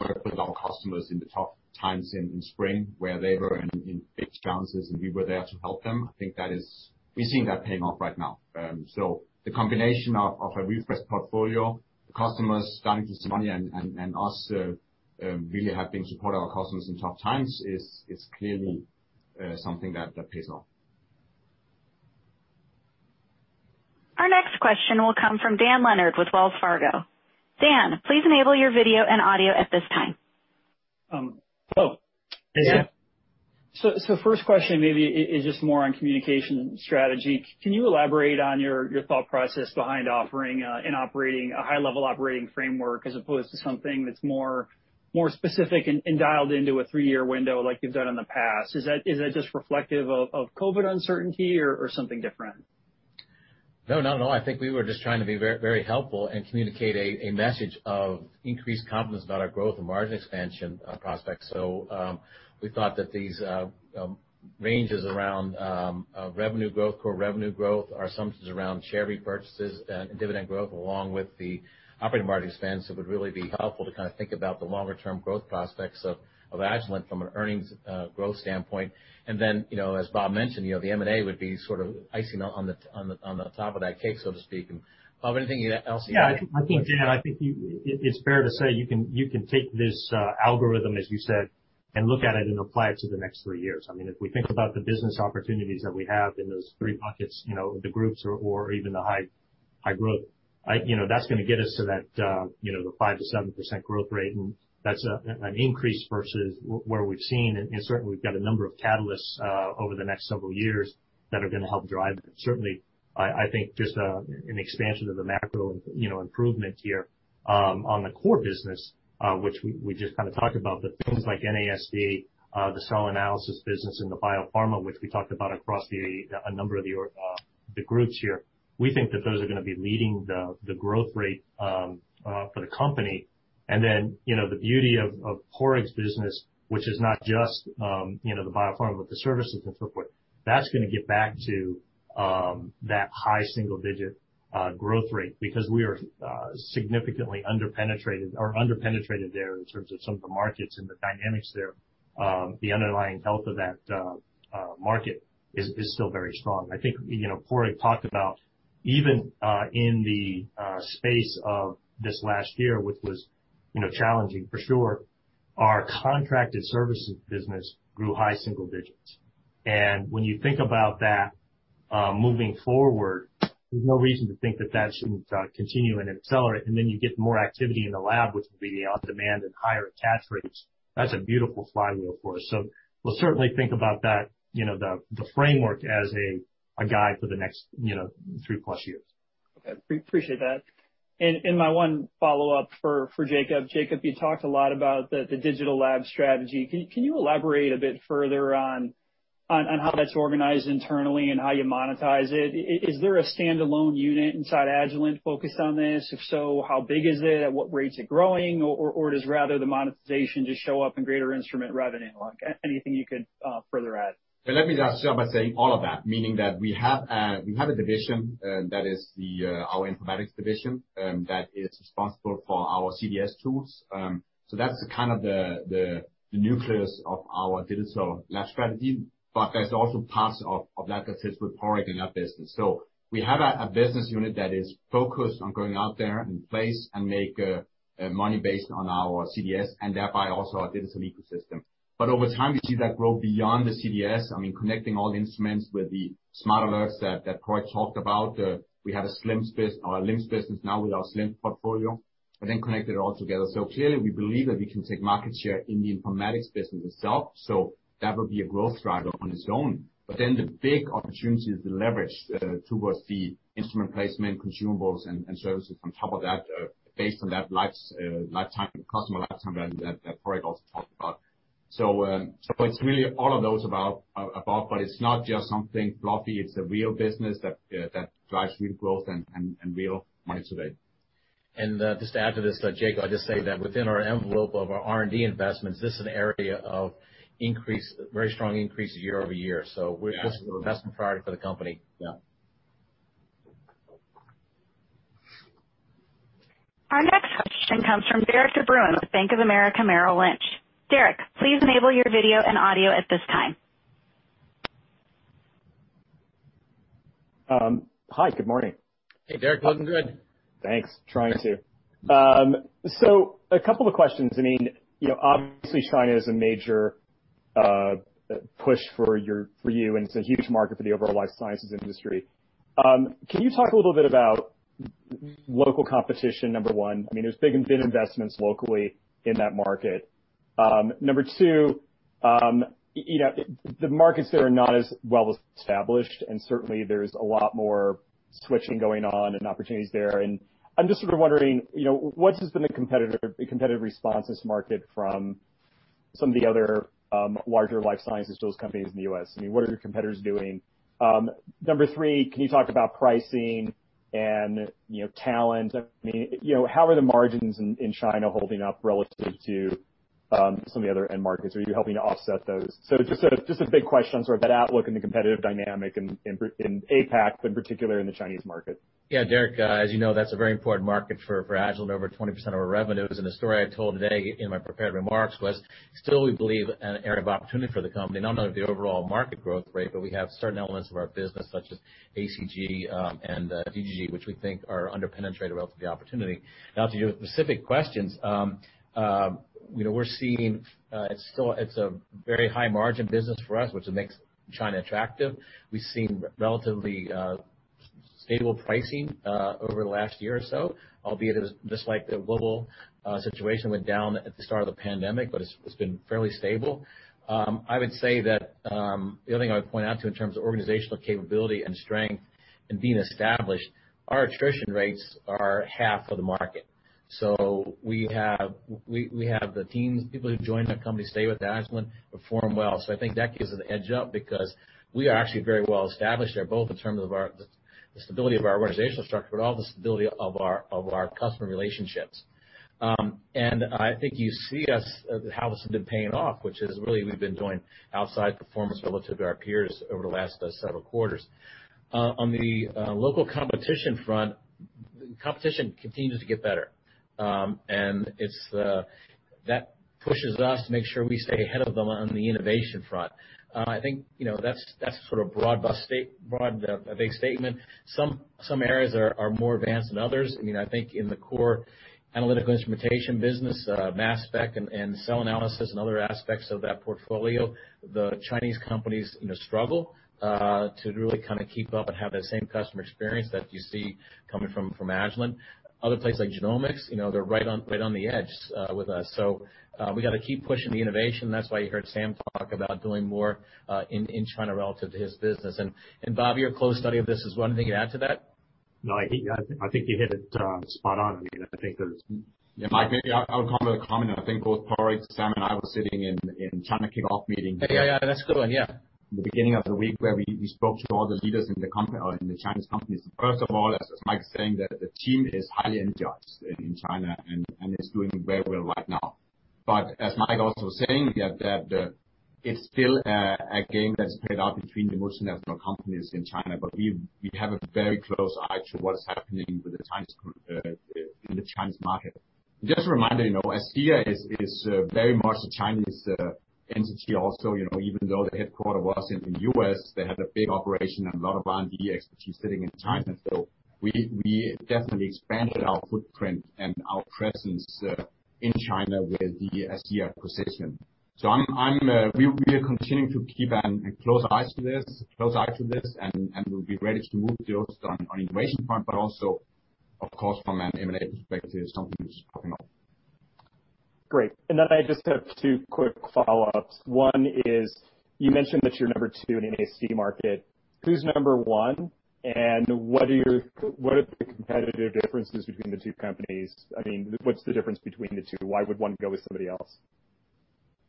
work with our customers in the tough times in spring, where they were in big challenges, and we were there to help them. I think we're seeing that paying off right now. The combination of a refreshed portfolio, the customers starting to see money, and us really have been supporting our customers in tough times is clearly something that pays off. Our next question will come from Dan Leonard with Wells Fargo. Dan, please enable your video and audio at this time. Oh. Hey, Dan. First question maybe is just more on communication strategy. Can you elaborate on your thought process behind offering and operating a high-level operating framework as opposed to something that's more specific and dialed into a three-year window like you've done in the past? Is that just reflective of COVID uncertainty or something different? No, not at all. I think we were just trying to be very helpful and communicate a message of increased confidence about our growth and margin expansion prospects. We thought that these ranges around revenue growth, core revenue growth, our assumptions around share repurchases and dividend growth, along with the operating margin expense, it would really be helpful to think about the longer-term growth prospects of Agilent from an earnings growth standpoint. As Bob mentioned, the M&A would be icing on the top of that cake, so to speak. Bob, anything else you'd add? Dan, I think it's fair to say you can take this algorithm, as you said, and look at it and apply it to the next three years. If we think about the business opportunities that we have in those three buckets, the groups or even the high growth, that's going to get us to that 5%-7% growth rate. That's an increase versus what we've seen. Certainly, we've got a number of catalysts, over the next several years that are going to help drive it. Certainly, I think just an expansion of the macro improvement here, on the core business, which we just talked about. Things like NASD, the cell analysis business and the biopharma, which we talked about across a number of the groups here, we think that those are going to be leading the growth rate for the company. The beauty of Padraig's business, which is not just the biopharma, but the services and so forth, that's going to get back to that high single-digit growth rate because we are significantly under-penetrated there in terms of some of the markets and the dynamics there. The underlying health of that market is still very strong. I think Padraig talked about even in the space of this last year, which was challenging for sure, our contracted services business grew high single digits. When you think about that moving forward, there's no reason to think that should continue and accelerate. You get more activity in the lab, which will be on demand and higher attach rates. That's a beautiful flywheel for us. We'll certainly think about that, the framework as a guide for the next 3+ years. Okay. Appreciate that. My one follow-up for Jacob. Jacob, you talked a lot about the digital lab strategy. Can you elaborate a bit further on how that's organized internally and how you monetize it? Is there a standalone unit inside Agilent focused on this? If so, how big is it? At what rate is it growing? Does rather the monetization just show up in greater instrument revenue? Anything you could further add? Let me just start by saying all of that, meaning that we have a division that is our informatics division, that is responsible for our CDS tools. That's the nucleus of our digital lab strategy, but there's also parts of that, as said with Padraig, in our business. We have a business unit that is focused on going out there in place and make money based on our CDS, and thereby also our digital ecosystem. Over time, we see that grow beyond the CDS, connecting all instruments with the Smart Alerts that Padraig talked about. We have a LIMS business now with our SLIMS portfolio, and then connect it all together. Clearly, we believe that we can take market share in the informatics business itself. That would be a growth driver on its own. The big opportunity is the leverage towards the instrument placement, consumables, and services on top of that based on that customer lifetime value that Padraig also talked about. It's really all of those above, but it's not just something floppy, it's a real business that drives real growth and real money today. Just to add to this, Jacob, I'd just say that within our envelope of our R&D investments, this is an area of very strong increases year-over-year. This is a priority for the company. Yeah. Our next question comes from Derik De Bruin with Bank of America Merrill Lynch. Derik, please enable your video and audio at this time. Hi, good morning. Hey, Derik. Looking good. Thanks. A couple of questions. Obviously, China is a major push for you, and it's a huge market for the overall life sciences industry. Can you talk a little bit about local competition, number one? There's big investments locally in that market. Number two, the markets there are not as well established, and certainly there's a lot more switching going on and opportunities there. I'm just wondering, what has been the competitive response to this market from some of the other larger life sciences tools companies in the U.S.? What are your competitors doing? Number three, can you talk about pricing and talent? How are the margins in China holding up relative to some of the other end markets? Are you helping to offset those? Just a big question on sort of that outlook and the competitive dynamic in APAC, but in particular in the Chinese market. Yeah, Derik, as you know, that's a very important market for Agilent, over 20% of our revenues. The story I told today in my prepared remarks was still, we believe, an area of opportunity for the company, not only the overall market growth rate, but we have certain elements of our business such as ACG, and DGG, which we think are under-penetrated relative to the opportunity. Now to your specific questions, we're seeing it's a very high margin business for us, which makes China attractive. We've seen relatively stable pricing over the last year or so, albeit just like the global situation went down at the start of the pandemic, but it's been fairly stable. I would say that, the other thing I would point out too in terms of organizational capability and strength and being established, our attrition rates are half of the market. We have the teams, people who've joined the company stay with Agilent, perform well. I think that gives it an edge up because we are actually very well established there, both in terms of the stability of our organizational structure, but also the stability of our customer relationships. I think you see how this has been paying off, which is really, we've been doing outsize performance relative to our peers over the last several quarters. On the local competition front, competition continues to get better. That pushes us to make sure we stay ahead of them on the innovation front. I think that's sort of a big statement. Some areas are more advanced than others. I think in the core analytical instrumentation business, mass spec and cell analysis and other aspects of that portfolio, the Chinese companies struggle to really keep up and have that same customer experience that you see coming from Agilent. Other places like genomics, they're right on the edge with us. We got to keep pushing the innovation. That's why you heard Sam talk about doing more in China relative to his business. Bob, your close study of this as well. Anything to add to that? No, I think you hit it spot on. Yeah, Mike, maybe I will come with a comment. I think both Padraig, Sam, and I were sitting in China kickoff meeting here- Yeah. That's a good one. Yeah. The beginning of the week where we spoke to all the leaders in the Chinese companies. First of all, as Mike's saying, the team is highly energized in China and is doing very well right now. As Mike also saying, that it's still a game that's played out between the multinational companies in China. We have a very close eye to what is happening in the Chinese market. Just a reminder, ACEA is very much a Chinese entity also. Even though the headquarter was in the U.S., they had a big operation and a lot of R&D expertise sitting in China. We definitely expanded our footprint and our presence in China with the ACEA acquisition. We are continuing to keep a close eye to this, and we'll be ready to move deals on innovation front, but also, of course, from an M&A perspective, something is popping up. Great. I just have two quick follow-ups. One is, you mentioned that you're number two in the NASD market. Who's number one, what are the competitive differences between the two companies? What's the difference between the two? Why would one go with somebody else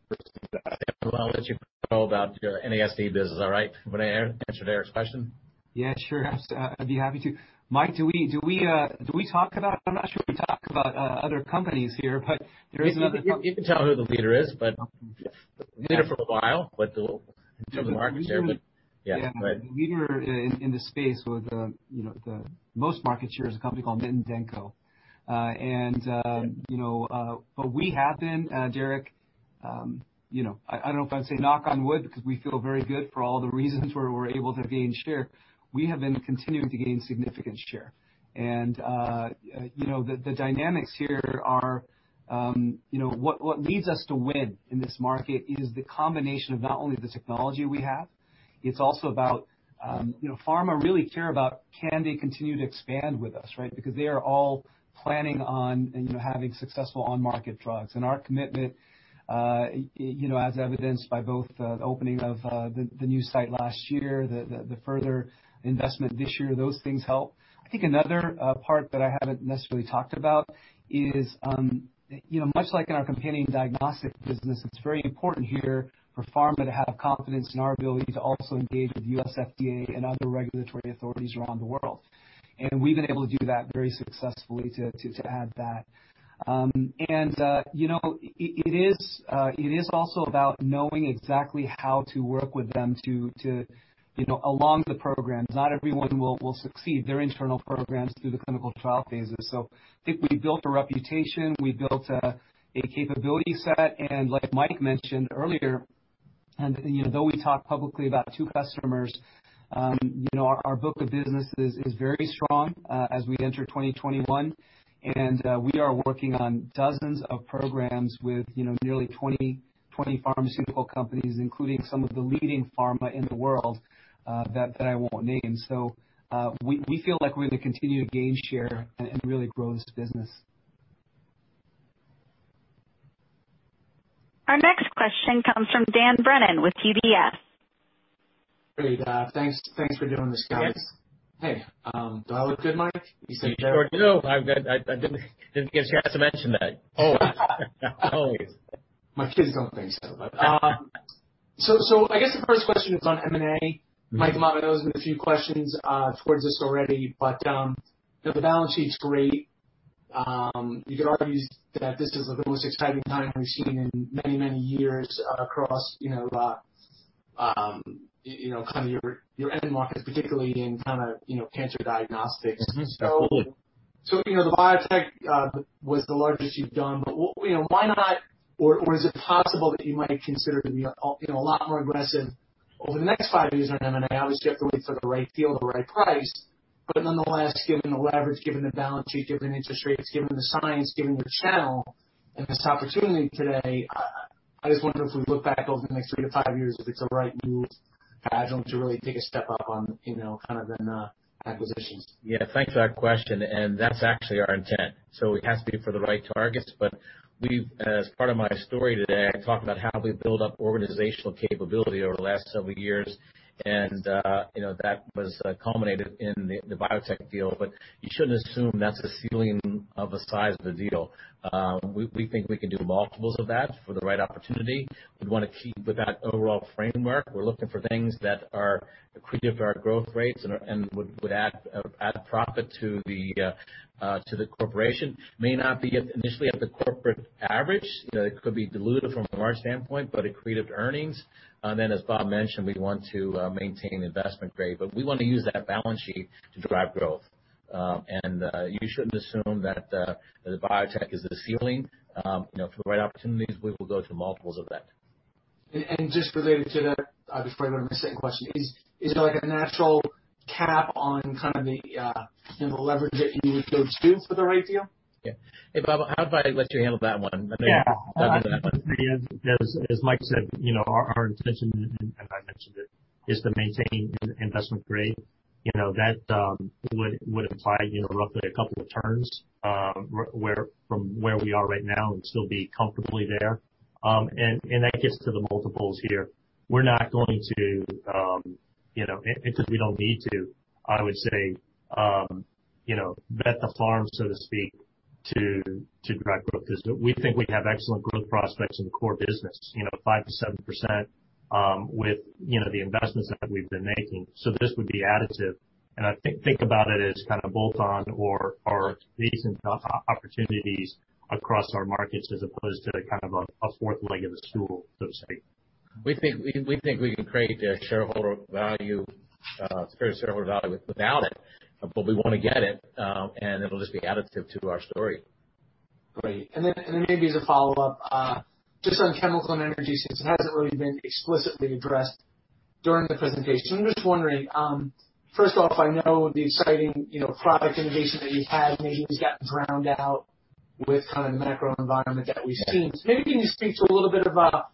versus the other? Sam, why don't you talk about your NASD business, all right? Want to answer Derik's question? Yeah, sure. I'd be happy to. Mike, I'm not sure we talk about other companies here, but there is another. You can tell who the leader is, leader for a while, but in terms of market share. Yeah, go ahead. The leader in the space with the most market share is a company called Nitto Denko. We have been, Derik, I don't know if I'd say knock on wood because we feel very good for all the reasons where we're able to gain share. We have been continuing to gain significant share. The dynamics here are what leads us to win in this market is the combination of not only the technology we have, it's also about pharma really care about can they continue to expand with us, right? They are all planning on and having successful on-market drugs. Our commitment, as evidenced by both the opening of the new site last year, the further investment this year, those things help. I think another part that I haven't necessarily talked about is, much like in our companion diagnostic business, it's very important here for pharma to have confidence in our ability to also engage with U.S. FDA and other regulatory authorities around the world. We've been able to do that very successfully to add that. It is also about knowing exactly how to work with them along the programs. Not everyone will succeed their internal programs through the clinical trial phases. I think we built a reputation, we built a capability set, and like Mike mentioned earlier, and though we talk publicly about two customers, our book of business is very strong as we enter 2021. We are working on dozens of programs with nearly 20 pharmaceutical companies, including some of the leading pharma in the world that I won't name. We feel like we're going to continue to gain share and really grow this business. Our next question comes from Dan Brennan with UBS. Great. Thanks for doing this, guys. Hey, do I look good, Mike? You sure do. I didn't think I was going to mention that. Always. My kids don't think so. I guess the first question is on M&A. Mike, a lot of those have been a few questions towards this already, but the balance sheet's great. You could argue that this is the most exciting time we've seen in many years across your end markets, particularly in cancer diagnostics. Absolutely. The biotech was the largest you've done, why not, or is it possible that you might consider being a lot more aggressive over the next five years on M&A? Obviously, you have to wait for the right deal, the right price. Nonetheless, given the leverage, given the balance sheet, given interest rates, given the science, given your channel and this opportunity today, I just wonder if we look back over the next three to five years, if it's the right move for Agilent to really take a step up on the acquisitions. Yeah. Thanks for that question. That's actually our intent. As part of my story today, I talk about how we build up organizational capability over the last several years, and that was culminated in the BioTek deal. You shouldn't assume that's the ceiling of the size of the deal. We think we can do multiples of that for the right opportunity. We'd want to keep with that overall framework. We're looking for things that are accretive to our growth rates and would add profit to the corporation. May not be initially at the corporate average. It could be dilutive from our standpoint, but accretive to earnings. As Bob mentioned, we'd want to maintain investment grade. We want to use that balance sheet to drive growth. You shouldn't assume that the BioTek is the ceiling. For the right opportunities, we will go to multiples of that. Just related to that, before I go to my second question, is there like an actual cap on the leverage that you would go to for the right deal? Yeah. Hey, Bob, how about I let you handle that one? As Mike said, our intention, and I mentioned it, is to maintain investment grade. That would imply roughly two turns from where we are right now and still be comfortably there, and that gets to the multiples here. We're not going to, because we don't need to, I would say, bet the farm, so to speak, to drive growth, because we think we have excellent growth prospects in the core business. 5%-7% with the investments that we've been making. This would be additive, and I think about it as kind of bolt-on or recent opportunities across our markets as opposed to kind of a fourth leg of the stool, so to speak. We think we can create shareholder value without it, but we want to get it, and it'll just be additive to our story. Great. Then maybe as a follow-up, just on Chemical & Energy, since it hasn't really been explicitly addressed during the presentation. I'm just wondering, first off, I know the exciting product innovation that you've had maybe has gotten drowned out with the macro environment that we've seen. Maybe can you speak to a little bit about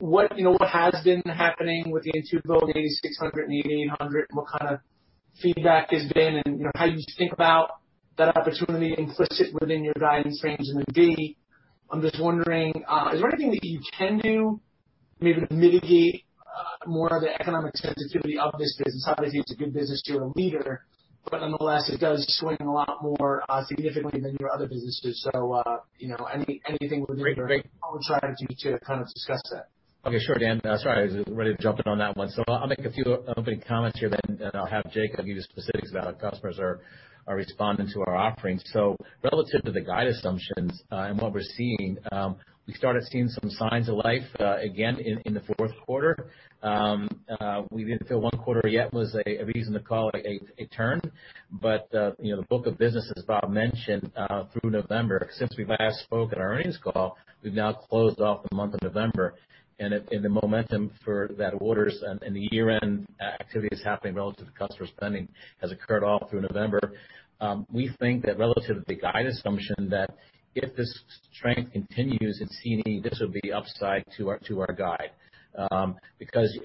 what has been happening with the Intuvo, 600 and the 800, and what kind of feedback has been, and how you think about that opportunity implicit within your guidance range in the FY. I'm just wondering, is there anything that you can do maybe to mitigate more of the economic sensitivity of this business? Obviously, it's a good business. You're a leader, nonetheless, it does swing a lot more significantly than your other businesses. Anything within your strategy to kind of discuss that? Okay, sure, Dan. Sorry, I was ready to jump in on that one. I'll make a few opening comments here, then I'll have Jacob give you the specifics about how customers are responding to our offerings. Relative to the guide assumptions and what we're seeing, we started seeing some signs of life again in the fourth quarter. We didn't feel one quarter yet was a reason to call a turn, but the book of business, as Bob mentioned, through November, since we last spoke at our earnings call, we've now closed off the month of November. The momentum for that orders and the year-end activity is happening relative to customer spending has occurred all through November. We think that relative to the guide assumption, that if this strength continues in C&E, this will be upside to our guide.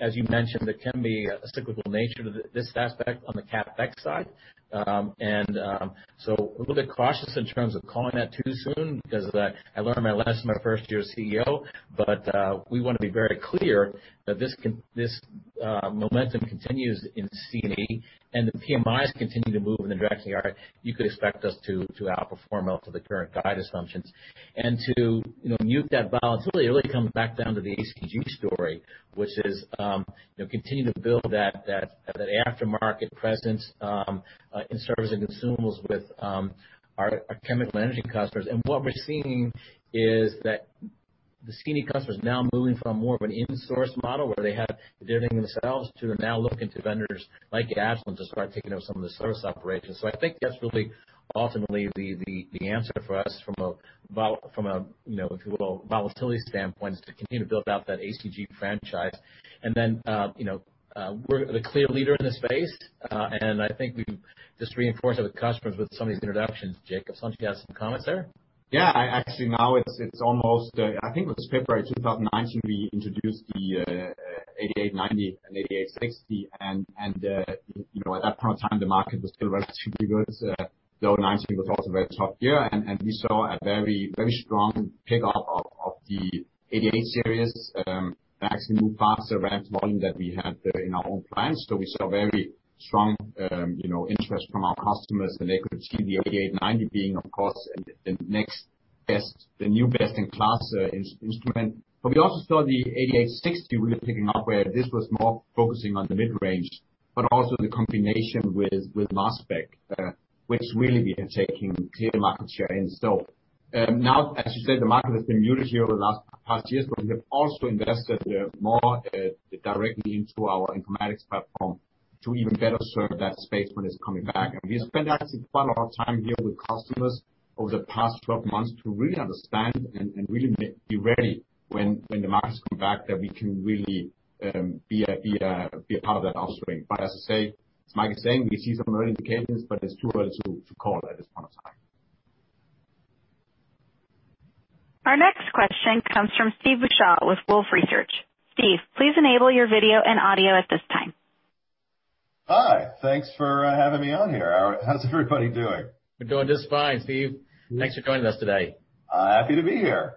As you mentioned, there can be a cyclical nature to this aspect on the CapEx side. We're a little bit cautious in terms of calling that too soon because I learned my lesson my first year as CEO. We want to be very clear that this momentum continues in C&E and the PMIs continue to move in the direction they are, you could expect us to outperform relative to the current guide assumptions. To mute that volatility, it really comes back down to the ACG story, which is continue to build that aftermarket presence in service and consumables with our Chemical & Energy customers. What we're seeing is that the C&E customer is now moving from more of an in-source model where they have it delivering themselves to now looking to vendors like Agilent to start taking over some of the service operations. I think that's really ultimately the answer for us from a volatility standpoint, is to continue to build out that ACG franchise. We're the clear leader in this space, and I think we just reinforced it with customers with some of these introductions. Jacob, don't you have some comments there? Yeah, actually, now it's almost, I think it was February 2019, we introduced the 8890 and 8860. At that point in time, the market was still relatively good, though 2019 was also a very tough year. We saw a very strong pickup of the 88 series, actually moved faster rev volume than we had in our own plans. We saw very strong interest from our customers, and they could see the 8890 being, of course, the new best-in-class instrument. We also saw the 8860 really picking up, where this was more focusing on the mid-range, but also the combination with Mass Spec, which really we are taking clear market share in. Now, as you said, the market has been muted here over the past years, but we have also invested more directly into our informatics platform to even better serve that space when it's coming back. We have spent actually quite a lot of time here with customers over the past 12 months to really understand and really be ready when the markets come back, that we can really be a part of that upswing. As Mike is saying, we see some early indications, but it's too early to call at this point of time. Our next question comes from Steve Beuchaw with Wolfe Research. Steve, please enable your video and audio at this time. Hi, thanks for having me on here. How's everybody doing? We're doing just fine, Steve. Thanks for joining us today. Happy to be here.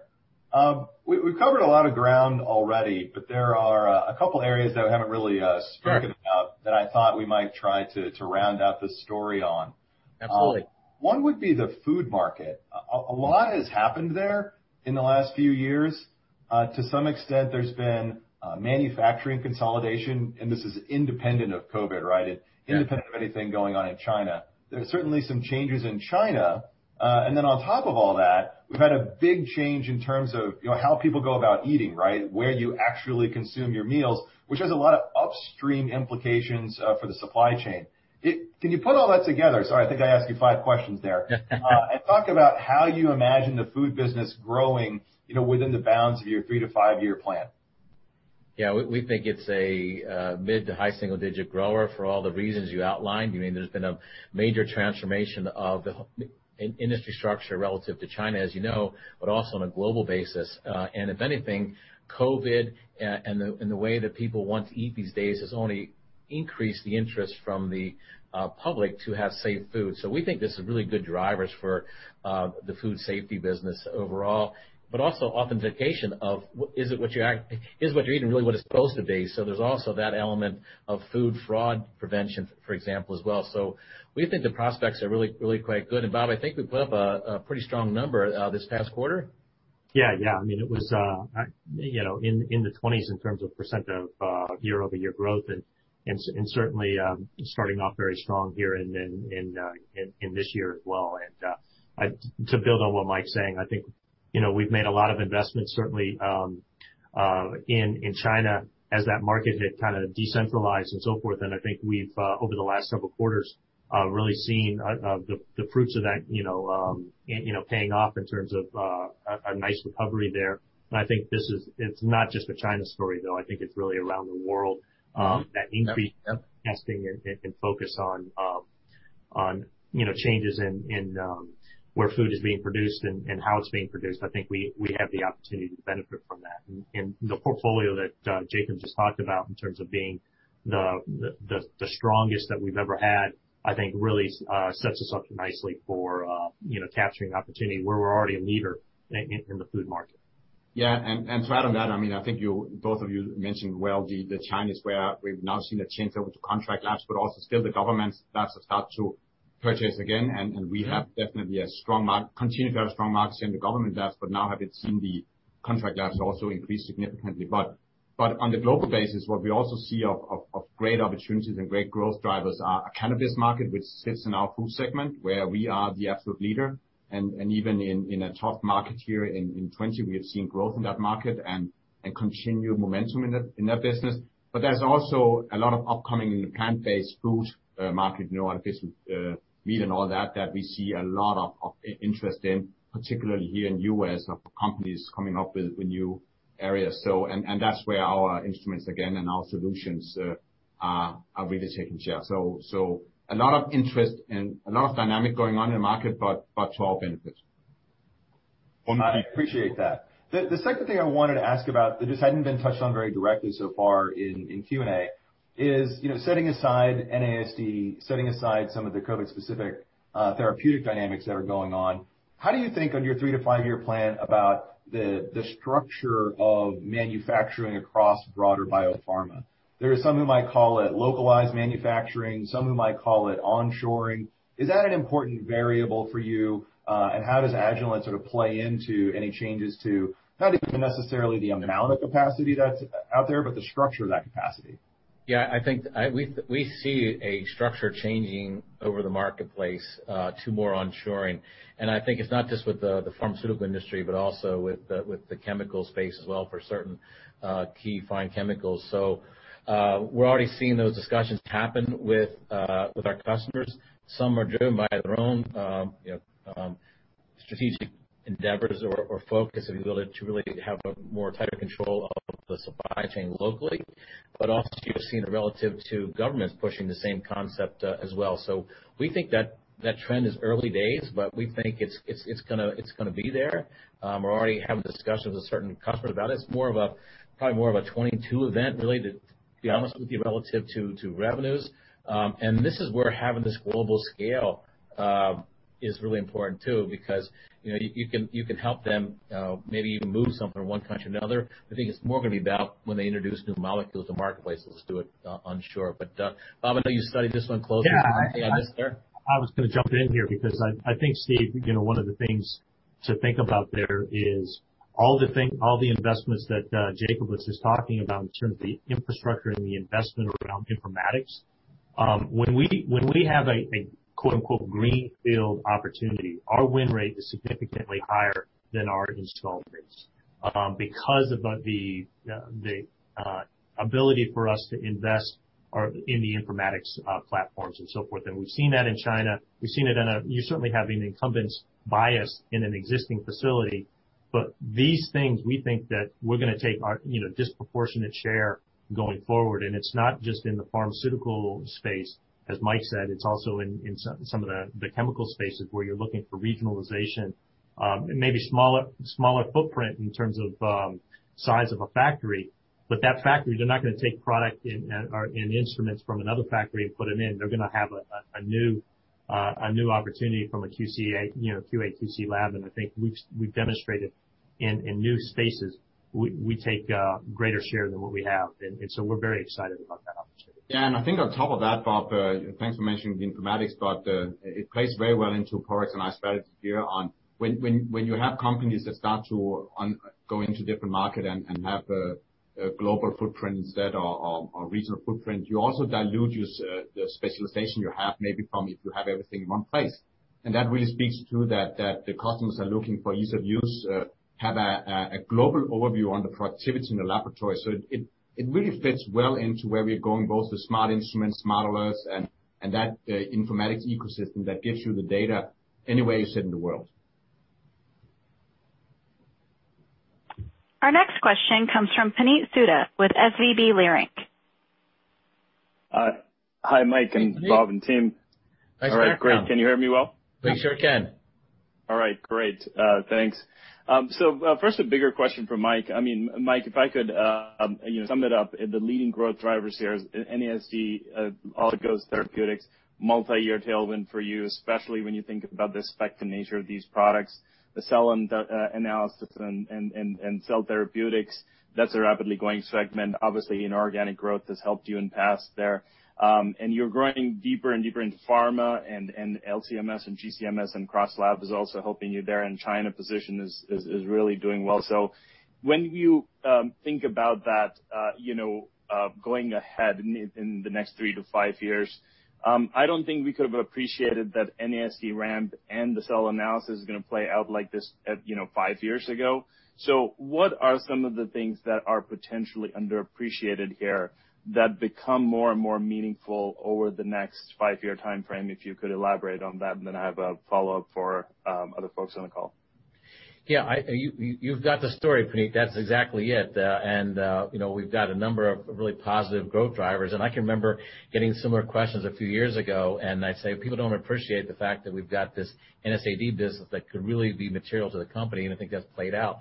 We've covered a lot of ground already, but there are a couple areas that we haven't really spoken about that I thought we might try to round out the story on. Absolutely. One would be the food market. A lot has happened there in the last few years. To some extent, there's been manufacturing consolidation, and this is independent of COVID, right? Yeah. Independent of anything going on in China. There are certainly some changes in China. Then on top of all that, we've had a big change in terms of how people go about eating, right? Where you actually consume your meals, which has a lot of upstream implications for the supply chain. Can you put all that together? Sorry, I think I asked you five questions there. Talk about how you imagine the food business growing within the bounds of your three-to-five-year plan. Yeah. We think it's a mid to high single-digit grower for all the reasons you outlined. There's been a major transformation of the industry structure relative to China, as you know, but also on a global basis. If anything, COVID, and the way that people want to eat these days, has only increased the interest from the public to have safe food. We think this is really good drivers for the food safety business overall, but also authentication of, is what you're eating really what it's supposed to be? There's also that element of food fraud prevention, for example, as well. We think the prospects are really quite good. Bob, I think we put up a pretty strong number this past quarter. Yeah. It was in the 20s in terms of percent of year-over-year growth, certainly, starting off very strong here in this year as well. To build on what Mike's saying, I think we've made a lot of investments, certainly, in China as that market had kind of decentralized and so forth. I think we've, over the last several quarters, really seen the fruits of that paying off in terms of a nice recovery there. I think it's not just a China story, though. I think it's really around the world. Yep testing and focus on changes in where food is being produced and how it's being produced. I think we have the opportunity to benefit from that. The portfolio that Jacob just talked about in terms of being the strongest that we've ever had, I think really sets us up nicely for capturing opportunity where we're already a leader in the food market. Yeah. To add on that, I think both of you mentioned well the China square. We've now seen a change over to contract labs, but also still the government labs have started to purchase again, and we have definitely continue to have a strong market share in the government labs, but now have seen the contract labs also increase significantly. On the global basis, what we also see of great opportunities and great growth drivers are cannabis market, which sits in our food segment, where we are the absolute leader. Even in a tough market here in 2020, we have seen growth in that market, and continue momentum in that business. There's also a lot of upcoming in the plant-based food market, artificial meat and all that we see a lot of interest in, particularly here in U.S., of companies coming up with new areas. That's where our instruments, again, and our solutions are really taking share. A lot of interest and a lot of dynamic going on in the market, but to our benefit. I appreciate that. The second thing I wanted to ask about that just hadn't been touched on very directly so far in Q&A is, setting aside NASD, setting aside some of the COVID-specific therapeutic dynamics that are going on, how do you think on your three-to-five-year plan about the structure of manufacturing across broader biopharma? There are some who might call it localized manufacturing, some who might call it onshoring. Is that an important variable for you? How does Agilent sort of play into any changes to, not even necessarily the amount of capacity that's out there, but the structure of that capacity? Yeah, I think we see a structure changing over the marketplace to more onshoring. I think it's not just with the pharmaceutical industry, but also with the chemical space as well for certain key fine chemicals. We're already seeing those discussions happen with our customers. Some are driven by their own strategic endeavors or focus, ability to really have a more tighter control of the supply chain locally. Also, you're seeing it relative to governments pushing the same concept as well. We think that trend is early days, but we think it's going to be there. We're already having discussions with certain customers about it. It's probably more of a 2022 event, really, to be honest with you, relative to revenues. This is where having this global scale is really important too, because you can help them maybe even move something from one country to another. I think it's more going to be about when they introduce new molecules to marketplace. Let's do it onshore. Bob, I know you studied this one closely. Yeah. Anything I missed there? I was going to jump in here because I think, Steve, one of the things to think about there is all the investments that Jacob was just talking about in terms of the infrastructure and the investment around informatics. When we have a greenfield opportunity, our win rate is significantly higher than our install base because of the ability for us to invest in the informatics platforms and so forth. We've seen that in China. You certainly have an incumbent's bias in an existing facility. These things, we think that we're going to take our disproportionate share going forward. It's not just in the pharmaceutical space, as Mike said, it's also in some of the chemical spaces where you're looking for regionalization, and maybe smaller footprint in terms of size of a factory. That factory, they're not going to take product and instruments from another factory and put them in. They're going to have a new opportunity from a QA/QC lab, I think we've demonstrated in new spaces, we take greater share than what we have. We're very excited about that opportunity. Yeah, I think on top of that, Bob, thanks for mentioning the informatics, but it plays very well into products, and I started here on when you have companies that start to go into different market and have a global footprint instead or regional footprint, you also dilute the specialization you have, maybe from if you have everything in one place. That really speaks to that the customers are looking for ease of use, have a global overview on the productivity in the laboratory. It really fits well into where we're going, both the smart instruments, modelers, and that informatics ecosystem that gives you the data anywhere you sit in the world. Our next question comes from Puneet Souda with SVB Leerink. Hi, Mike and Bob and team. Hi, Puneet. All right, great. Can you hear me well? We sure can. All right, great. Thanks. First a bigger question for Mike. Mike, if I could sum it up, the leading growth drivers here, NASD oligos therapeutics, multi-year tailwind for you, especially when you think about the spectrum nature of these products, the cell analysis and cell therapeutics, that's a rapidly growing segment. Obviously, inorganic growth has helped you in past there. You're growing deeper and deeper into pharma and LC-MS and GC-MS and Cross Lab is also helping you there. China position is really doing well. When you think about that going ahead in the next three to five years, I don't think we could have appreciated that NASD ramp and the cell analysis is going to play out like this five years ago. What are some of the things that are potentially underappreciated here that become more and more meaningful over the next five-year timeframe, if you could elaborate on that? Then I have a follow-up for other folks on the call. Yeah. You've got the story, Puneet. That's exactly it. We've got a number of really positive growth drivers, I can remember getting similar questions a few years ago, I'd say people don't appreciate the fact that we've got this NASD business that could really be material to the company, I think that's played out.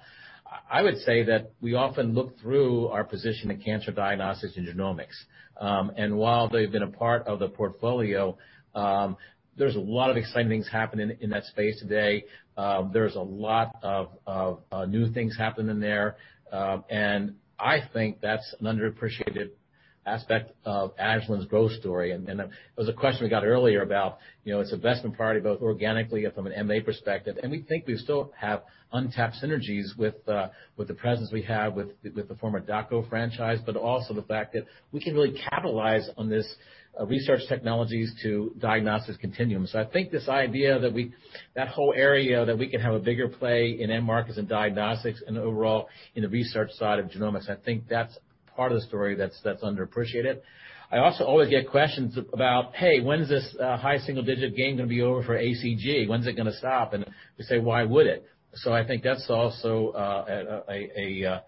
I would say that we often look through our position in cancer diagnostics and genomics. While they've been a part of the portfolio, there's a lot of exciting things happening in that space today. There's a lot of new things happening there. I think that's an underappreciated aspect of Agilent's growth story. It was a question we got earlier about, its investment priority, both organically and from an M&A perspective. We think we still have untapped synergies with the presence we have with the former Dako franchise, but also the fact that we can really capitalize on this research technologies to diagnostics continuum. I think this idea, that whole area that we can have a bigger play in end markets and diagnostics and overall in the research side of genomics, I think that's part of the story that's underappreciated. I also always get questions about, hey, when's this high single digit gain going to be over for ACG? When's it going to stop? We say, why would it? I think that's also an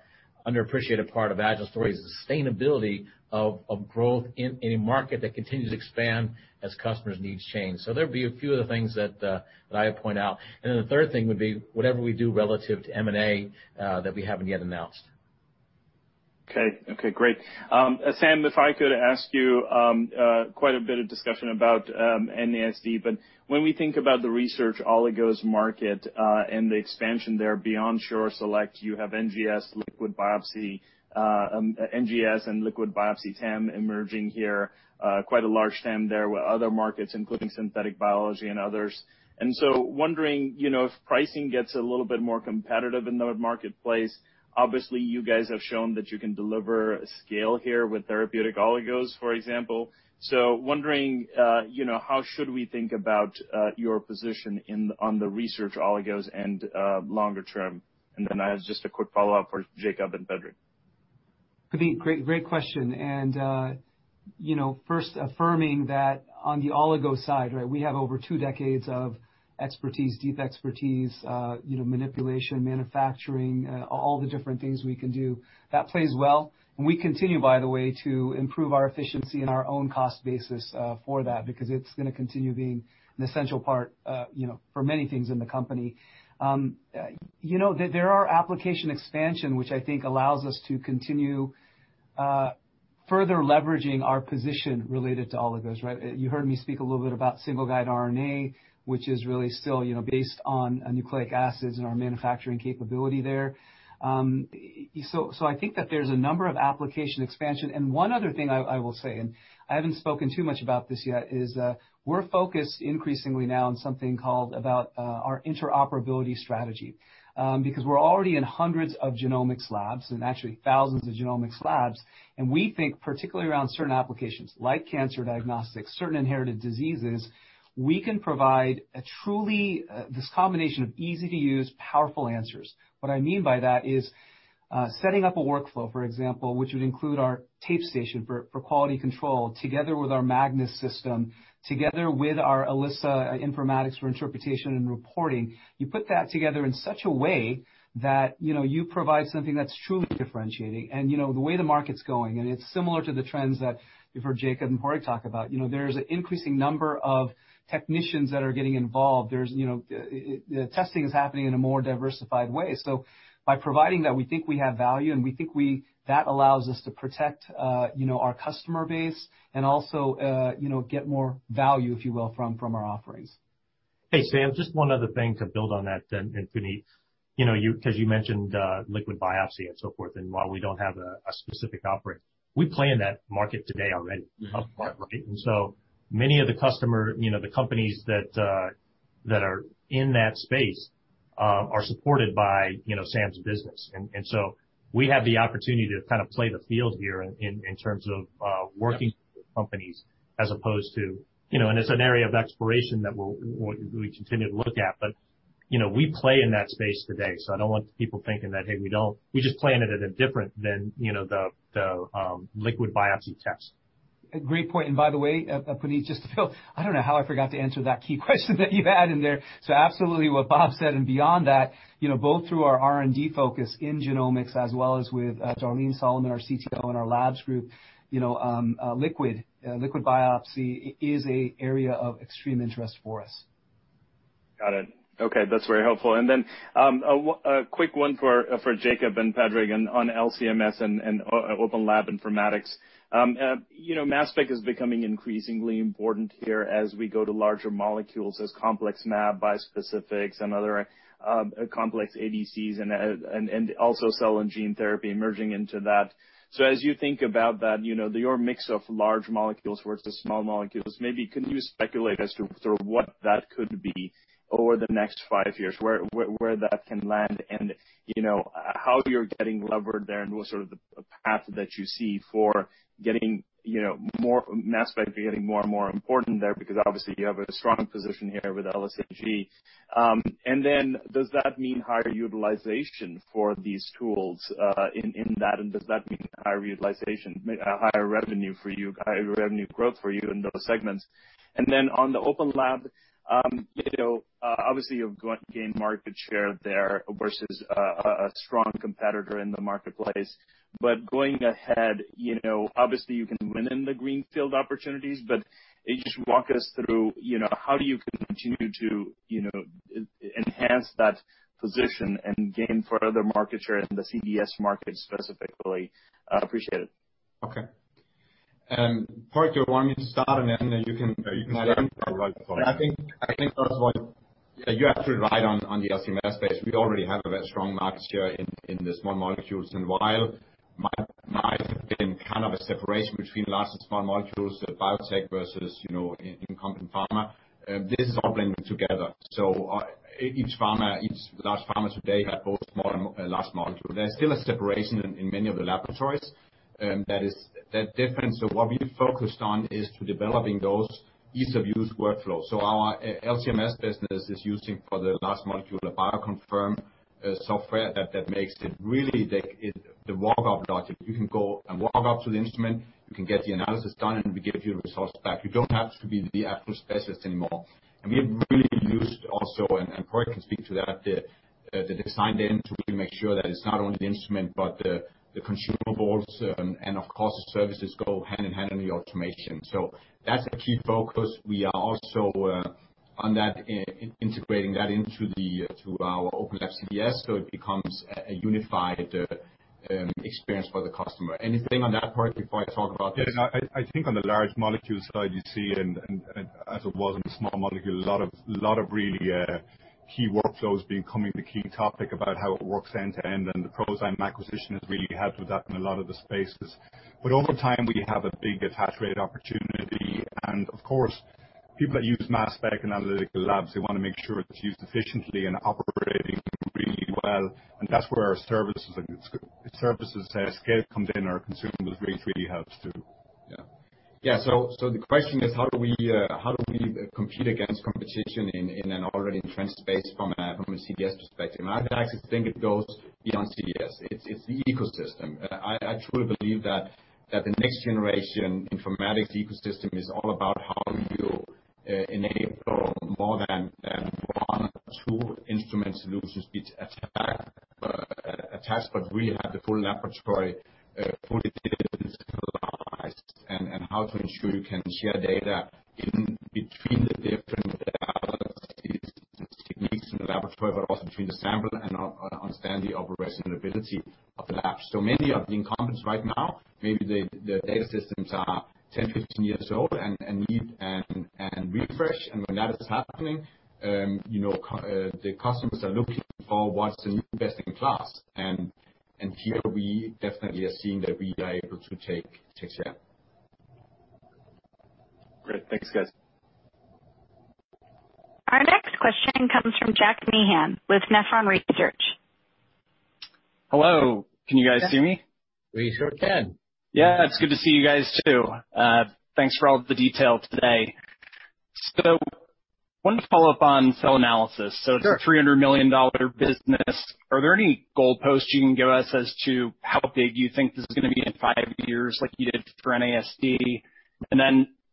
underappreciated part of Agilent story is the sustainability of growth in a market that continues to expand as customers' needs change. There'd be a few other things that I point out. The third thing would be whatever we do relative to M&A, that we haven't yet announced. Okay, great. Sam, if I could ask you, quite a bit of discussion about NASD. When we think about the research oligos market, and the expansion there beyond SureSelect, you have NGS liquid biopsy, NGS and liquid biopsy TAM emerging here, quite a large TAM there with other markets, including synthetic biology and others. Wondering, if pricing gets a little bit more competitive in the marketplace, obviously, you guys have shown that you can deliver scale here with therapeutic oligos, for example. Wondering, how should we think about your position on the research oligos and longer term? I have just a quick follow-up for Jacob and Padraig. Puneet, great question. First affirming that on the oligo side, we have over two decades of expertise, deep expertise, manipulation, manufacturing, all the different things we can do. That plays well, and we continue, by the way, to improve our efficiency and our own cost basis for that, because it's going to continue being an essential part for many things in the company. There are application expansion, which I think allows us to continue further leveraging our position related to oligos, right? You heard me speak a little bit about single-guide RNA, which is really still based on nucleic acids and our manufacturing capability there. I think that there's a number of application expansion. One other thing I will say, and I haven't spoken too much about this yet, is we're focused increasingly now on something called our interoperability strategy. We're already in hundreds of genomics labs, and actually thousands of genomics labs, and we think, particularly around certain applications like cancer diagnostics, certain inherited diseases, we can provide this combination of easy-to-use powerful answers. What I mean by that is, setting up a workflow, for example, which would include our TapeStation for quality control, together with our Magnis system, together with our SLIMS informatics for interpretation and reporting. You put that together in such a way that you provide something that's truly differentiating. The way the market's going, and it's similar to the trends that you've heard Jacob and Padraig talk about, there's an increasing number of technicians that are getting involved. The testing is happening in a more diversified way. By providing that, we think we have value, and we think that allows us to protect our customer base and also get more value, if you will, from our offerings. Hey, Sam, just one other thing to build on that then, and Puneet. You mentioned liquid biopsy and so forth, and while we don't have a specific offering, we play in that market today already. Right? Many of the customer, the companies that are in that space, are supported by Sam's business. We have the opportunity to kind of play the field here in terms of working with companies as opposed to It's an area of exploration that we continue to look at. We play in that space today, so I don't want people thinking that, hey, we don't. We just play in it at a different than the liquid biopsy test. Great point. By the way, Puneet, just to fill, I don't know how I forgot to answer that key question that you had in there. Absolutely, what Bob said and beyond that, both through our R&D focus in genomics as well as with Darlene Solomon, our Chief Technology Officer, and our labs group, liquid biopsy is an area of extreme interest for us. Got it. Okay, that's very helpful. A quick one for Jacob and Padraig on LC-MS and OpenLab informatics. Mass spec is becoming increasingly important here as we go to larger molecules, as complex mAb, bispecifics and other complex ADCs, and also cell and gene therapy merging into that. As you think about that, your mix of large molecules versus small molecules, maybe can you speculate as to sort of what that could be over the next five years, where that can land and how you're getting levered there, and what sort of the path that you see for getting more mass spec being more and more important there? Obviously you have a strong position here with LC-MS. Does that mean higher utilization for these tools, higher revenue growth for you in those segments? On the OpenLab, obviously you've gone to gain market share there versus a strong competitor in the marketplace. Going ahead, obviously you can win in the greenfield opportunities, but just walk us through, how do you continue to enhance that position and gain further market share in the CDS market specifically? Appreciate it. Okay. Padraig, do you want me to start and then you can- No. You can start and I'll reply. I think first of all, you're actually right on the LC-MS space. We already have a very strong market share in the small molecules. While been kind of a separation between large and small molecules, the biotech versus incumbent pharma, this is all blending together. Each large pharma today have both small and large molecule. There's still a separation in many of the laboratories. That is, that difference of what we focused on is to developing those ease-of-use workflows. Our LC-MS business is using for the large molecule the BioConfirm software that makes it really the walk-up logic. You can go and walk up to the instrument, you can get the analysis done, and we give you the results back. You don't have to be the actual specialist anymore. We have really used also, and Padraig can speak to that, the design then to really make sure that it's not only the instrument, but the consumables and of course, the services go hand-in-hand on the automation. That's a key focus. We are also on that, integrating that into our OpenLab CDS, so it becomes a unified experience for the customer. Anything on that part before I talk about this? Yeah. I think on the large molecule side, you see, and as it was on the small molecule, a lot of really key workflows becoming the key topic about how it works end-to-end. The ProZyme acquisition has really helped with that in a lot of the spaces. Over time, we have a big attach rate opportunity. Of course, people that use mass spec in analytical labs, they want to make sure it's used efficiently and operating really well. That's where our services scale comes in, our consumables range really helps, too. Yeah. The question is, how do we compete against competition in an already entrenched space from a CDS perspective? I actually think it goes beyond CDS. It's the ecosystem. I truly believe that the next-generation informatics ecosystem is all about how you enable more than one or two instrument solutions being attached, but really have the full laboratory fully digitalized, and how to ensure you can share data even between the different techniques in the laboratory, but also between the sample and understanding the operational ability of the lab. Many are being competitive right now. Maybe the data systems are 10, 15 years old and need a refresh. When that is happening, the customers are looking for what's the new best in class. Here we definitely are seeing that we are able to take share. Great. Thanks, guys. Our next question comes from Jack Meehan with Nephron Research. Hello. Can you guys hear me? We sure can. Yeah, it's good to see you guys, too. Thanks for all of the detail today. Wanted to follow up on cell analysis. Sure. It's a $300 million business. Are there any goalposts you can give us as to how big you think this is going to be in five years, like you did for NASD?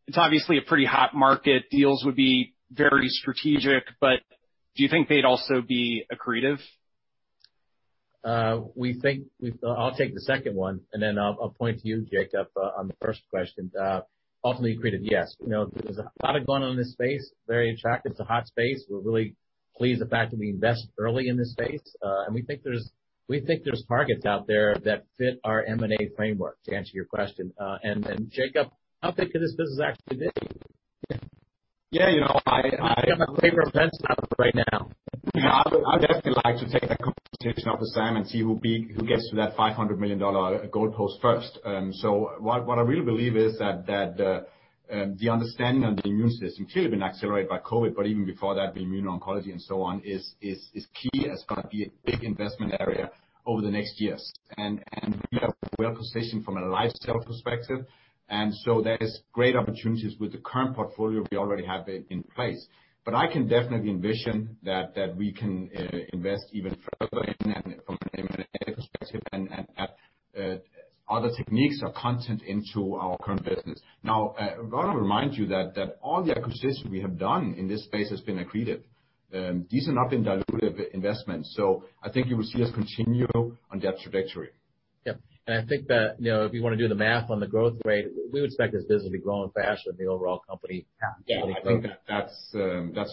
It's obviously a pretty hot market. Deals would be very strategic, but do you think they'd also be accretive? I'll take the second one, then I'll point to you, Jacob, on the first question. Ultimately accretive, yes. There's a lot going on in this space, very attractive. It's a hot space. We're really pleased with the fact that we invested early in this space. We think there's targets out there that fit our M&A framework, to answer your question. Jacob, how big could this business actually be? Yeah. You have a paper fence up right now. I'd definitely like to take that competition up with Sam and see who gets to that $500 million goalpost first. What I really believe is that the understanding of the immune system, clearly been accelerated by COVID, but even before that, the immune oncology and so on, is key and it's going to be a big investment area over the next years. We are well-positioned from a life science perspective. There is great opportunities with the current portfolio we already have in place. I can definitely envision that we can invest even further in it from an M&A perspective and add other techniques or content into our current business. Now, I want to remind you that all the acquisitions we have done in this space has been accretive. These have not been dilutive investments. I think you will see us continue on that trajectory. Yep. I think that if you want to do the math on the growth rate, we would expect this business to be growing faster than the overall company. Yeah. I think that's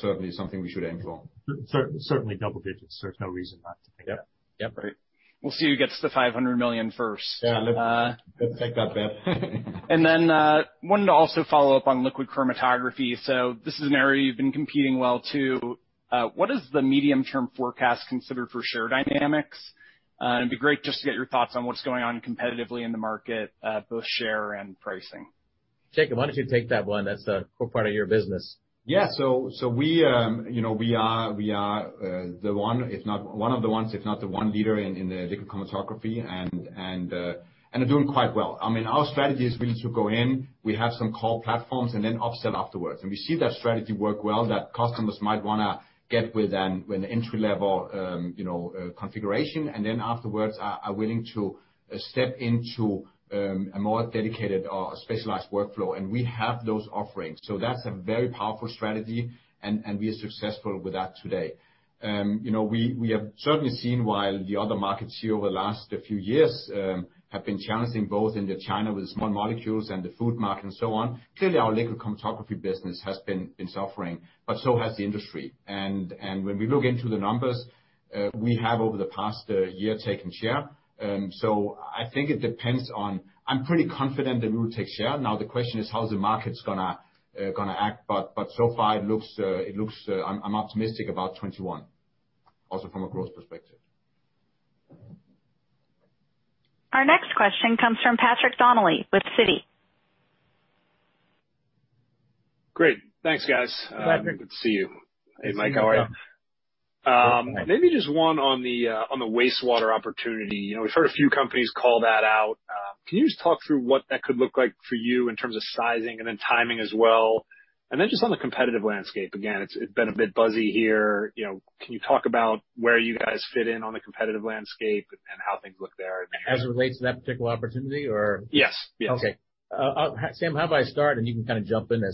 certainly something we should aim for. Certainly double digits. There's no reason not to. Yep. Right. We'll see who gets to $500 million first. Yeah. Let's take that bet. Wanted to also follow up on liquid chromatography. This is an area you've been competing well, too. What is the medium-term forecast considered for share dynamics? It'd be great just to get your thoughts on what's going on competitively in the market, both share and pricing. Jacob, why don't you take that one? That's a core part of your business. Yeah. We are one of the ones, if not the one leader in the liquid chromatography, and are doing quite well. Our strategy is really to go in, we have some core platforms, upsell afterwards. We see that strategy work well, that customers might want to get with an entry-level configuration, afterwards are willing to step into a more dedicated or specialized workflow, we have those offerings. That's a very powerful strategy, we are successful with that today. We have certainly seen while the other markets here over the last few years have been challenging, both into China with small molecules and the food market and so on. Clearly, our liquid chromatography business has been suffering, so has the industry. When we look into the numbers, we have over the past year taken share. I'm pretty confident that we will take share. The question is, how's the market's going to act? I'm optimistic about 2021, also from a growth perspective. Our next question comes from Patrick Donnelly with Citi. Great. Thanks, guys. Glad to. Good to see you. Hey, Mike. How are you? Maybe just one on the wastewater opportunity. We've heard a few companies call that out. Can you just talk through what that could look like for you in terms of sizing and then timing as well? Then just on the competitive landscape, again, it's been a bit buzzy here. Can you talk about where you guys fit in on the competitive landscape and how things look there? As it relates to that particular opportunity. Yes. Okay. Sam, how about I start you can kind of jump in there.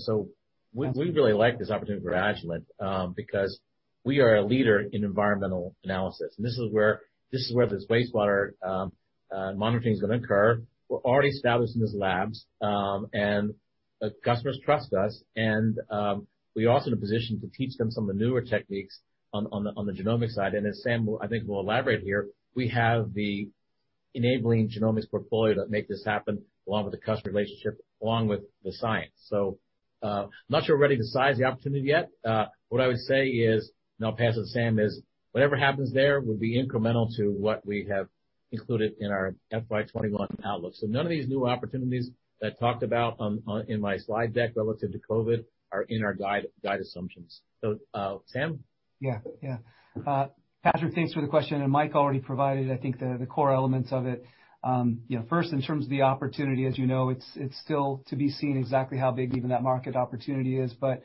We really like this opportunity for Agilent, because we are a leader in environmental analysis, this is where this wastewater monitoring is going to occur. We're already established in these labs, customers trust us. We're also in a position to teach them some of the newer techniques on the genomic side. As Sam, I think, will elaborate here, we have the enabling genomics portfolio that make this happen, along with the customer relationship, along with the science. Not sure we're ready to size the opportunity yet. What I would say is, I'll pass it to Sam, is whatever happens there would be incremental to what we have included in our FY 2021 outlook. None of these new opportunities that I talked about in my slide deck relative to COVID are in our guide assumptions. Sam? Patrick, thanks for the question, Mike already provided, I think, the core elements of it. First, in terms of the opportunity, as you know, it's still to be seen exactly how big even that market opportunity is, but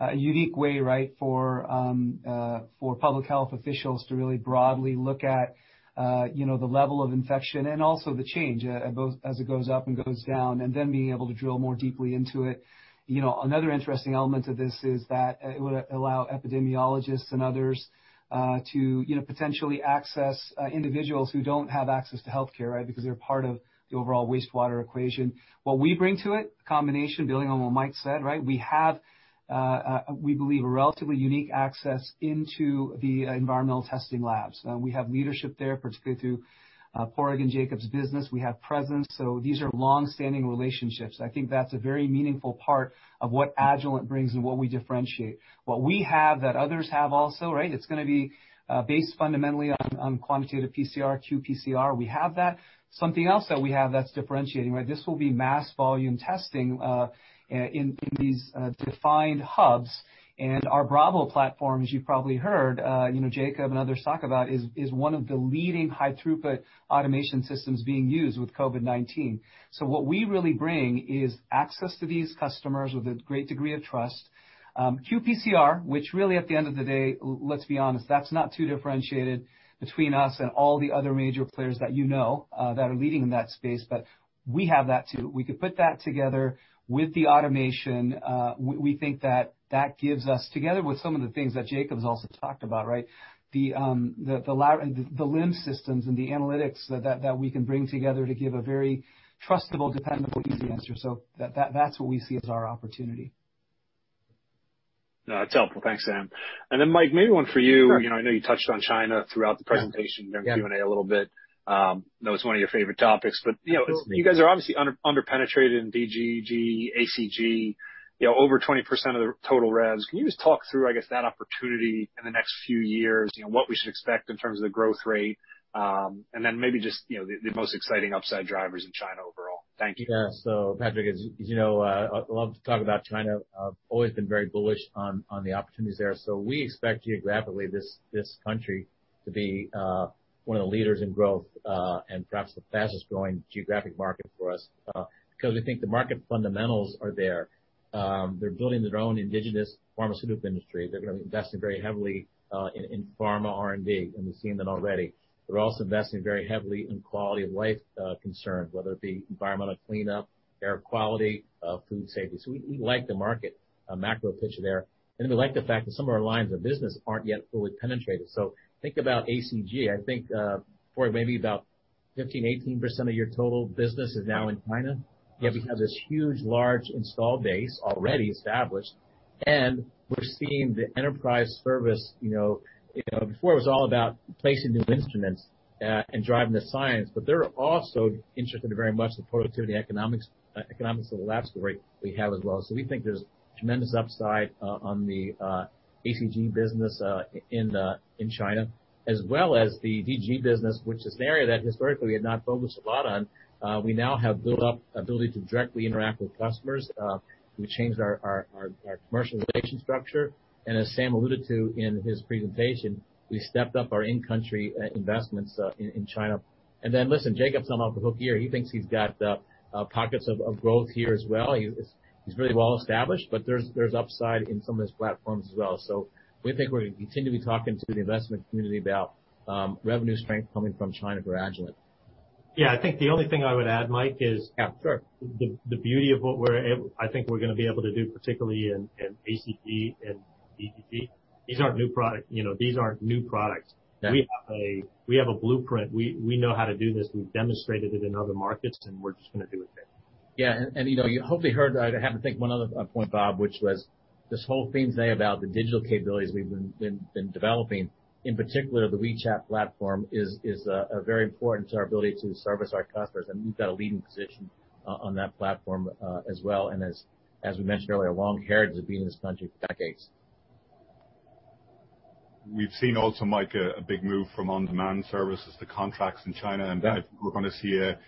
a unique way, right, for public health officials to really broadly look at the level of infection and also the change as it goes up and goes down, and then being able to drill more deeply into it. Another interesting element of this is that it would allow epidemiologists and others to potentially access individuals who don't have access to healthcare, because they're part of the overall wastewater equation. What we bring to it, combination, building on what Mike said, we have, we believe, a relatively unique access into the environmental testing labs. We have leadership there, particularly through Padraig's business. We have presence. These are long-standing relationships. I think that's a very meaningful part of what Agilent brings and what we differentiate. What we have that others have also. It's going to be based fundamentally on quantitative PCR, qPCR. We have that. Something else that we have that's differentiating. This will be mass volume testing, in these defined hubs. Our Bravo platform, as you've probably heard Jacob and others talk about, is one of the leading high throughput automation systems being used with COVID-19. What we really bring is access to these customers with a great degree of trust. qPCR, which really, at the end of the day, let's be honest, that's not too differentiated between us and all the other major players that you know, that are leading in that space. We have that too. We could put that together with the automation. We think that that gives us, together with some of the things that Jacob's also talked about. The LIMS systems and the analytics that we can bring together to give a very trustable, dependable, easy answer. That's what we see as our opportunity. No, that's helpful. Thanks, Sam. Mike, maybe one for you. Sure. I know you touched on China throughout the presentation, during the Q&A a little bit. Know it's one of your favorite topics, you guys are obviously under-penetrated in DGG, ACG, over 20% of the total revs. Can you just talk through, I guess, that opportunity in the next few years, what we should expect in terms of the growth rate? Maybe just the most exciting upside drivers in China overall. Thank you. Yeah. Patrick, as you know, I love to talk about China. I've always been very bullish on the opportunities there. We expect geographically, this country to be one of the leaders in growth, and perhaps the fastest growing geographic market for us, because we think the market fundamentals are there. They're building their own indigenous pharmaceutical industry. They're going to be investing very heavily in pharma R&D, and we've seen that already. They're also investing very heavily in quality of life concerns, whether it be environmental cleanup, air quality, food safety. We like the market macro picture there, and we like the fact that some of our lines of business aren't yet fully penetrated. Think about ACG. I think, for maybe about 15%, 18% of your total business is now in China. We have this huge, large installed base already established. We're seeing the enterprise service. Before it was all about placing new instruments, and driving the science, they're also interested very much in the productivity economics of the lab story we have as well. We think there's tremendous upside on the ACG business in China, as well as the DGG business, which is an area that historically we had not focused a lot on. We now have built up ability to directly interact with customers. We changed our commercialization structure. As Sam alluded to in his presentation, we stepped up our in-country investments in China. Listen, Jacob's on the hook here. He thinks he's got pockets of growth here as well. He's really well established. There's upside in some of his platforms as well. We think we're going to continue to be talking to the investment community about revenue strength coming from China for Agilent. Yeah. I think the only thing I would add, Mike, is the beauty of what I think we're going to be able to do, particularly in ACG and DGG. These aren't new products. We have a blueprint. We know how to do this. We've demonstrated it in other markets. We're just going to do it there. Yeah. You hopefully heard, I happened to think of one other point, Bob, which was this whole theme today about the digital capabilities we've been developing, in particular the WeChat platform, is very important to our ability to service our customers, and we've got a leading position on that platform as well, and as we mentioned earlier, a long heritage of being in this country for decades. We've seen also, Mike, a big move from on-demand services to contracts in China. Yeah. I think we're going to see a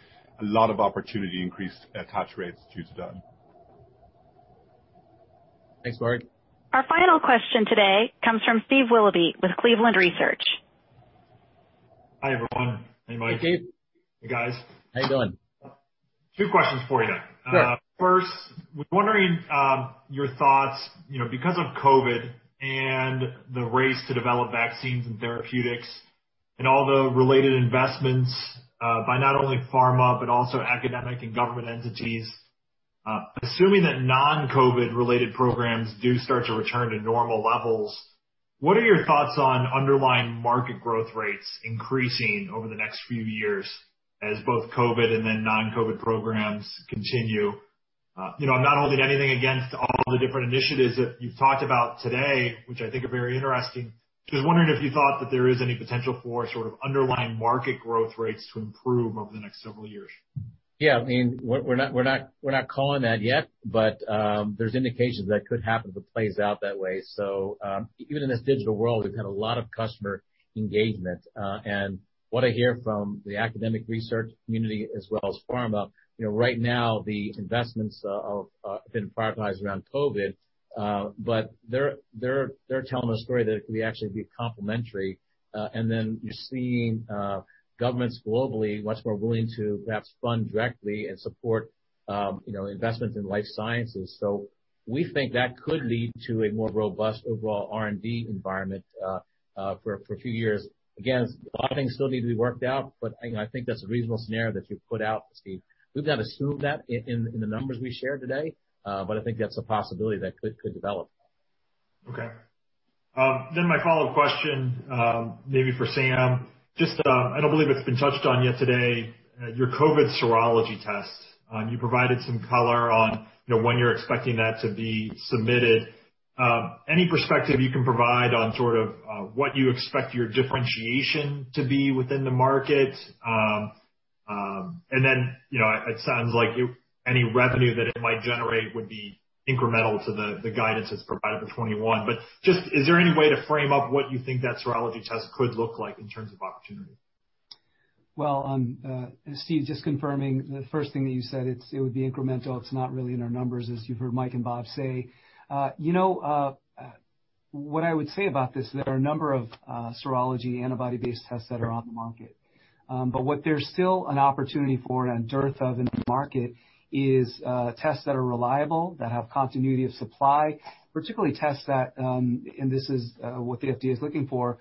lot of opportunity increase attach rates due to that. Thanks, Mike. Our final question today comes from Steve Willoughby with Cleveland Research. Hi, everyone. Hey, Mike. Hey, Steve. Hey, guys. How you doing? Two questions for you. Sure. I was wondering your thoughts. Because of COVID and the race to develop vaccines and therapeutics and all the related investments by not only pharma, but also academic and government entities, assuming that non-COVID related programs do start to return to normal levels, what are your thoughts on underlying market growth rates increasing over the next few years as both COVID and non-COVID programs continue? I'm not holding anything against all the different initiatives that you've talked about today, which I think are very interesting. I was just wondering if you thought that there is any potential for sort of underlying market growth rates to improve over the next several years. Yeah. We're not calling that yet, but there's indications that could happen if it plays out that way. Even in this digital world, we've had a lot of customer engagement. What I hear from the academic research community as well as pharma, right now the investments have been prioritized around COVID. They're telling a story that it could actually be complementary. Then you're seeing governments globally much more willing to perhaps fund directly and support investments in life sciences. We think that could lead to a more robust overall R&D environment for a few years. Again, a lot of things still need to be worked out, but I think that's a reasonable scenario that you've put out, Steve. We've got to assume that in the numbers we shared today. I think that's a possibility that could develop. Okay. My follow-up question, maybe for Sam. I don't believe it's been touched on yet today, your COVID serology test. You provided some color on when you're expecting that to be submitted. Any perspective you can provide on what you expect your differentiation to be within the market? It sounds like any revenue that it might generate would be incremental to the guidance that's provided for 2021. Is there any way to frame up what you think that serology test could look like in terms of opportunity? Well, Steve, just confirming the first thing that you said, it would be incremental. It's not really in our numbers, as you've heard Mike and Bob say. What I would say about this, there are a number of serology antibody-based tests that are on the market. What there's still an opportunity for and a dearth of in the market is tests that are reliable, that have continuity of supply, particularly tests that, and this is what the FDA is looking for,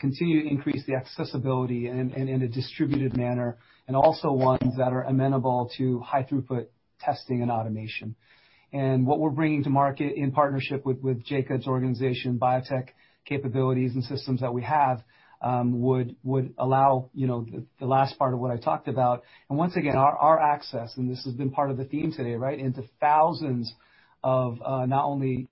continue to increase the accessibility and in a distributed manner, and also ones that are amenable to high throughput testing and automation. What we're bringing to market in partnership with Jacob's organization, biotech capabilities and systems that we have, would allow the last part of what I talked about. Once again, our access, and this has been part of the theme today, into thousands of not only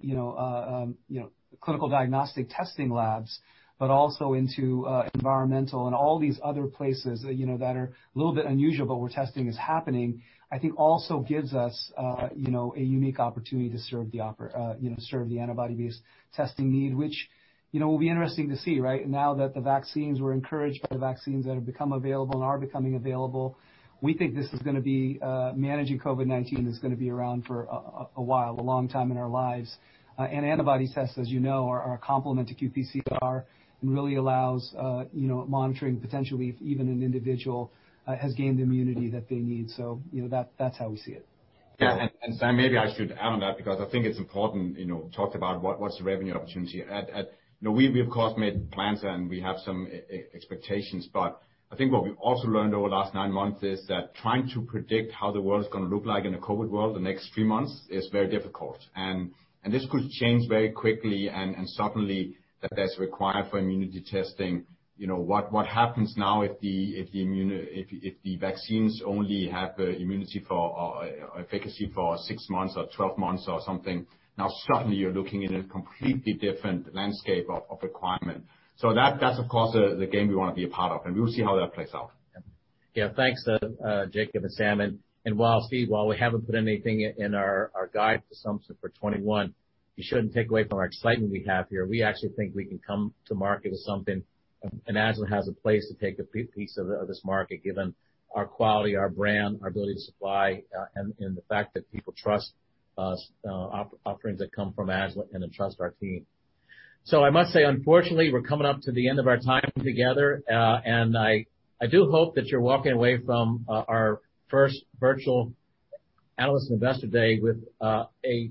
clinical diagnostic testing labs, but also into environmental and all these other places that are a little bit unusual, but where testing is happening, I think also gives us a unique opportunity to serve the antibody-based testing need, which will be interesting to see. Now that the vaccines were encouraged, the vaccines that have become available and are becoming available, we think managing COVID-19 is going to be around for a while, a long time in our lives. Antibody tests, as you know, are a complement to qPCR and really allows monitoring, potentially, if even an individual has gained the immunity that they need. That's how we see it. Yeah. Sam, maybe I should add on that because I think it's important, talked about what's the revenue opportunity. We, of course, made plans and we have some expectations, but I think what we've also learned over the last nine months is that trying to predict how the world's going to look like in a COVID world the next three months is very difficult. This could change very quickly and suddenly that's required for immunity testing. What happens now if the vaccines only have efficacy for six months or 12 months or something? Suddenly you're looking at a completely different landscape of requirement. That's, of course, the game we want to be a part of, and we will see how that plays out. Thanks, Jacob and Sam. Steve, while we haven't put anything in our guide for assumption for 2021, you shouldn't take away from our excitement we have here. We actually think we can come to market with something, and Agilent has a place to take a piece of this market, given our quality, our brand, our ability to supply, and the fact that people trust us, offerings that come from Agilent and they trust our team. I must say, unfortunately, we're coming up to the end of our time together. I do hope that you're walking away from our first virtual Analyst Investor Day with a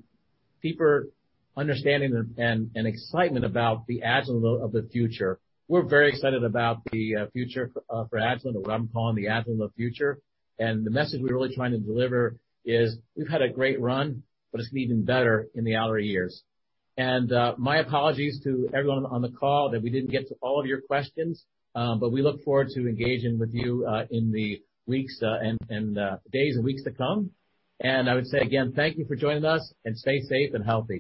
deeper understanding and excitement about the Agilent of the future. We're very excited about the future for Agilent or what I'm calling the Agilent of future. The message we're really trying to deliver is we've had a great run, but it's going to be even better in the outer years. My apologies to everyone on the call that we didn't get to all of your questions. We look forward to engaging with you in the days and weeks to come. I would say again, thank you for joining us, and stay safe and healthy.